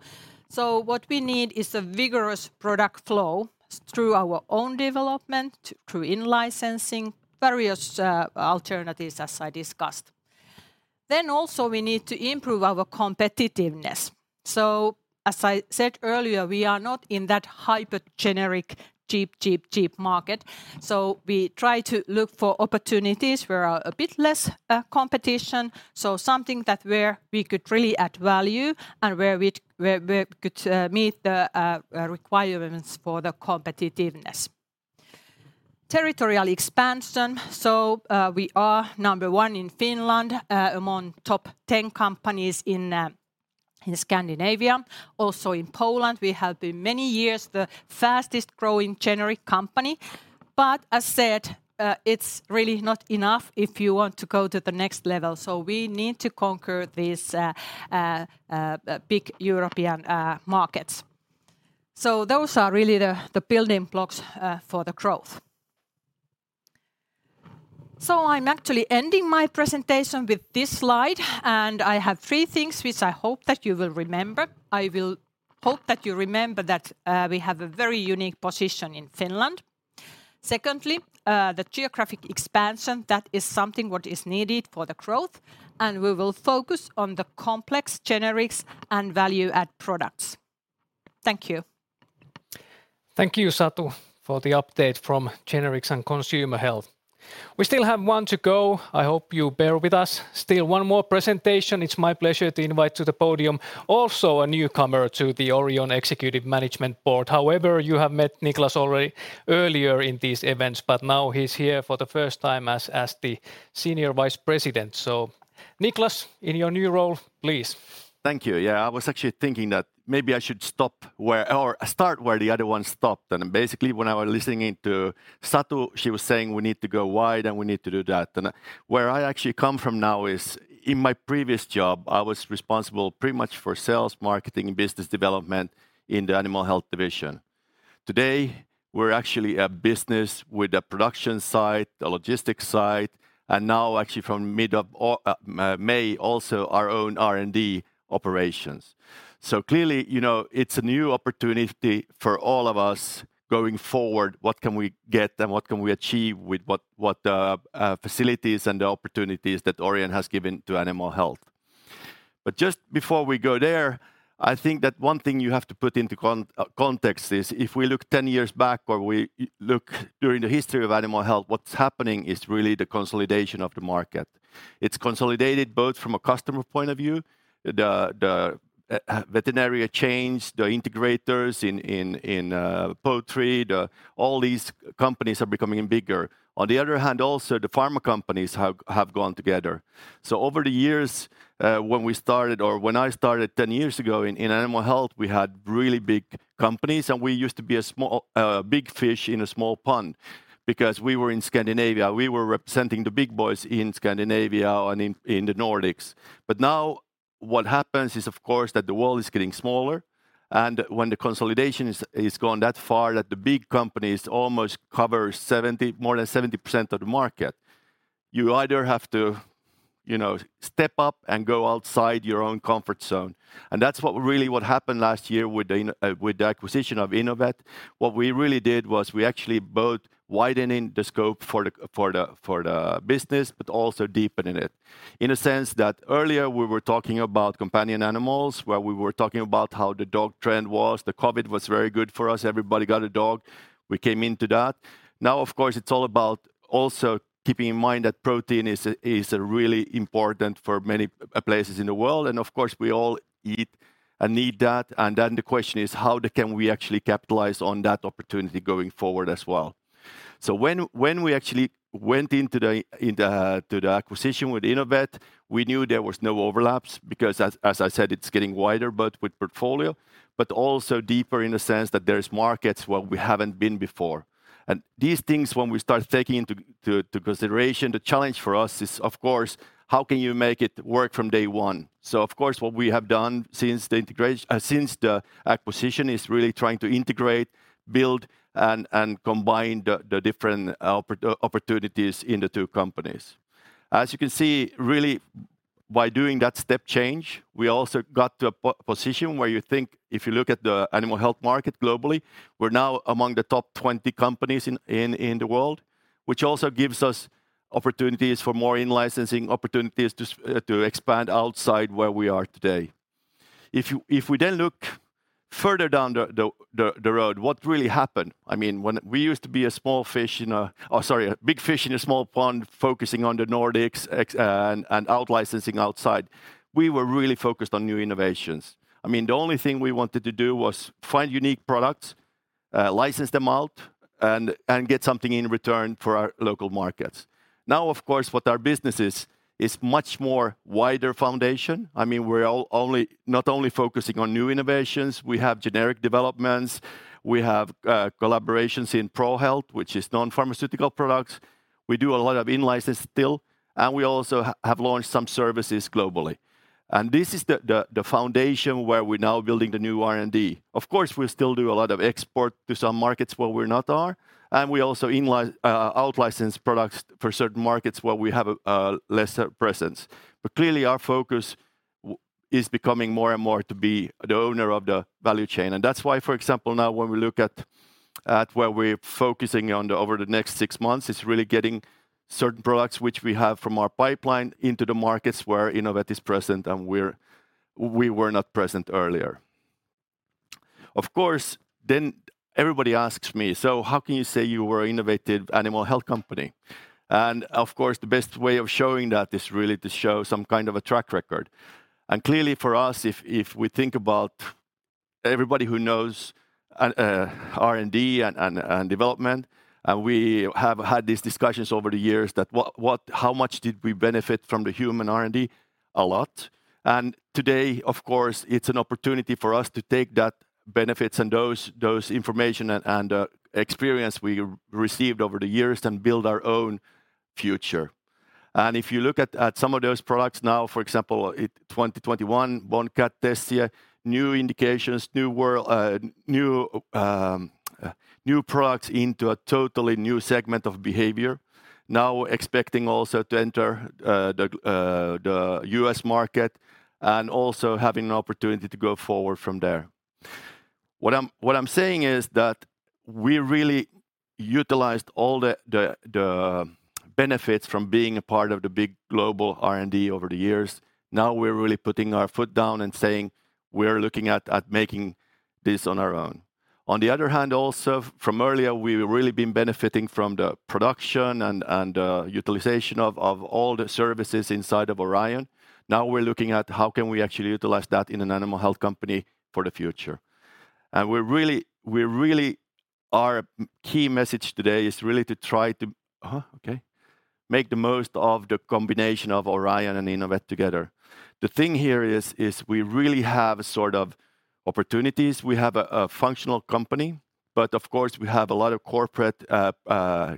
What we need is a vigorous product flow through our own development, through in-licensing, various alternatives, as I discussed. Also we need to improve our competitiveness. As I said earlier, we are not in that hyper-generic, cheap, cheap market, we try to look for opportunities where are a bit less competition, something that where we could really add value and where we could meet the requirements for the competitiveness. Territorial expansion. We are number one in Finland, among top 10 companies in Scandinavia. In Poland, we have been many years the fastest growing generic company. As said, it's really not enough if you want to go to the next level, so we need to conquer these big European markets. Those are really the building blocks for the growth. I'm actually ending my presentation with this slide, and I have three things which I hope that you will remember. I will hope that you remember that we have a very unique position in Finland. Secondly, the geographic expansion, that is something what is needed for the growth, and we will focus on the complex generics and value-add products. Thank you. Thank you, Satu, for the update from Generics and Consumer Health. We still have one to go. I hope you bear with us. Still, one more presentation. It's my pleasure to invite to the podium also a newcomer to the Orion Executive Management Board. However, you have met Niclas already earlier in these events, but now he's here for the first time as the Senior Vice President. Niclas, in your new role, please. Thank you. I was actually thinking that maybe I should start where the other one stopped. Basically, when I was listening to Satu, she was saying we need to go wide, and we need to do that. Where I actually come from now is, in my previous job, I was responsible pretty much for sales, marketing, business development in the Animal Health division. Today, we're actually a business with a production side, a logistics side, and now actually from mid of May, also our own R&D operations. Clearly, you know, it's a new opportunity for all of us going forward. What can we get and what can we achieve with what facilities and the opportunities that Orion has given to Animal Health? Just before we go there, I think that one thing you have to put into context is, if we look 10 years back or we look during the history of Animal Health, what's happening is really the consolidation of the market. It's consolidated both from a customer point of view, the veterinarian chains, the integrators in poultry. All these companies are becoming bigger. On the other hand, also, the pharma companies have gone together. Over the years, when we started or when I started 10 years ago in Animal Health, we had really big companies, and we used to be a big fish in a small pond. We were in Scandinavia, we were representing the big boys in Scandinavia and in the Nordics. Now, what happens is, of course, that the world is getting smaller, and when the consolidation is gone that far, that the big companies almost cover 70%, more than 70% of the market, you either have to you know, step up and go outside your own comfort zone. That's what really what happened last year with the with the acquisition of Inovet. What we really did was we actually both widening the scope for the business, but also deepening it. In a sense that earlier we were talking about companion animals, where we were talking about how the dog trend was. The COVID was very good for us, everybody got a dog. We came into that. Of course, it's all about also keeping in mind that protein is really important for many places in the world, and of course, we all eat and need that, and then the question is: How can we actually capitalize on that opportunity going forward as well? When we actually went into the acquisition with Inovet, we knew there was no overlaps because as I said, it's getting wider, but with portfolio, but also deeper in the sense that there's markets where we haven't been before. These things, when we start taking into consideration, the challenge for us is, of course, how can you make it work from day one? Of course, what we have done since the acquisition is really trying to integrate, build, and combine the different opportunities in the two companies. You can see, really by doing that step change, we also got to a position where you think... if you look at the animal health market globally, we're now among the top 20 companies in the world, which also gives us opportunities for more in-licensing opportunities to expand outside where we are today. If we then look further down the road, what really happened? I mean, when we used to be a small fish in a... Oh, sorry, a big fish in a small pond, focusing on the Nordics and out-licensing outside, we were really focused on new innovations. I mean, the only thing we wanted to do was find unique products, license them out, and get something in return for our local markets. Of course, what our business is much more wider foundation. I mean, we're not only focusing on new innovations, we have generic developments, we have collaborations in ProHealth, which is non-pharmaceutical products. We do a lot of in-license still, we also have launched some services globally. This is the foundation where we're now building the new R&D. Of course, we still do a lot of export to some markets where we not are, we also out-license products for certain markets where we have a lesser presence. Clearly, our focus is becoming more and more to be the owner of the value chain. That's why, for example, now when we look at where we're focusing on the over the next six months, is really getting certain products which we have from our pipeline into the markets where Inovet is present and where we were not present earlier. Everybody asks me: "How can you say you were innovative animal health company?" Of course, the best way of showing that is really to show some kind of a track record. Clearly, for us, if we think about everybody who knows R&D and development, and we have had these discussions over the years that how much did we benefit from the human R&D? A lot. Today, of course, it's an opportunity for us to take that benefits and those information and experience we received over the years and build our own future. If you look at some of those products now, for example, in 2021, Tessie year, new indications, new world, new products into a totally new segment of behavior. Now, expecting also to enter the U.S. market and also having an opportunity to go forward from there. What I'm saying is that we really utilized all the benefits from being a part of the big global R&D over the years. Now, we're really putting our foot down and saying we're looking at making this on our own. On the other hand, also from earlier, we've really been benefiting from the production and utilization of all the services inside of Orion. Now, we're looking at how can we actually utilize that in an animal health company for the future. Our key message today is really to make the most of the combination of Orion and Inovet together. The thing here is we really have a sort of opportunities. We have a functional company, but of course, we have a lot of corporate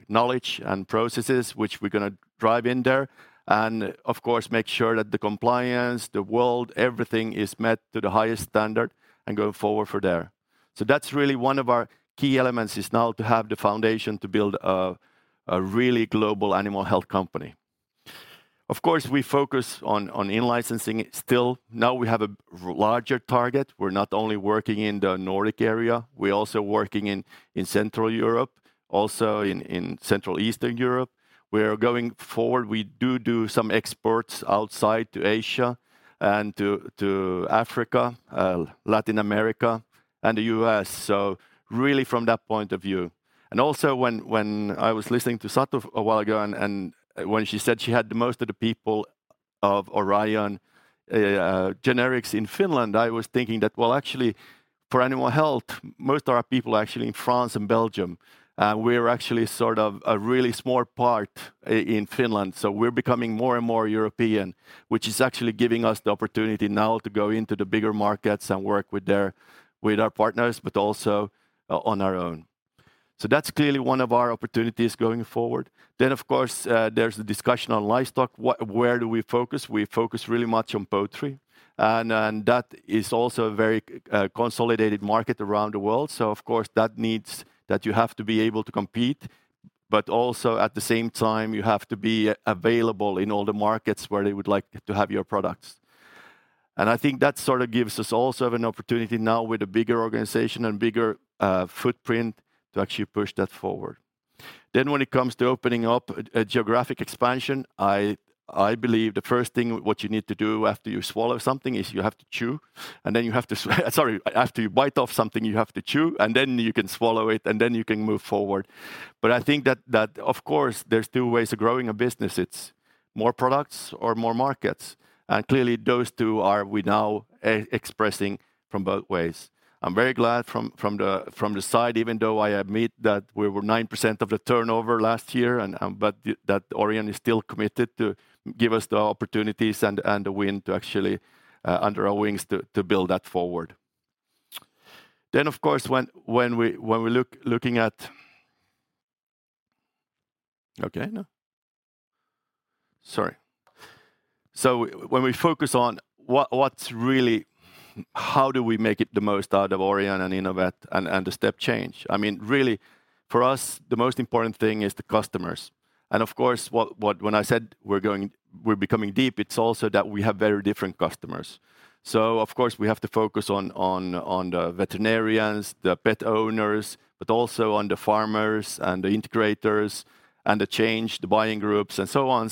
knowledge and processes which we're gonna drive in there, and of course, make sure that the compliance, the world, everything is met to the highest standard and go forward from there. That's really one of our key elements, is now to have the foundation to build a really global animal health company. Of course, we focus on in-licensing still. Now, we have a larger target. We're not only working in the Nordic area, we're also working in Central Europe, also in Central Eastern Europe. We are going forward. We do some exports outside to Asia and to Africa, Latin America, and the U.S., so really from that point of view. Also, when I was listening to Satu a while ago, when she said she had the most of the people of Orion generics in Finland, I was thinking that, well, actually, for animal health, most of our people are actually in France and Belgium, and we're actually sort of a really small part in Finland. We're becoming more and more European, which is actually giving us the opportunity now to go into the bigger markets and work with our partners, but also on our own. That's clearly one of our opportunities going forward. Of course, there's the discussion on livestock. Where do we focus? We focus really much on poultry, and that is also a very consolidated market around the world. Of course, that needs that you have to be able to compete, but also, at the same time, you have to be available in all the markets where they would like to have your products. I think that sort of gives us also have an opportunity now with a bigger organization and bigger footprint to actually push that forward. When it comes to opening up a geographic expansion, I believe the first thing what you need to do after you swallow something is you have to chew, and then you have to sorry, after you bite off something, you have to chew, and then you can swallow it, and then you can move forward. I think that, of course, there's two ways of growing a business: it's more products or more markets. Clearly, those two are we now expressing from both ways. I'm very glad from the side, even though I admit that we were 9% of the turnover last year, and that Orion is still committed to give us the opportunities and the wind to actually under our wings to build that forward. Of course, when we look at what's really how do we make it the most out of Orion and Inovet and the step change? I mean, really, for us, the most important thing is the customers. Of course, when I said we're becoming deep, it's also that we have very different customers. Of course, we have to focus on the veterinarians, the pet owners, but also on the farmers and the integrators and the change, the buying groups, and so on.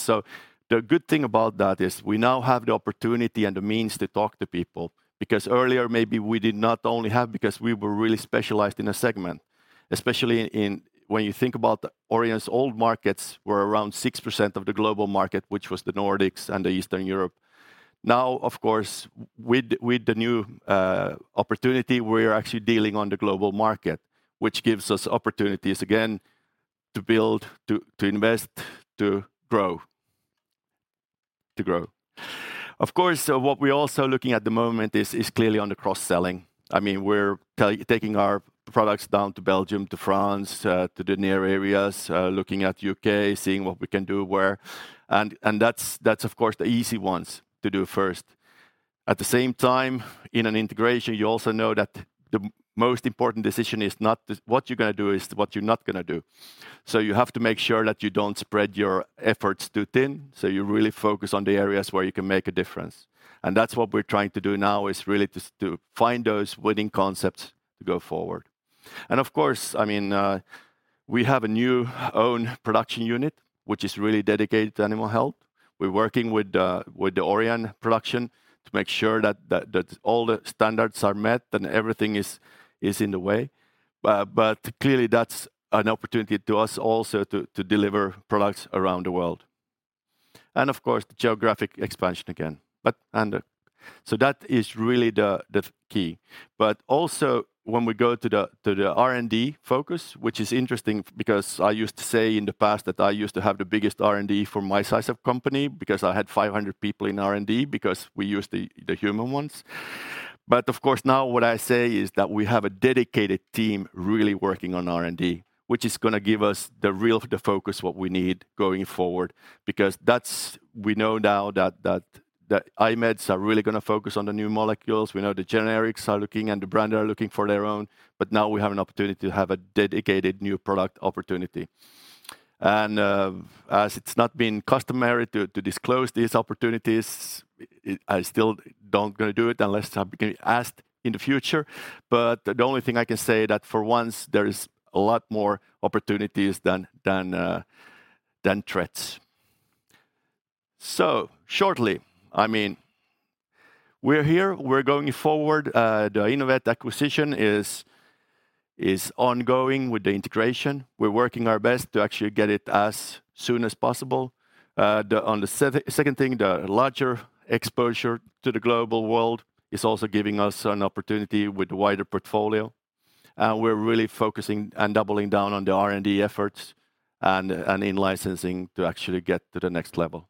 The good thing about that is we now have the opportunity and the means to talk to people, because earlier, maybe we did not only have, because we were really specialized in a segment, especially in, when you think about Orion's old markets, were around 6% of the global market, which was the Nordics and Eastern Europe. Of course, with the new opportunity, we're actually dealing on the global market, which gives us opportunities again to build, to invest, to grow. Of course, what we're also looking at the moment is clearly on the cross-selling. I mean, we're taking our products down to Belgium, to France, to the near areas, looking at U.K., seeing what we can do where. That's, of course, the easy ones to do first. At the same time, in an integration, you also know that the most important decision is not what you're gonna do, it's what you're not gonna do. You have to make sure that you don't spread your efforts too thin, so you really focus on the areas where you can make a difference. That's what we're trying to do now, is really to find those winning concepts to go forward. Of course, I mean, we have a new own production unit, which is really dedicated to Animal Health. We're working with the Orion production to make sure that all the standards are met and everything is in the way. Clearly, that's an opportunity to us also to deliver products around the world. Of course, the geographic expansion again. That is really the key. When we go to the R&D focus, which is interesting because I used to say in the past that I used to have the biggest R&D for my size of company, because I had 500 people in R&D, because we used the human ones. Now what I say is that we have a dedicated team really working on R&D, which is going to give us the real focus, what we need going forward, because that's. We know now that IMeds are really going to focus on the new molecules. We know the generics are looking and the brand are looking for their own, but now we have an opportunity to have a dedicated new product opportunity. As it's not been customary to disclose these opportunities, I still don't gonna do it unless I'm being asked in the future. The only thing I can say that for once, there is a lot more opportunities than threats. Shortly, I mean, we're here, we're going forward. The Inovet acquisition is ongoing with the integration. We're working our best to actually get it as soon as possible. On the second thing, the larger exposure to the global world is also giving us an opportunity with wider portfolio, and we're really focusing and doubling down on the R&D efforts and in licensing to actually get to the next level.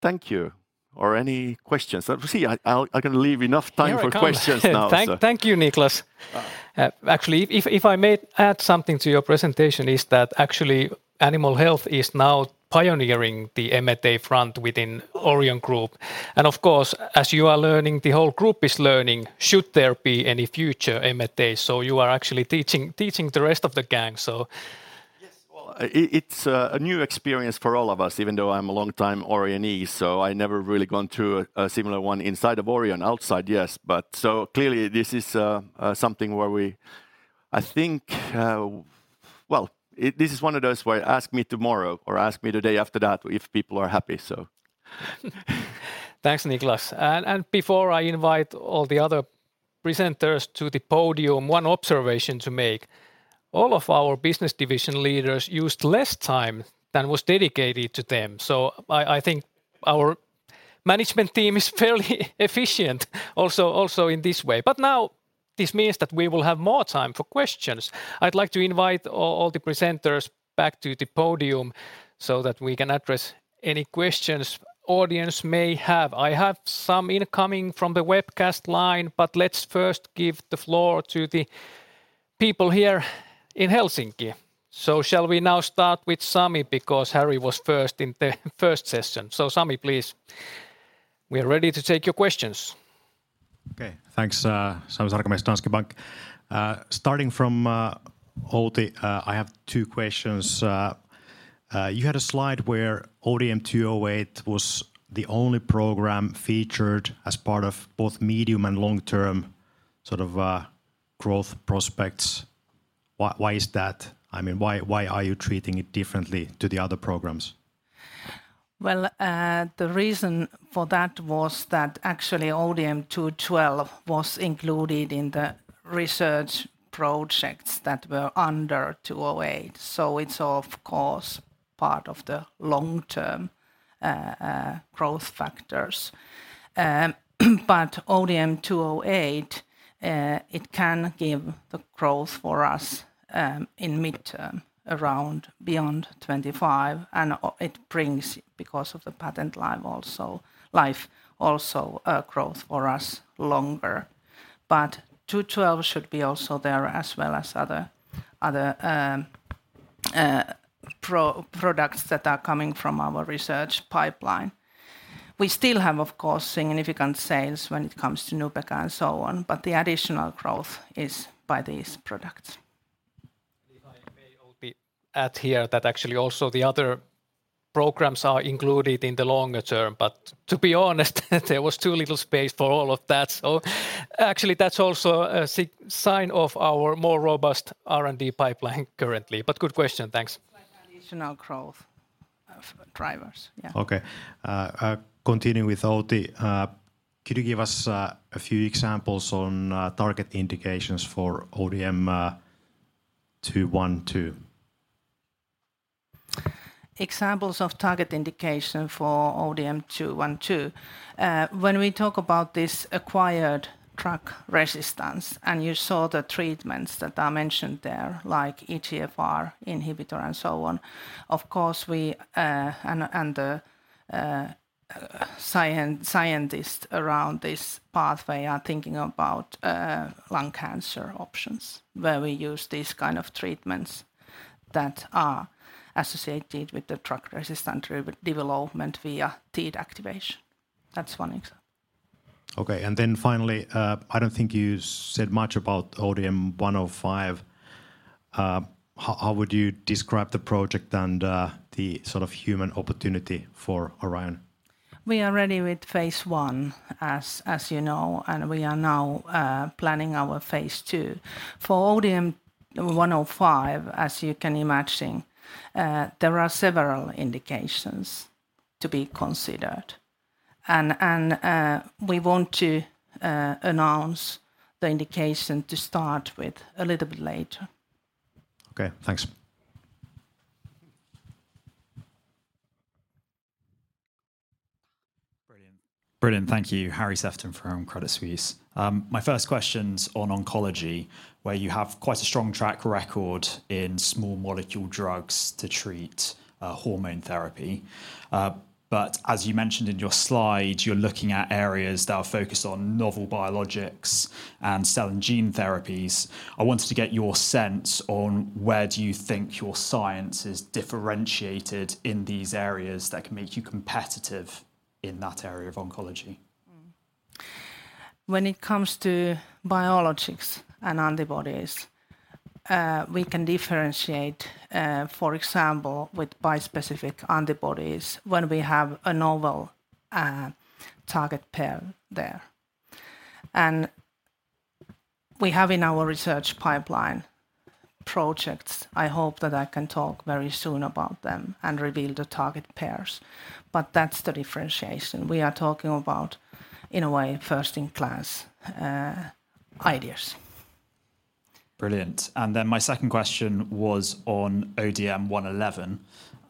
Thank you. Any questions? Let me see, I can leave enough time for questions now. Thank you, Niclas. Actually, if I may add something to your presentation, is that actually Animal Health is now pioneering the M&A front within Orion Group. Of course, as you are learning, the whole group is learning, should there be any future M&A, you are actually teaching the rest of the gang, so. Yes, well, it's a new experience for all of us, even though I'm a longtime Orionee, I never really gone through a similar one inside of Orion. Outside, yes, clearly, this is something where we... I think, well, this is one of those where ask me tomorrow or ask me the day after that if people are happy, so. Thanks, Niclas. Before I invite all the other presenters to the podium, one observation to make: all of our business division leaders used less time than was dedicated to them. I think our management team is fairly efficient also in this way. Now, this means that we will have more time for questions. I'd like to invite all the presenters back to the podium so that we can address any questions audience may have. I have some incoming from the webcast line, but let's first give the floor to the people here in Helsinki. Shall we now start with Sami, because Graham Parry was first in the first session. Sami, please, we are ready to take your questions. Okay, thanks. Sami Sarkamies, Danske Bank. Starting from Outi, I have two questions. You had a slide where ODM-208 was the only program featured as part of both medium and long-term, sort of, growth prospects. Why, why is that? I mean, why are you treating it differently to the other programs? Well, the reason for that was that actually ODM-212 was included in the research projects that were under 208. It's of course, part of the long-term growth factors. ODM-208, it can give the growth for us in mid-term, around, beyond 25, and it brings, because of the patent life also life, also, growth for us longer. 212 should be also there, as well as other products that are coming from our research pipeline. We still have, of course, significant sales when it comes to Nubeqa and so on, but the additional growth is by these products. If I may, Outi, add here that actually also the other programs are included in the longer term, to be honest, there was too little space for all of that. Actually, that's also a sign of our more robust R&D pipeline currently. Good question. Thanks. Additional growth drivers. Yeah. Okay. Continuing with Outi, could you give us a few examples on target indications for ODM-212? Examples of target indication for ODM-212. When we talk about this acquired drug resistance, you saw the treatments that are mentioned there, like EGFR inhibitor, and so on, of course, we, the scientists around this pathway are thinking about, lung cancer options, where we use these kind of treatments that are associated with the drug resistant development via TEAD activation. That's one example. Okay, finally, I don't think you said much about ODM-105. How would you describe the project and the sort of human opportunity for Orion? We are ready with Phase I, as you know, and we are now planning our Phase II. For ODM-105, as you can imagine, there are several indications to be considered, and we want to announce the indication to start with a little bit later. Okay, thanks. Brilliant. Brilliant, thank you. Graham Parry from Credit Suisse. My first question's on oncology, where you have quite a strong track record in small molecule drugs to treat hormone therapy. As you mentioned in your slide, you're looking at areas that are focused on novel biologics and cell, and gene therapies. I wanted to get your sense on where do you think your science is differentiated in these areas that can make you competitive in that area of oncology? When it comes to biologics and antibodies, we can differentiate, for example, with bispecific antibodies, when we have a novel target pair there. We have in our research pipeline projects. I hope that I can talk very soon about them and reveal the target pairs. That's the differentiation. We are talking about, in a way, first-in-class ideas. Brilliant. My second question was on ODM-111.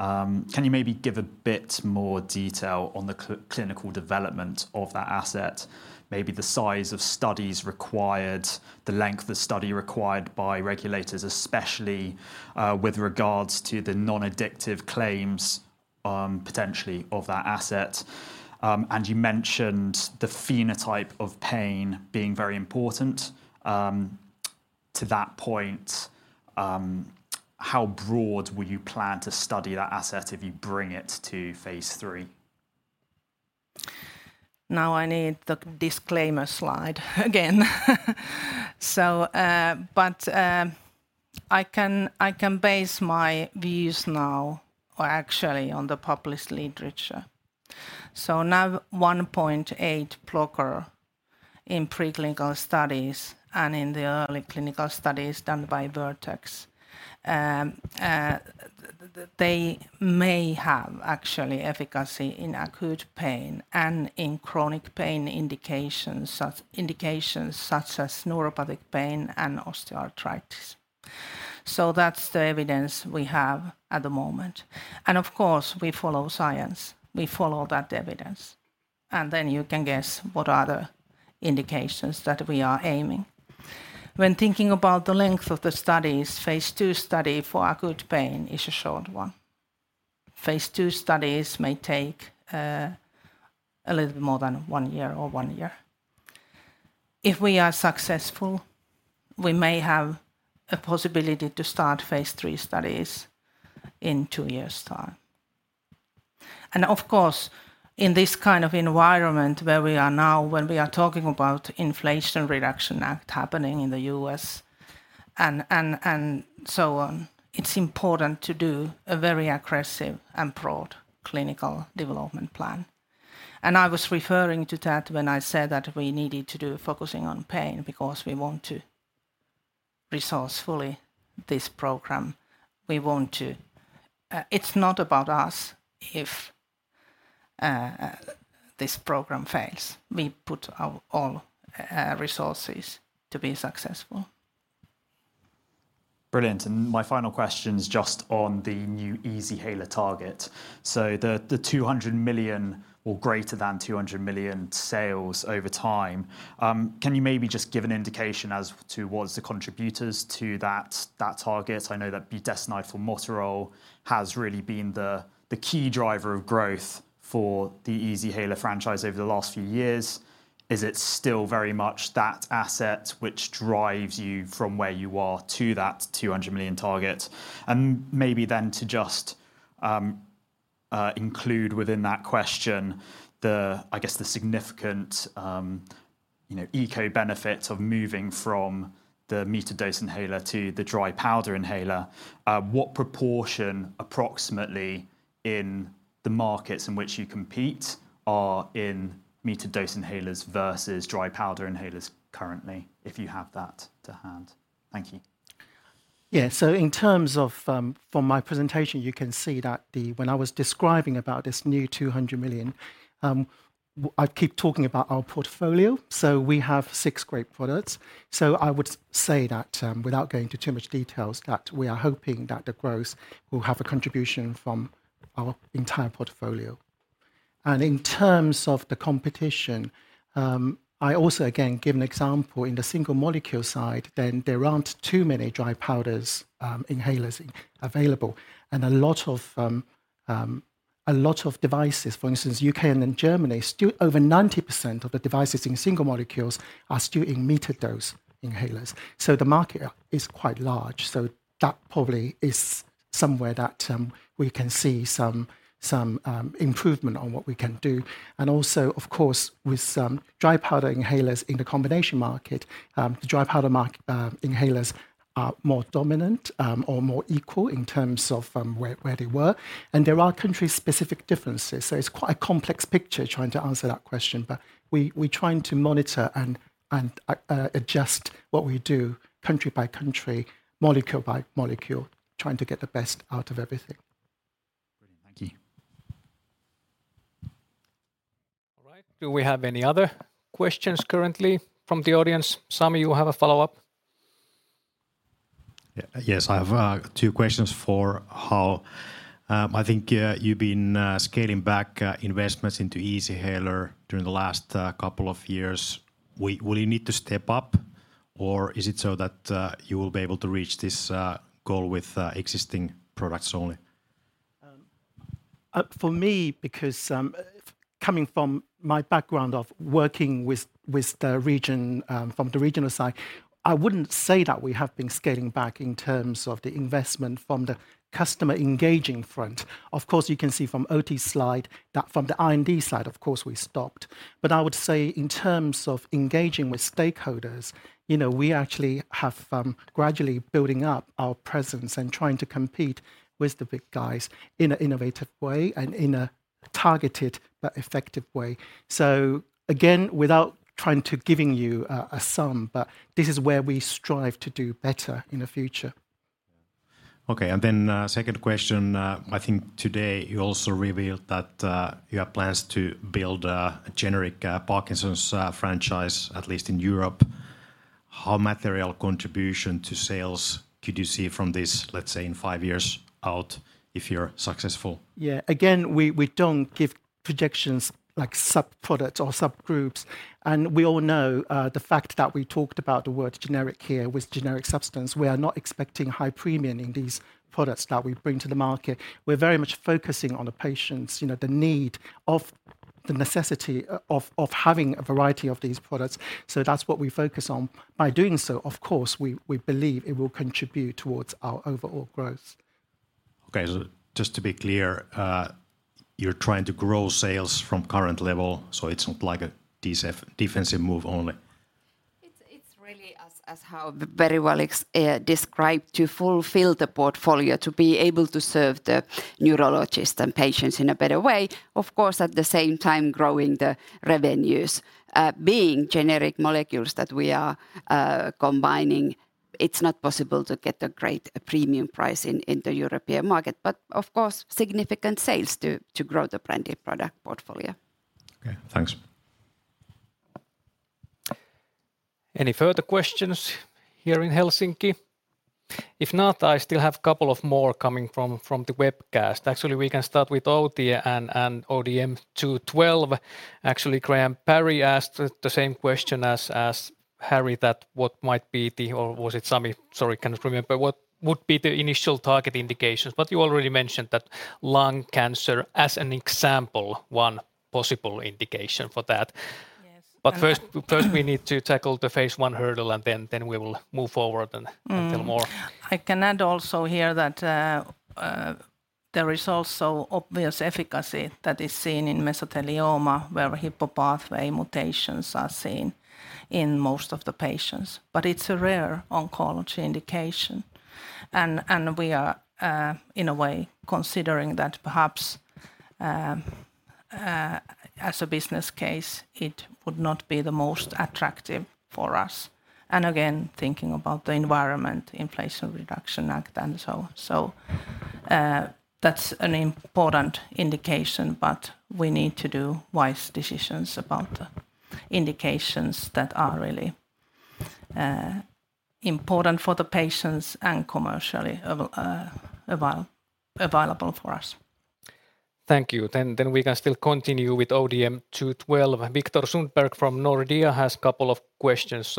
Can you maybe give a bit more detail on the clinical development of that asset? Maybe the size of studies required, the length of study required by regulators, especially with regards to the non-addictive claims, potentially of that asset. You mentioned the phenotype of pain being very important. To that point, how broad will you plan to study that asset if you bring it to Phase III? I need the disclaimer slide again. I can base my views now actually on the published literature. NaV1.8 blocker in preclinical studies and in the early clinical studies done by Vertex, they may have actually efficacy in acute pain and in chronic pain indications such as neuropathic pain and osteoarthritis. That's the evidence we have at the moment. Of course, we follow science, we follow that evidence, then you can guess what are the indications that we are aiming. When thinking about the length of the studies, phase II study for acute pain is a short one. phase II studies may take a little more than 1 year or 1 year. If we are successful, we may have a possibility to start Phase III studies in 2 years' time. Of course, in this kind of environment where we are now, when we are talking about Inflation Reduction Act happening in the U.S. and so on, it's important to do a very aggressive and broad clinical development plan. I was referring to that when I said that we needed to do focusing on pain, because we want to resource fully this program. It's not about us if this program fails. We put our all resources to be successful. Brilliant. My final question is just on the new Easyhaler target. The 200 million or greater than 200 million sales over time, can you maybe just give an indication as to what is the contributors to that target? I know that budesonide formoterol has really been the key driver of growth for the Easyhaler franchise over the last few years. Is it still very much that asset which drives you from where you are to that 200 million target? Maybe then to just include within that question, the... I guess, the significant, you know, eco benefits of moving from the metered-dose inhaler to the dry powder inhaler. What proportion approximately in the markets in which you compete are in metered-dose inhalers versus dry powder inhalers currently, if you have that to hand? Thank you. Yeah. In terms of from my presentation, you can see that when I was describing about this new 200 million, I keep talking about our portfolio, so we have 6 great products. I would say that without going into too much details, that we are hoping that the growth will have a contribution from our entire portfolio. In terms of the competition, I also, again, give an example in the single molecule side, then there aren't too many dry powders inhalers available. A lot of devices, for instance, U.K. and in Germany, still over 90% of the devices in single molecules are still in metered dose inhalers. The market is quite large, so that probably is somewhere that we can see some improvement on what we can do. Also, of course, with some dry powder inhalers in the combination market, the dry powder inhalers are more dominant, or more equal in terms of where they were. There are country-specific differences, so it's quite a complex picture trying to answer that question. We trying to monitor and adjust what we do country by country, molecule by molecule, trying to get the best out of everything. Brilliant. Thank you. All right. Do we have any other questions currently from the audience? Sami, you have a follow-up? Yeah. Yes, I have two questions for Liisa Hurme. I think you've been scaling back investments into Easyhaler during the last couple of years. Will you need to step up, or is it so that you will be able to reach this goal with existing products only? For me, because, coming from my background of working with the region, from the regional side, I wouldn't say that we have been scaling back in terms of the investment from the customer engaging front. Of course, you can see from Outi's slide, that from the R&D side, of course, we stopped. I would say in terms of engaging with stakeholders, you know, we actually have, gradually building up our presence and trying to compete with the big guys in an innovative way and in a targeted but effective way. Again, without trying to giving you a sum, but this is where we strive to do better in the future. Okay, second question. I think today you also revealed that you have plans to build a generic Parkinson's franchise, at least in Europe. How material contribution to sales could you see from this, let's say, in 5 years out, if you're successful? Yeah. Again, we don't give projections like sub-products or subgroups. We all know the fact that we talked about the word generic here with generic substance, we are not expecting high premium in these products that we bring to the market. We're very much focusing on the patients, you know, the need of the necessity of having a variety of these products, so that's what we focus on. By doing so, of course, we believe it will contribute towards our overall growth. Okay, just to be clear, you're trying to grow sales from current level, so it's not like a defensive move only? It's really as Hao very well described, to fulfill the portfolio, to be able to serve the neurologists and patients in a better way. Of course, at the same time, growing the revenues. Being generic molecules that we are combining, it's not possible to get a great premium price in the European market, but of course, significant sales to grow the branded product portfolio. Okay, thanks. Any further questions here in Helsinki? If not, I still have couple of more coming from the webcast. We can start with Outi and ODM-212. Graham Parry asked the same question as Ari, that what might be the... Or was it Sami? Sorry, cannot remember. What would be the initial target indications? You already mentioned that lung cancer, as an example, one possible indication for that. First we need to tackle the Phase I hurdle, and then we will move forward. tell more. I can add also here that there is also obvious efficacy that is seen in mesothelioma, where Hippo pathway mutations are seen in most of the patients. It's a rare oncology indication, and we are in a way considering that perhaps as a business case, it would not be the most attractive for us. Again, thinking about the environment, Inflation Reduction Act, and so on. That's an important indication, but we need to do wise decisions about the indications that are really important for the patients and commercially available for us. Thank you. We can still continue with ODM-212. Viktor Sundberg from Nordea has 2 questions.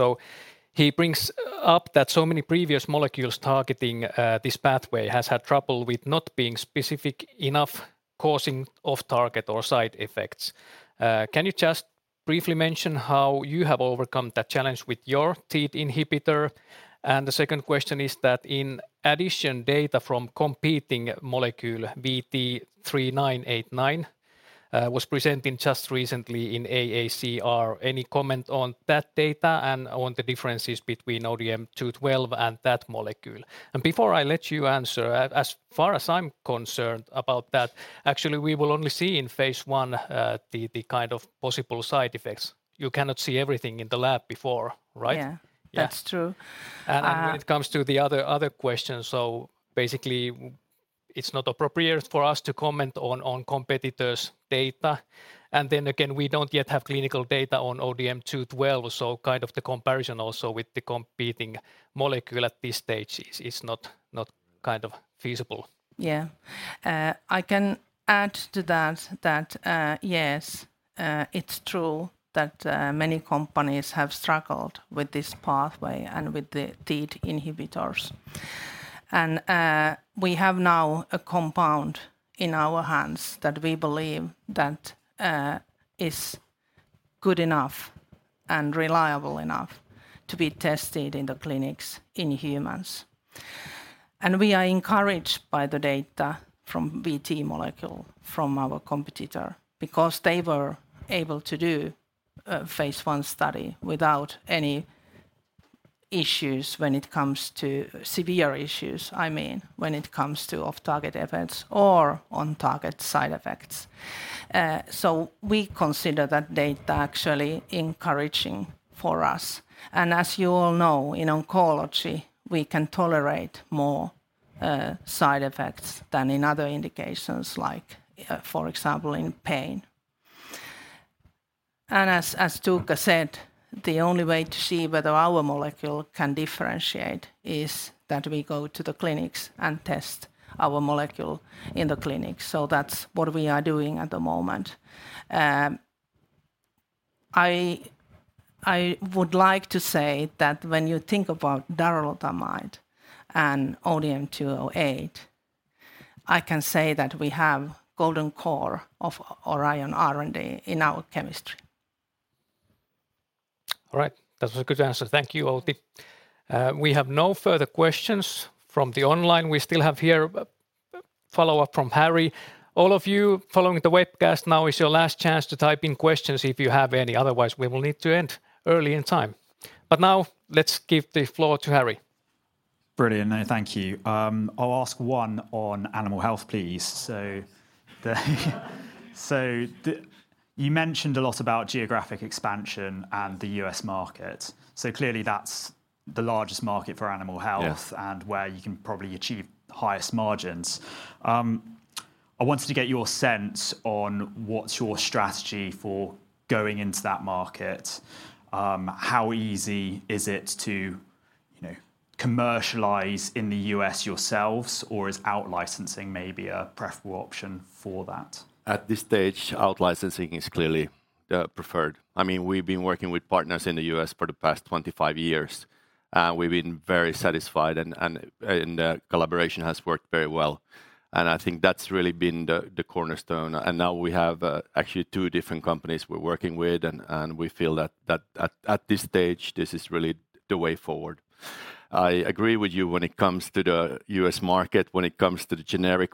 He brings up that so many previous molecules targeting this pathway has had trouble with not being specific enough, causing off-target or side effects. Can you just briefly mention how you have overcome that challenge with your TEAD inhibitor? The second question is that, in addition, data from competing molecule IKT-148009/VT3989 was presenting just recently in AACR. Any comment on that data and on the differences between ODM-212 and that molecule? Before I let you answer, as far as I'm concerned about that, actually, we will only see in phase I the kind of possible side effects. You cannot see everything in the lab before, right? Yeah. Yeah. That's true. When it comes to the other question, so basically, it's not appropriate for us to comment on competitor's data. Then again, we don't yet have clinical data on ODM-212, so kind of the comparison also with the competing molecule at this stage is not kind of feasible. I can add to that, yes, it's true that many companies have struggled with this pathway and with the TEAD inhibitors. We have now a compound in our hands that we believe that is good enough and reliable enough to be tested in the clinics in humans. We are encouraged by the data from VT molecule, from our competitor, because they were able to do a phase I study without any issues when it comes to severe issues, I mean, when it comes to off-target events or on-target side effects. We consider that data actually encouraging for us. As you all know, in oncology, we can tolerate more side effects than in other indications, like, for example, in pain. As Tuukka said, the only way to see whether our molecule can differentiate is that we go to the clinics and test our molecule in the clinic. That's what we are doing at the moment. I would like to say that when you think about darolutamide and ODM-208, I can say that we have golden core of Orion R&D in our chemistry. All right. That was a good answer. Thank you, Outi. We have no further questions from the online. We still have here a follow-up from Graham Parry. All of you following the webcast, now is your last chance to type in questions, if you have any, otherwise, we will need to end early in time. Now, let's give the floor to Graham Parry. Brilliant. No, thank you. I'll ask one on animal health, please. The you mentioned a lot about geographic expansion and the U.S. market. Clearly, that's the largest market for animal health- Yes And where you can probably achieve the highest margins. I wanted to get your sense on what's your strategy for going into that market. How easy is it to, you know, commercialize in the U.S. yourselves, or is out-licensing maybe a preferable option for that? At this stage, out-licensing is clearly preferred. I mean, we've been working with partners in the U.S. for the past 25 years, and we've been very satisfied, and the collaboration has worked very well. I think that's really been the cornerstone, and now we have actually two different companies we're working with, and we feel that at this stage, this is really the way forward. I agree with you when it comes to the U.S. market, when it comes to the generic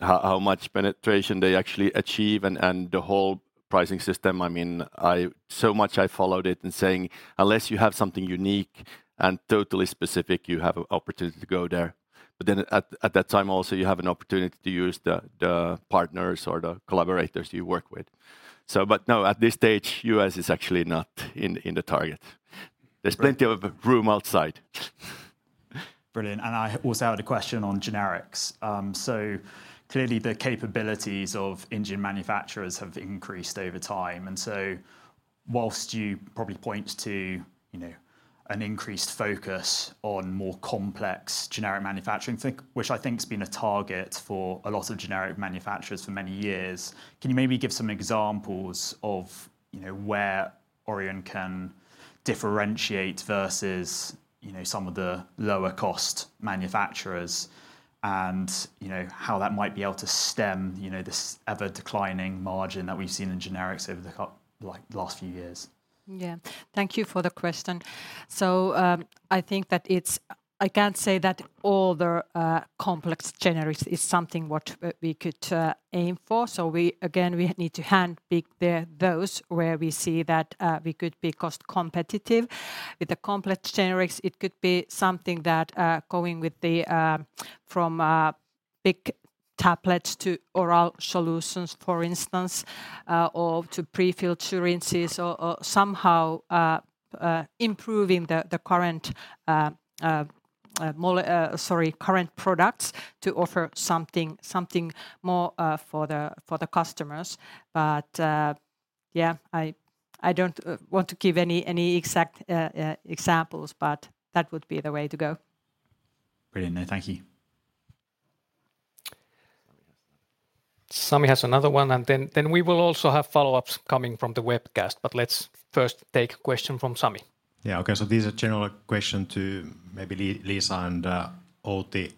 how much penetration they actually achieve and the whole pricing system. I mean, so much I followed it and saying, "Unless you have something unique and totally specific, you have an opportunity to go there." At that time also, you have an opportunity to use the partners or the collaborators you work with. No, at this stage, U.S. is actually not in the target. Great. There's plenty of room outside. Brilliant. I also had a question on generics. Clearly, the capabilities of engine manufacturers have increased over time, whilst you probably point to, you know, an increased focus on more complex generic manufacturing, which I think has been a target for a lot of generic manufacturers for many years, can you maybe give some examples of, you know, where Orion can differentiate versus, you know, some of the lower cost manufacturers, and, you know, how that might be able to stem, you know, this ever-declining margin that we've seen in generics over the like, the last few years? Yeah. Thank you for the question. I think that I can't say that all the complex generics is something what we could aim for, so we, again, we need to handpick those where we see that we could be cost competitive. With the complex generics, it could be something that going with the from big tablets to oral solutions, for instance, or to prefill syringes or somehow improving the current products to offer something more for the customers. Yeah, I don't want to give any exact examples, but that would be the way to go. Brilliant. No, thank you. Sami has another one, and then we will also have follow-ups coming from the webcast, but let's first take a question from Sami. Okay, this is a general question to maybe Liisa and Outi.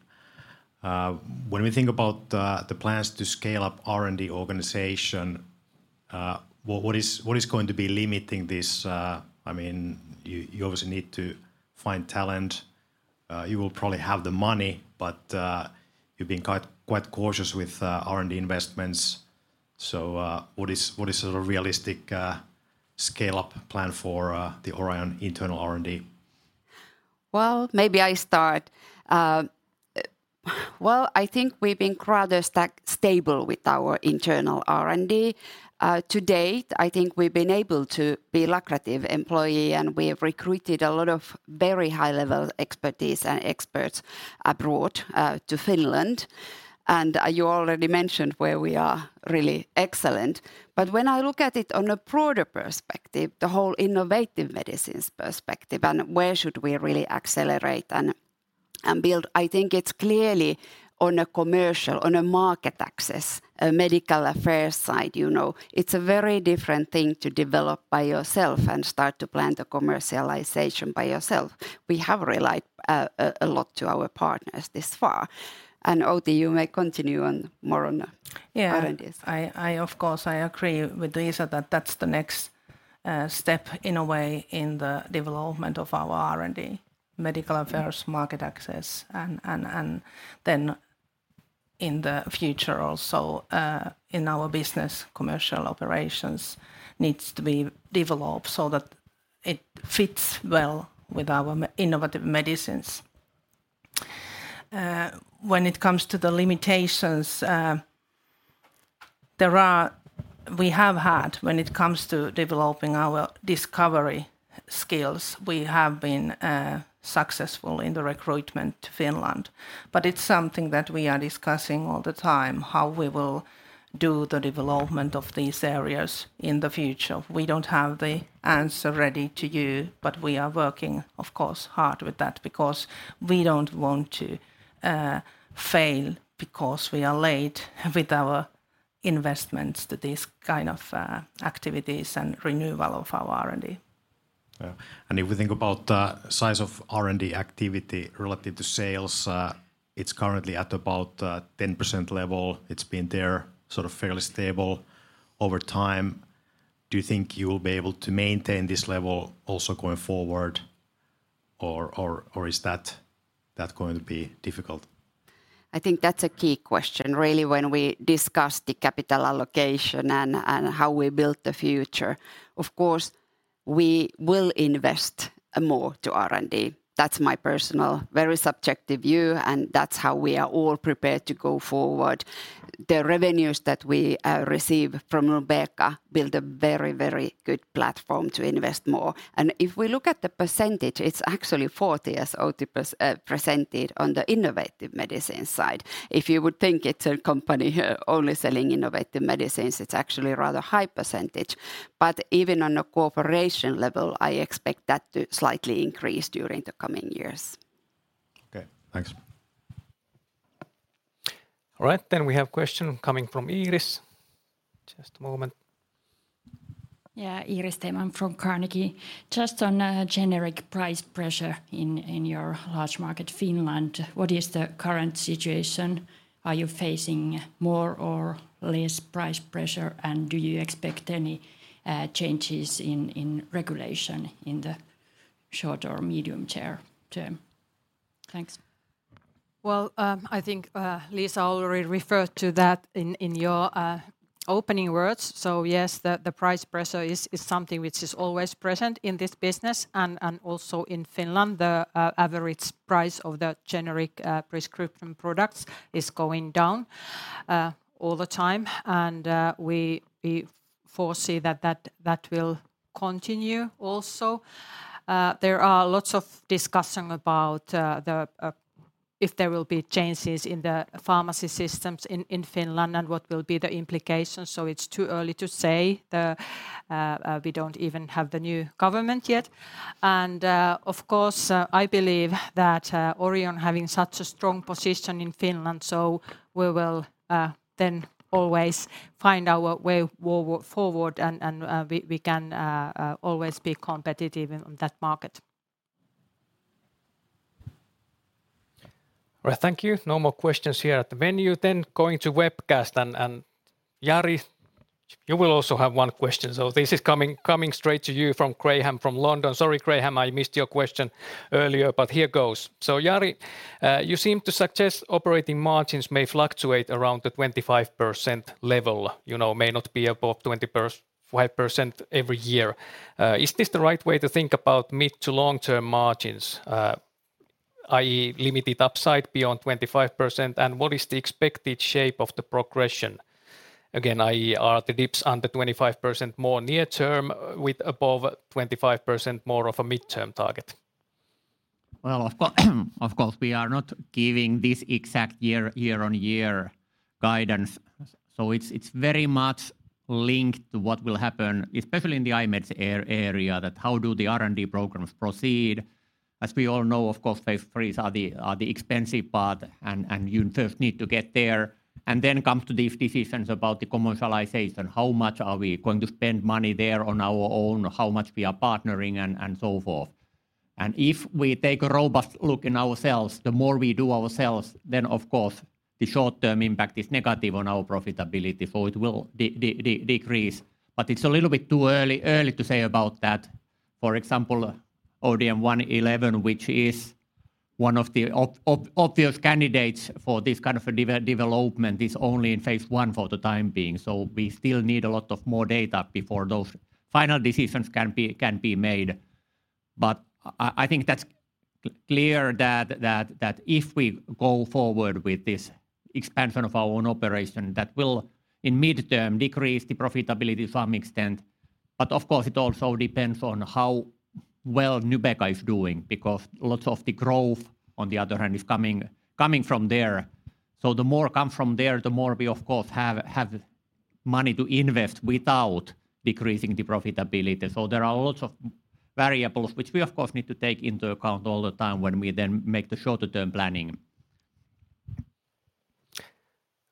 When we think about the plans to scale up R&D organization, what is going to be limiting this? I mean, you obviously need to find talent. You will probably have the money, but you've been quite cautious with R&D investments, what is a realistic scale-up plan for the Orion internal R&D? Well, maybe I start. Well, I think we've been rather stable with our internal R&D. To date, I think we've been able to be lucrative employee, and we have recruited a lot of very high-level expertise and experts abroad to Finland, and you already mentioned where we are really excellent. When I look at it on a broader perspective, the whole innovative medicines perspective, and where should we really accelerate and build, I think it's clearly on a commercial, on a market access, a medical affairs side, you know. It's a very different thing to develop by yourself and start to plan the commercialization by yourself. We have relied a lot to our partners this far, and Outi, you may continue on more on. Yeah R&D. I, of course, I agree with Liisa that that's the next step in a way in the development of our R&D, medical affairs, market access, and then in the future also in our business, commercial operations needs to be developed so that it fits well with our innovative medicines. When it comes to the limitations, we have had when it comes to developing our discovery skills, we have been successful in the recruitment to Finland. It's something that we are discussing all the time, how we will do the development of these areas in the future. We don't have the answer ready to you. We are working, of course, hard with that because we don't want to fail because we are late with our investments to these kind of activities and renewal of our R&D. Yeah, if we think about the size of R&D activity relative to sales, it's currently at about 10% level. It's been there sort of fairly stable over time. Do you think you will be able to maintain this level also going forward, or is that going to be difficult? I think that's a key question, really, when we discuss the capital allocation and how we build the future. Of course, we will invest more to R&D. That's my personal, very subjective view, and that's how we are all prepared to go forward. The revenues that we receive fromNubeqa build a very, very good platform to invest more, and if we look at the percentage, it's actually 40%, as Outi presented on the innovative medicine side. If you would think it's a company only selling innovative medicines, it's actually a rather high percentage, but even on a corporation level, I expect that to slightly increase during the coming years. Okay, thanks. All right, we have question coming from Iiris. Just a moment. Iiris Theman from Carnegie. Just on a generic price pressure in your large market, Finland, what is the current situation? Are you facing more or less price pressure, and do you expect any changes in regulation in the short or medium term? Thanks. Well, I think Liisa already referred to that in your opening words. Yes, the price pressure is something which is always present in this business and also in Finland, the average price of the generic prescription products is going down all the time, and we foresee that will continue also. There are lots of discussion about the if there will be changes in the pharmacy systems in Finland and what will be the implications, it's too early to say. We don't even have the new government yet. Of course, I believe that Orion having such a strong position in Finland, so we will then always find our way forward, and we can always be competitive in, on that market. All right, thank you. No more questions here at the venue. Going to webcast, and Jari, you will also have one question. This is coming straight to you from Graham from London. Sorry, Graham, I missed your question earlier, but here goes. Jari, you seem to suggest operating margins may fluctuate around the 25% level, you know, may not be above 25% every year. Is this the right way to think about mid to long-term margins? I.e., limited upside beyond 25%, and what is the expected shape of the progression? Again, i.e., are the dips under 25% more near term with above 25% more of a midterm target? Of course, we are not giving this exact year-on-year guidance. It's very much linked to what will happen, especially in the iMed area, that how do the R&D programs proceed? As we all know, of course, phase 3s are the expensive part, and you first need to get there, and then come to these decisions about the commercialization. How much are we going to spend money there on our own? How much we are partnering, and so forth. If we take a robust look in ourselves, the more we do ourselves, then of course, the short-term impact is negative on our profitability, so it will decrease. It's a little bit too early to say about that. For example, ODM-111, which is one of the obvious candidates for this kind of a development, is only in phase I for the time being. We still need a lot of more data before those final decisions can be made. I think that's clear that if we go forward with this expansion of our own operation, that will, in mid-term, decrease the profitability to some extent. Of course, it also depends on how well Nubeqa is doing, because lots of the growth, on the other hand, is coming from there. The more come from there, the more we of course have money to invest without decreasing the profitability. There are lots of variables, which we of course need to take into account all the time when we then make the shorter term planning.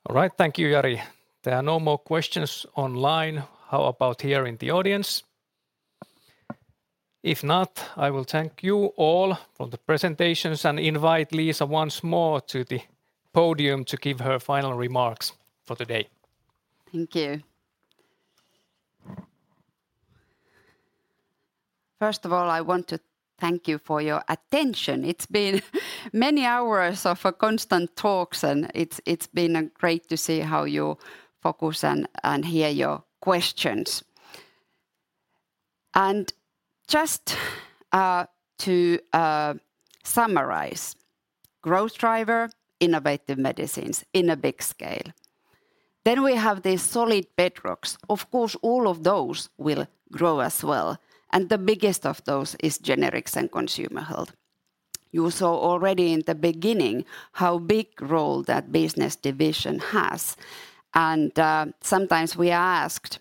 All right. Thank you, Jari. There are no more questions online. How about here in the audience? If not, I will thank you all for the presentations, and invite Liisa once more to the podium to give her final remarks for today. Thank you. First of all, I want to thank you for your attention. It's been many hours of constant talks, it's been great to see how you focus and hear your questions. Just to summarize: growth driver, Innovative Medicines in a big scale. We have the solid bedrocks. Of course, all of those will grow as well. The biggest of those is Generics and Consumer Health. You saw already in the beginning how big role that business division has. Sometimes we are asked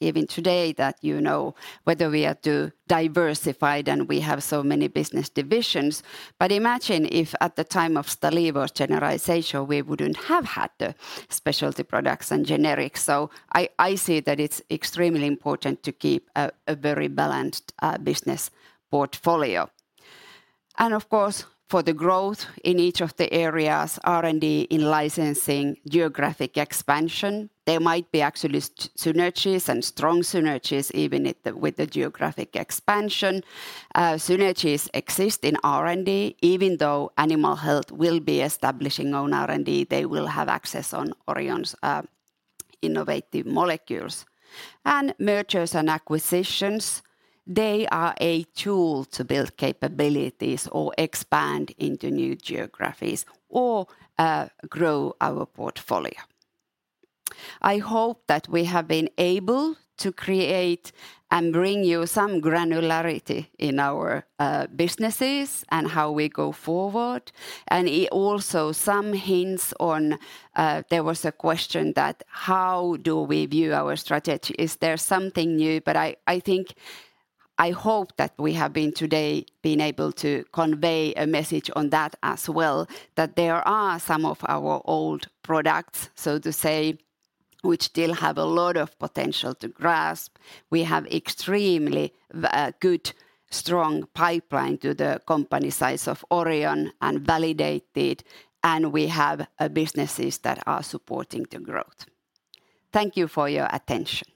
even today, you know, whether we are too diversified and we have so many business divisions. Imagine if at the time of Stalevo genericization, we wouldn't have had the Specialty Products and Generics. I see that it's extremely important to keep a very balanced business portfolio. Of course, for the growth in each of the areas, R&D in licensing, geographic expansion, there might be actually synergies and strong synergies, even with the geographic expansion. Synergies exist in R&D. Even though animal health will be establishing own R&D, they will have access on Orion's innovative molecules. Mergers and acquisitions, they are a tool to build capabilities or expand into new geographies or grow our portfolio. I hope that we have been able to create and bring you some granularity in our businesses and how we go forward, and also some hints on... There was a question that: How do we view our strategy? Is there something new? I hope that we have been today able to convey a message on that as well, that there are some of our old products, so to say, which still have a lot of potential to grasp. We have extremely good, strong pipeline to the company size of Orion and validated. We have businesses that are supporting the growth. Thank you for your attention.